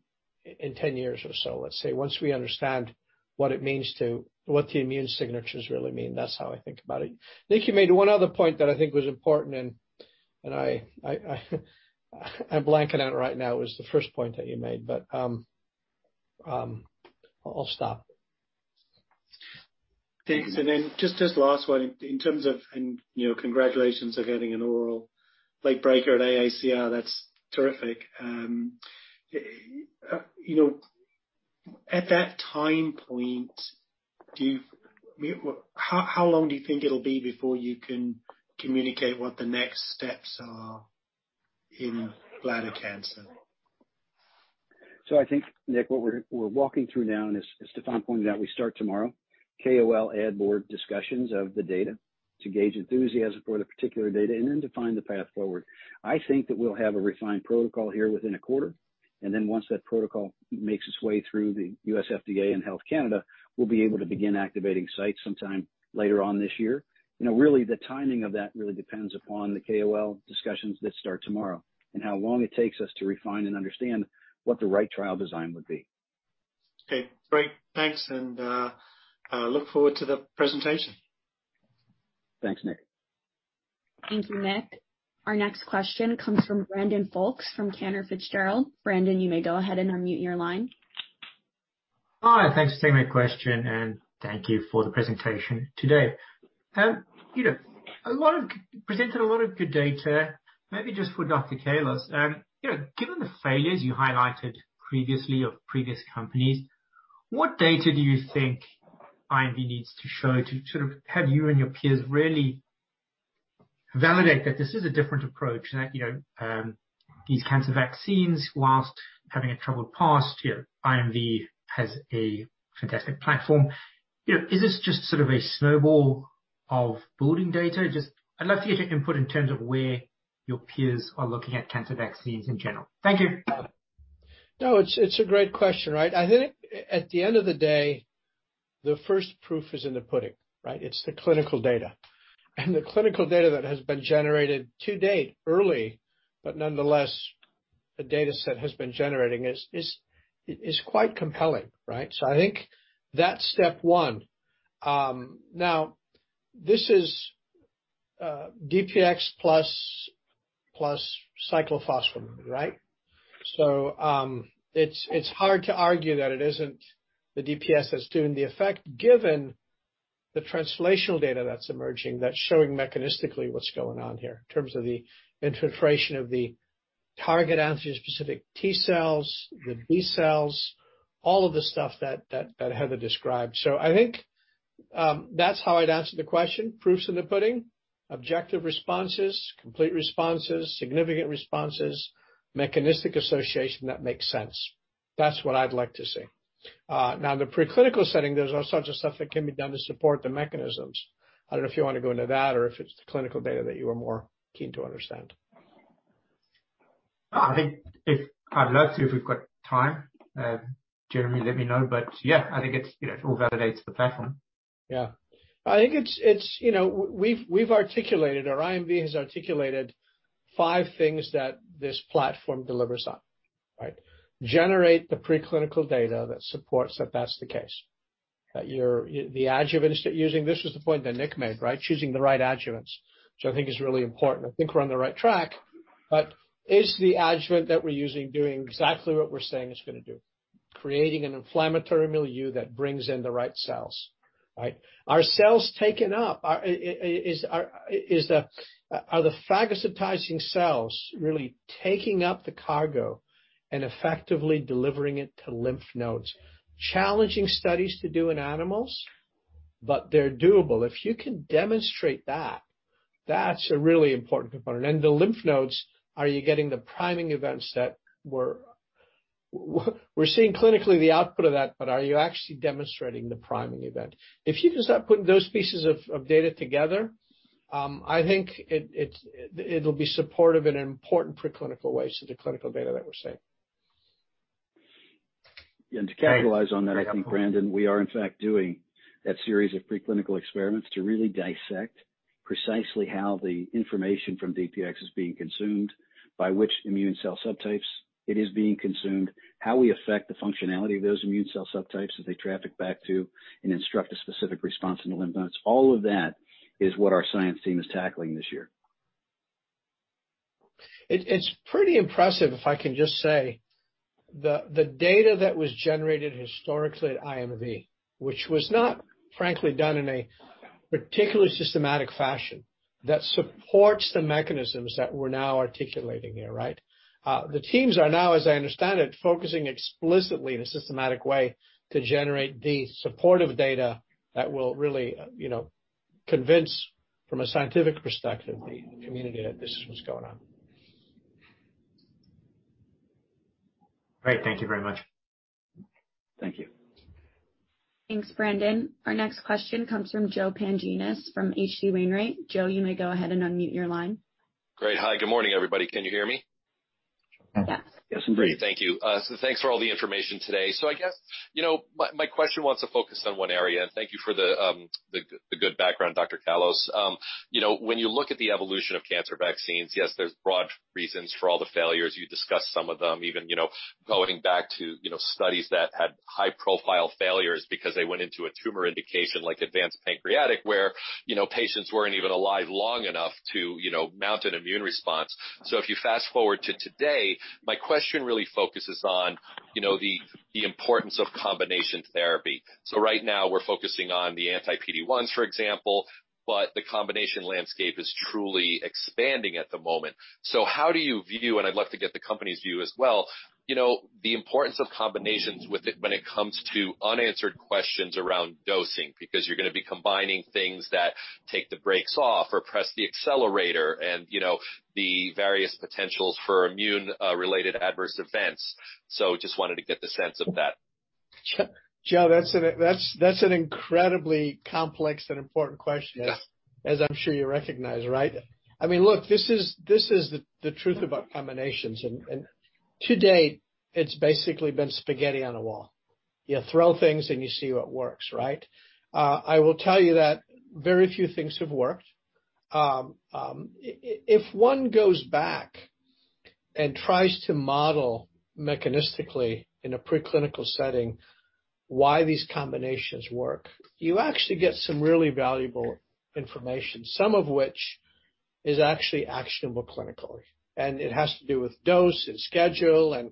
10 years or so, let's say, once we understand what the immune signatures really mean. That's how I think about it. Nick, you made one other point that I think was important, and I'm blanking out right now. It was the first point that you made, but I'll stop. Thanks. Then just last one. In terms of you know, congratulations on getting an oral late breaker at AACR. That's terrific. You know, at that time point, how long do you think it'll be before you can communicate what the next steps are in bladder cancer? I think, Nick, what we're walking through now, and as Stephan pointed out, we start tomorrow, KOL advisory board discussions of the data to gauge enthusiasm for the particular data and then define the path forward. I think that we'll have a refined protocol here within a quarter, and then once that protocol makes its way through the US FDA and Health Canada, we'll be able to begin activating sites sometime later on this year. You know, really the timing of that really depends upon the KOL discussions that start tomorrow and how long it takes us to refine and understand what the right trial design would be. Okay. Great. Thanks, and I look forward to the presentation. Thanks, Nick. Thank you, Nick. Our next question comes from Brandon Folkes from Cantor Fitzgerald. Brandon, you may go ahead and unmute your line. Hi. Thanks for taking my question, and thank you for the presentation today. You know, a lot of companies presented a lot of good data. Maybe just for Dr. Kalos. You know, given the failures you highlighted previously of previous companies, what data do you think IMV needs to show to sort of have you and your peers really validate that this is a different approach and that, you know, these cancer vaccines, while having a troubled past, you know, IMV has a fantastic platform. You know, is this just sort of a snowball of building data? Just I'd love to get your input in terms of where your peers are looking at cancer vaccines in general. Thank you. No, it's a great question, right? I think at the end of the day, the first proof is in the pudding, right? It's the clinical data. The clinical data that has been generated to date, early but nonetheless the data set has been generating, is quite compelling, right? I think that's step one. Now this is DPX plus cyclophosphamide, right? It's hard to argue that it isn't the DPX that's doing the effect, given the translational data that's emerging that's showing mechanistically what's going on here in terms of the infiltration of the target antigen specific T cells, the B cells, all of the stuff that Heather described. I think that's how I'd answer the question. Proof's in the pudding. Objective responses, complete responses, significant responses, mechanistic association that makes sense. That's what I'd like to see. Now, the preclinical setting, there's all sorts of stuff that can be done to support the mechanisms. I don't know if you wanna go into that or if it's the clinical data that you are more keen to understand. I'd love to, if we've got time. Jeremy, let me know. Yeah, I think it's, you know, it all validates the platform. Yeah. I think it's you know we've articulated or IMV has articulated five things that this platform delivers on, right? Generate the preclinical data that supports that that's the case. That the adjuvant that you're using, this was the point that Nick made, right? Choosing the right adjuvants, which I think is really important. I think we're on the right track, but is the adjuvant that we're using doing exactly what we're saying it's gonna do? Creating an inflammatory milieu that brings in the right cells, right? Are cells taken up? Are the phagocytosing cells really taking up the cargo and effectively delivering it to lymph nodes? Challenging studies to do in animals, but they're doable. If you can demonstrate that's a really important component. The lymph nodes, are you getting the priming events that we're seeing clinically the output of that, but are you actually demonstrating the priming event? If you can start putting those pieces of data together, I think it'll be supportive in an important preclinical way to the clinical data that we're seeing. Great. To capitalize on that, I think, Brandon, we are in fact doing that series of preclinical experiments to really dissect precisely how the information from DPX is being consumed, by which immune cell subtypes it is being consumed, how we affect the functionality of those immune cell subtypes as they traffic back to and instruct a specific response in the lymph nodes. All of that is what our science team is tackling this year. It's pretty impressive, if I can just say, the data that was generated historically at IMV, which was not frankly done in a particularly systematic fashion that supports the mechanisms that we're now articulating here, right? The teams are now, as I understand it, focusing explicitly in a systematic way to generate the supportive data that will really, you know, convince from a scientific perspective, the community that this is what's going on. Great. Thank you very much. Thank you. Thanks, Brandon. Our next question comes from Joe Pantginis from H.C. Wainwright. Joe, you may go ahead and unmute your line. Great. Hi, good morning, everybody. Can you hear me? Yes. Yes, I'm great. Thank you. Thanks for all the information today. I guess, you know, my question wants to focus on one area. Thank you for the good background, Dr. Kalos. You know, when you look at the evolution of cancer vaccines, yes, there's broad reasons for all the failures. You discussed some of them even, you know, going back to, you know, studies that had high profile failures because they went into a tumor indication like advanced pancreatic, where, you know, patients weren't even alive long enough to, you know, mount an immune response. If you fast-forward to today, my question really focuses on, you know, the importance of combination therapy. Right now we're focusing on the anti-PD-1, for example, but the combination landscape is truly expanding at the moment. How do you view, and I'd love to get the company's view as well, you know, the importance of combinations with it when it comes to unanswered questions around dosing, because you're gonna be combining things that take the brakes off or press the accelerator and, you know, the various potentials for immune related adverse events. Just wanted to get the sense of that. Joe, that's an incredibly complex and important question. Yeah... as I'm sure you recognize, right? I mean, look, this is the truth about combinations. To date, it's basically been spaghetti on the wall. You throw things and you see what works, right? I will tell you that very few things have worked. If one goes back and tries to model mechanistically in a preclinical setting why these combinations work, you actually get some really valuable information, some of which is actually actionable clinically. It has to do with dose and schedule and,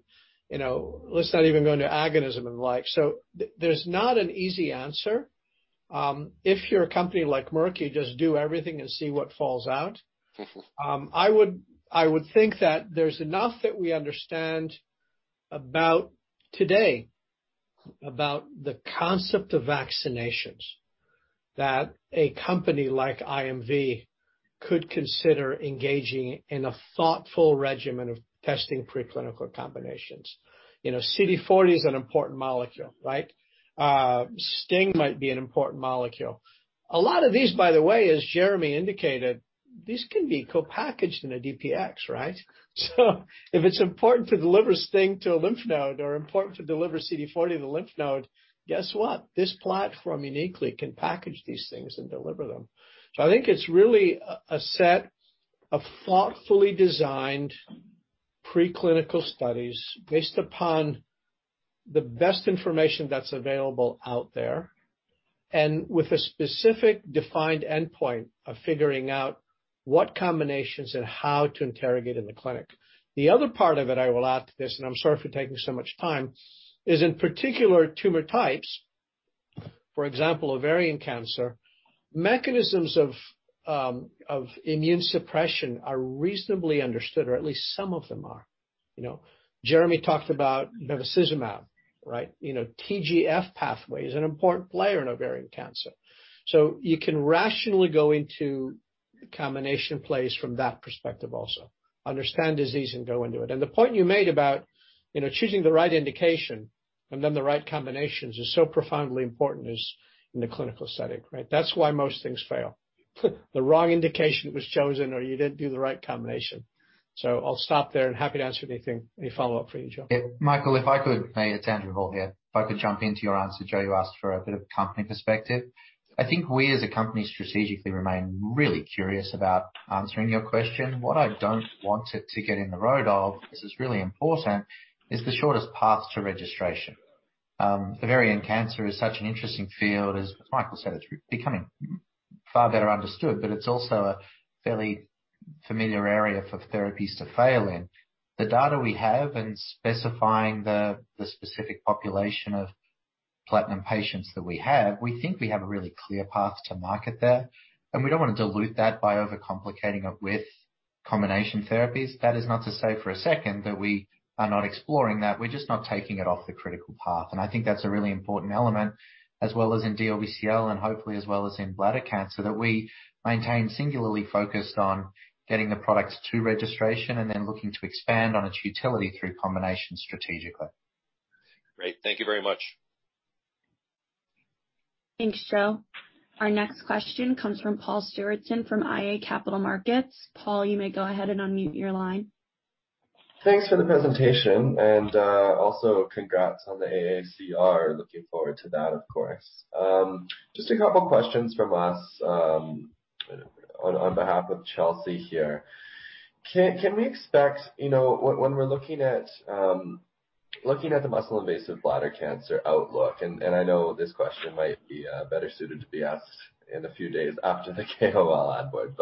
you know, let's not even go into agonism and the like. There's not an easy answer. If you're a company like Merck, you just do everything and see what falls out. I would think that there's enough that we understand about today about the concept of vaccinations that a company like IMV could consider engaging in a thoughtful regimen of testing preclinical combinations. You know, CD40 is an important molecule, right? STING might be an important molecule. A lot of these, by the way, as Jeremy indicated, these can be co-packaged in a DPX, right? So if it's important to deliver STING to a lymph node or important to deliver CD40 to the lymph node, guess what? This platform uniquely can package these things and deliver them. So I think it's really a set of thoughtfully designed preclinical studies based upon the best information that's available out there, and with a specific defined endpoint of figuring out what combinations and how to interrogate in the clinic. The other part of it, I will add to this, and I'm sorry for taking so much time, is in particular tumor types. For example, ovarian cancer. Mechanisms of immune suppression are reasonably understood, or at least some of them are. You know, Jeremy talked about bevacizumab, right? You know, TGF pathway is an important player in ovarian cancer, so you can rationally go into combination plays from that perspective also. Understand disease and go into it. The point you made about, you know, choosing the right indication and then the right combinations is so profoundly important in the clinical setting, right? That's why most things fail. The wrong indication was chosen or you didn't do the right combination. I'll stop there and happy to answer anything, any follow up for you, Joe. Hey, it's Andrew Hall here. If I could jump into your answer. Joe, you asked for a bit of company perspective. I think we, as a company, strategically remain really curious about answering your question. What I don't want it to get in the way of, this is really important, is the shortest path to registration. Ovarian cancer is such an interesting field. As Michael said, it's becoming far better understood, but it's also a fairly familiar area for therapies to fail in. The data we have in specifying the specific population of platinum patients that we have, we think we have a really clear path to market there, and we don't wanna dilute that by overcomplicating it with combination therapies. That is not to say for a second that we are not exploring that. We're just not taking it off the critical path. I think that's a really important element as well as in DLBCL and hopefully as well as in bladder cancer, that we maintain singularly focused on getting the products to registration and then looking to expand on its utility through combination strategically. Great. Thank you very much. Thanks, Joe. Our next question comes from Paul Stewardson from iA Capital Markets. Paul, you may go ahead and unmute your line. Thanks for the presentation and also congrats on the AACR. Looking forward to that, of course. Just a couple questions from us on behalf of Chelsea here. Can we expect, you know, when we're looking at the muscle-invasive bladder cancer outlook, and I know this question might be better suited to be asked in a few days after the KOL onboard.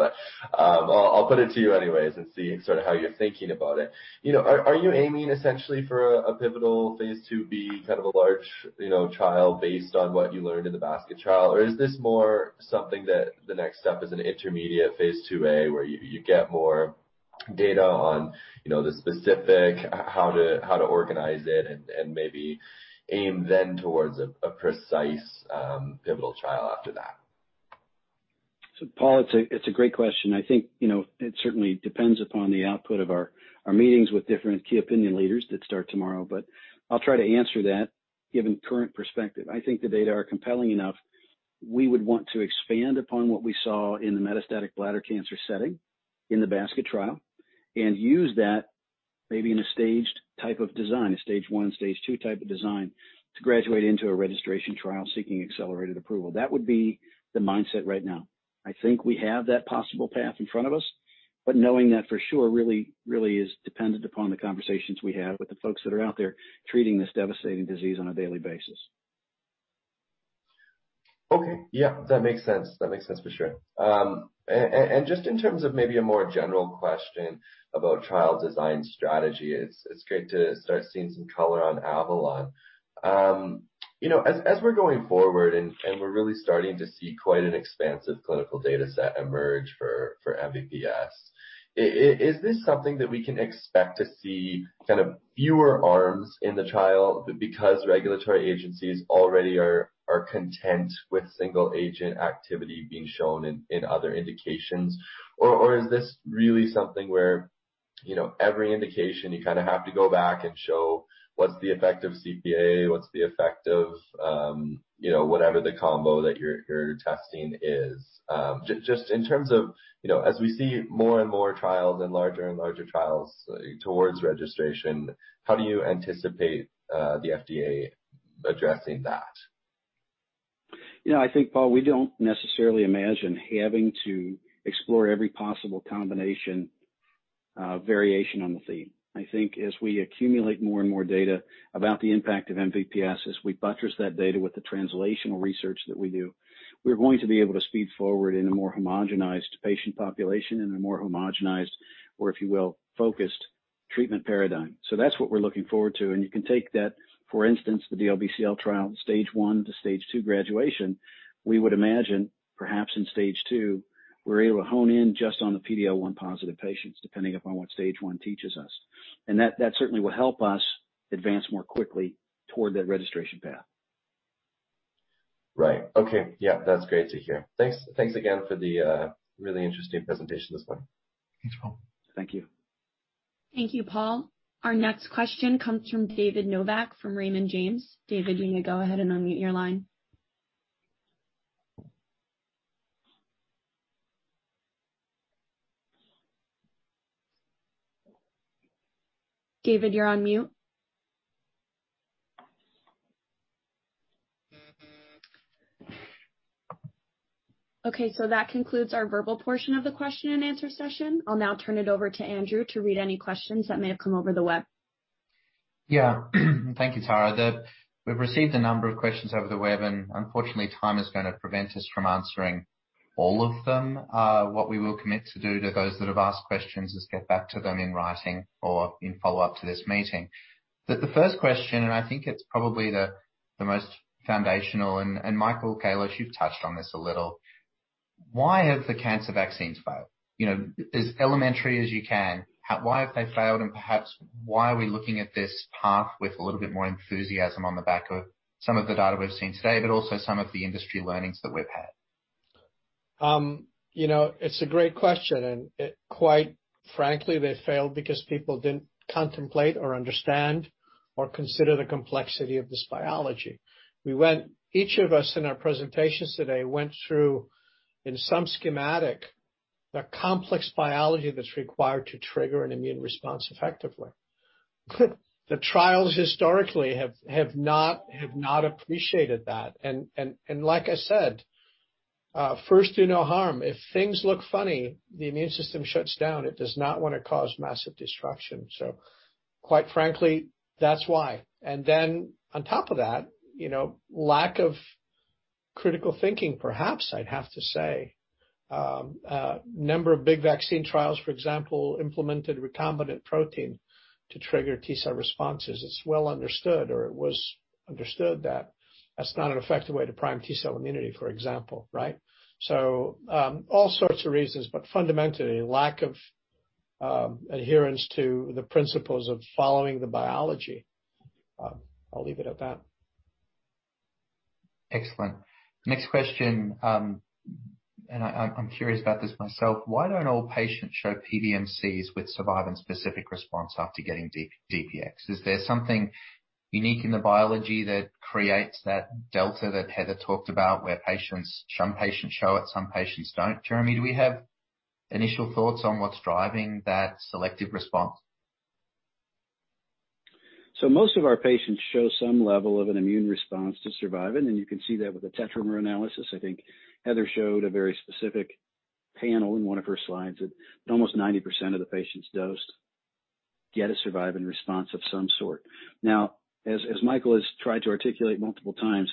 I'll put it to you anyways and see sort of how you're thinking about it. You know, are you aiming essentially for a pivotal phase IIb kind of a large, you know, trial based on what you learned in the basket trial? Is this more something that the next step is an intermediate phase IIa where you get more data on, you know, the specific how to organize it and maybe aim then towards a precise pivotal trial after that? Paul, it's a great question. I think, you know, it certainly depends upon the output of our meetings with different key opinion leaders that start tomorrow, but I'll try to answer that given current perspective. I think the data are compelling enough. We would want to expand upon what we saw in the metastatic bladder cancer setting in the basket trial and use that maybe in a staged type of design, a stage one, stage two type of design, to graduate into a registration trial seeking accelerated approval. That would be the mindset right now. I think we have that possible path in front of us, but knowing that for sure really is dependent upon the conversations we have with the folks that are out there treating this devastating disease on a daily basis. Okay. Yeah, that makes sense for sure. Just in terms of maybe a more general question about trial design strategy, it's great to start seeing some color on AVALON. You know, as we're going forward and we're really starting to see quite an expansive clinical data set emerge for MVP-S, is this something that we can expect to see kind of fewer arms in the trial because regulatory agencies already are content with single agent activity being shown in other indications? Or is this really something where, you know, every indication you kinda have to go back and show what's the effect of CPA, what's the effect of, you know, whatever the combo that you're testing is? Just in terms of, you know, as we see more and more trials and larger and larger trials, towards registration, how do you anticipate the FDA addressing that? You know, I think, Paul, we don't necessarily imagine having to explore every possible combination, variation on the theme. I think as we accumulate more and more data about the impact of MVP-S, as we buttress that data with the translational research that we do, we're going to be able to speed forward in a more homogenized patient population and a more homogenized, or if you will, focused treatment paradigm. So that's what we're looking forward to. You can take that, for instance, the DLBCL trial stage one to stage two graduation. We would imagine perhaps in stage two, we're able to hone in just on the PD-L1 positive patients, depending upon what stage one teaches us. That certainly will help us advance more quickly toward that registration path. Right. Okay. Yeah, that's great to hear. Thanks, thanks again for the really interesting presentation this morning. Thanks, Paul. Thank you. Thank you, Paul. Our next question comes from David Novak from Raymond James. David, you may go ahead and unmute your line. David, you're on mute. Okay. That concludes our verbal portion of the question and answer session. I'll now turn it over to Andrew to read any questions that may have come over the web. Yeah. Thank you, Tara. We've received a number of questions over the web, and unfortunately, time is gonna prevent us from answering all of them. What we will commit to do to those that have asked questions is get back to them in writing or in follow-up to this meeting. The first question, and I think it's probably the most foundational, and Michael Kalos, you've touched on this a little. Why have the cancer vaccines failed? You know, as elementary as you can, why have they failed? Perhaps why are we looking at this path with a little bit more enthusiasm on the back of some of the data we've seen today, but also some of the industry learnings that we've had? You know, it's a great question. Quite frankly, they failed because people didn't contemplate or understand or consider the complexity of this biology. Each of us in our presentations today went through, in some schematic, the complex biology that's required to trigger an immune response effectively. The trials historically have not appreciated that. Like I said, first, do no harm. If things look funny, the immune system shuts down. It does not wanna cause massive destruction. Quite frankly, that's why. Then on top of that, you know, lack of critical thinking, perhaps I'd have to say. Number of big vaccine trials, for example, implemented recombinant protein to trigger T cell responses. It's well understood, or it was understood that that's not an effective way to prime T cell immunity, for example, right? All sorts of reasons, but fundamentally lack of adherence to the principles of following the biology. I'll leave it at that. Excellent. Next question, I'm curious about this myself. Why don't all patients show PBMCs with survivin specific response after getting DPX? Is there something unique in the biology that creates that delta that Heather talked about, where some patients show it, some patients don't? Jeremy, do we have initial thoughts on what's driving that selective response? Most of our patients show some level of an immune response to survivin, and you can see that with the tetramer analysis. I think Heather showed a very specific panel in one of her slides, that almost 90% of the patients dosed get a survivin response of some sort. Now, Michael has tried to articulate multiple times,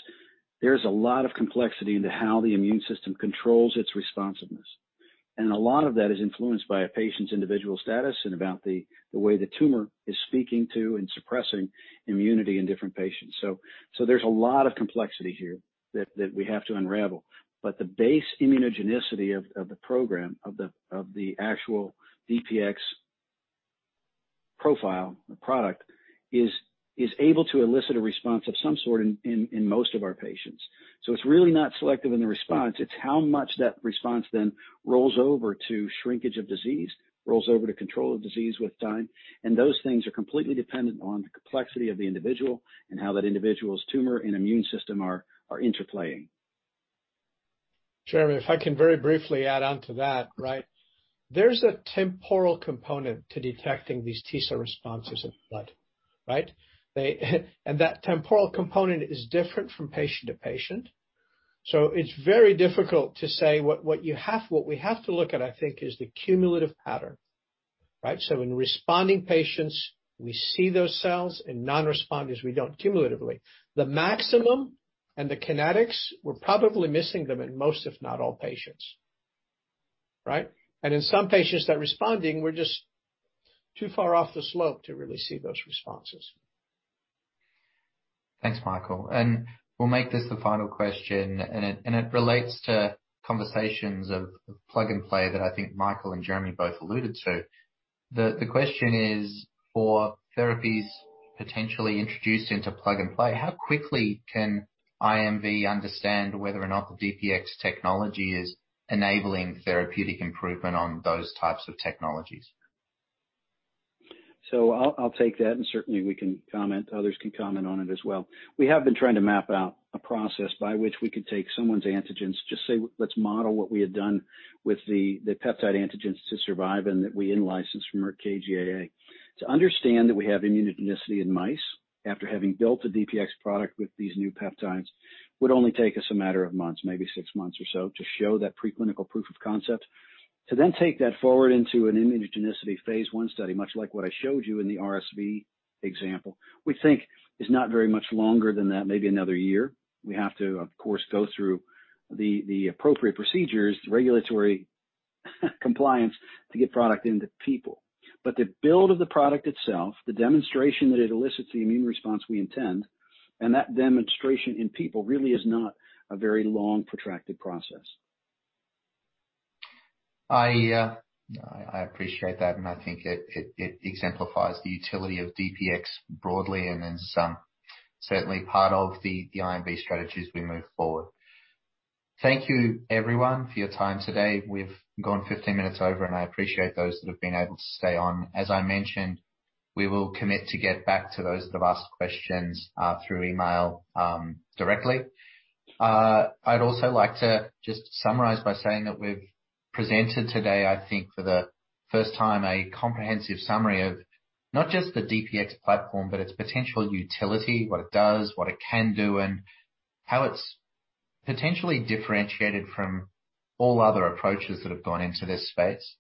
there's a lot of complexity into how the immune system controls its responsiveness, and a lot of that is influenced by a patient's individual status and about the way the tumor is speaking to and suppressing immunity in different patients. There's a lot of complexity here that we have to unravel. But the base immunogenicity of the program, of the actual DPX platform, the product is able to elicit a response of some sort in most of our patients. It's really not selective in the response, it's how much that response then rolls over to shrinkage of disease, rolls over to control of disease with time. Those things are completely dependent on the complexity of the individual and how that individual's tumor and immune system are interplaying. Jeremy, if I can very briefly add on to that, right? There's a temporal component to detecting these T cell responses in blood, right? That temporal component is different from patient to patient, so it's very difficult to say what we have to look at, I think, is the cumulative pattern, right? So in responding patients, we see those cells, in non-responders, we don't cumulatively. The maximum and the kinetics, we're probably missing them in most, if not all, patients, right? In some patients that responding, we're just too far off the slope to really see those responses. Thanks, Michael, and we'll make this the final question and it relates to conversations of plug and play that I think Michael and Jeremy both alluded to. The question is, for therapies potentially introduced into plug and play, how quickly can IMV understand whether or not the DPX technology is enabling therapeutic improvement on those types of technologies? I'll take that, and certainly we can comment, others can comment on it as well. We have been trying to map out a process by which we could take someone's antigens to say, let's model what we had done with the peptide antigens to survivin that we in-licensed from Merck KGaA. To understand that we have immunogenicity in mice after having built a DPX product with these new peptides would only take us a matter of months, maybe six months or so, to show that preclinical proof of concept. To then take that forward into an immunogenicity phase I study, much like what I showed you in the RSV example, we think is not very much longer than that, maybe another year. We have to, of course, go through the appropriate procedures, regulatory compliance to get product into people. The build of the product itself, the demonstration that it elicits the immune response we intend, and that demonstration in people really is not a very long, protracted process. I appreciate that, and I think it exemplifies the utility of DPX broadly and is certainly part of the IMV strategy as we move forward. Thank you, everyone, for your time today. We've gone 15 minutes over, and I appreciate those that have been able to stay on. As I mentioned, we will commit to get back to those that have asked questions through email directly. I'd also like to just summarize by saying that we've presented today, I think for the first time, a comprehensive summary of not just the DPX platform, but its potential utility, what it does, what it can do, and how it's potentially differentiated from all other approaches that have gone into this space.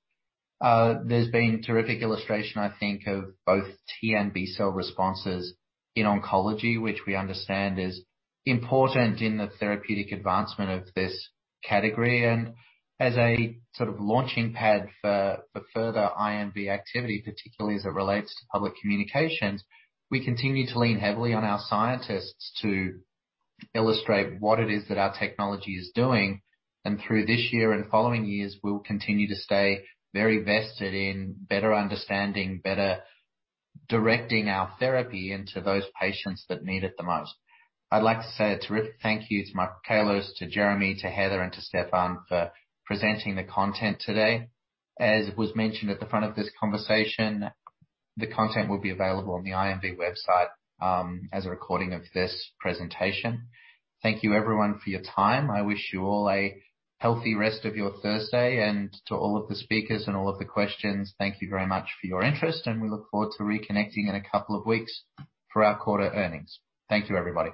There's been terrific illustration, I think, of both T and B cell responses in oncology, which we understand is important in the therapeutic advancement of this category. As a sort of launching pad for further IMV activity, particularly as it relates to public communications, we continue to lean heavily on our scientists to illustrate what it is that our technology is doing. Through this year and following years, we'll continue to stay very vested in better understanding, better directing our therapy into those patients that need it the most. I'd like to say a terrific thank you to Michael Kalos, to Jeremy, to Heather, and to Stephan for presenting the content today. As was mentioned at the front of this conversation, the content will be available on the IMV website, as a recording of this presentation. Thank you, everyone, for your time. I wish you all a healthy rest of your Thursday. To all of the speakers and all of the questions, thank you very much for your interest, and we look forward to reconnecting in a couple of weeks for our quarter earnings. Thank you, everybody.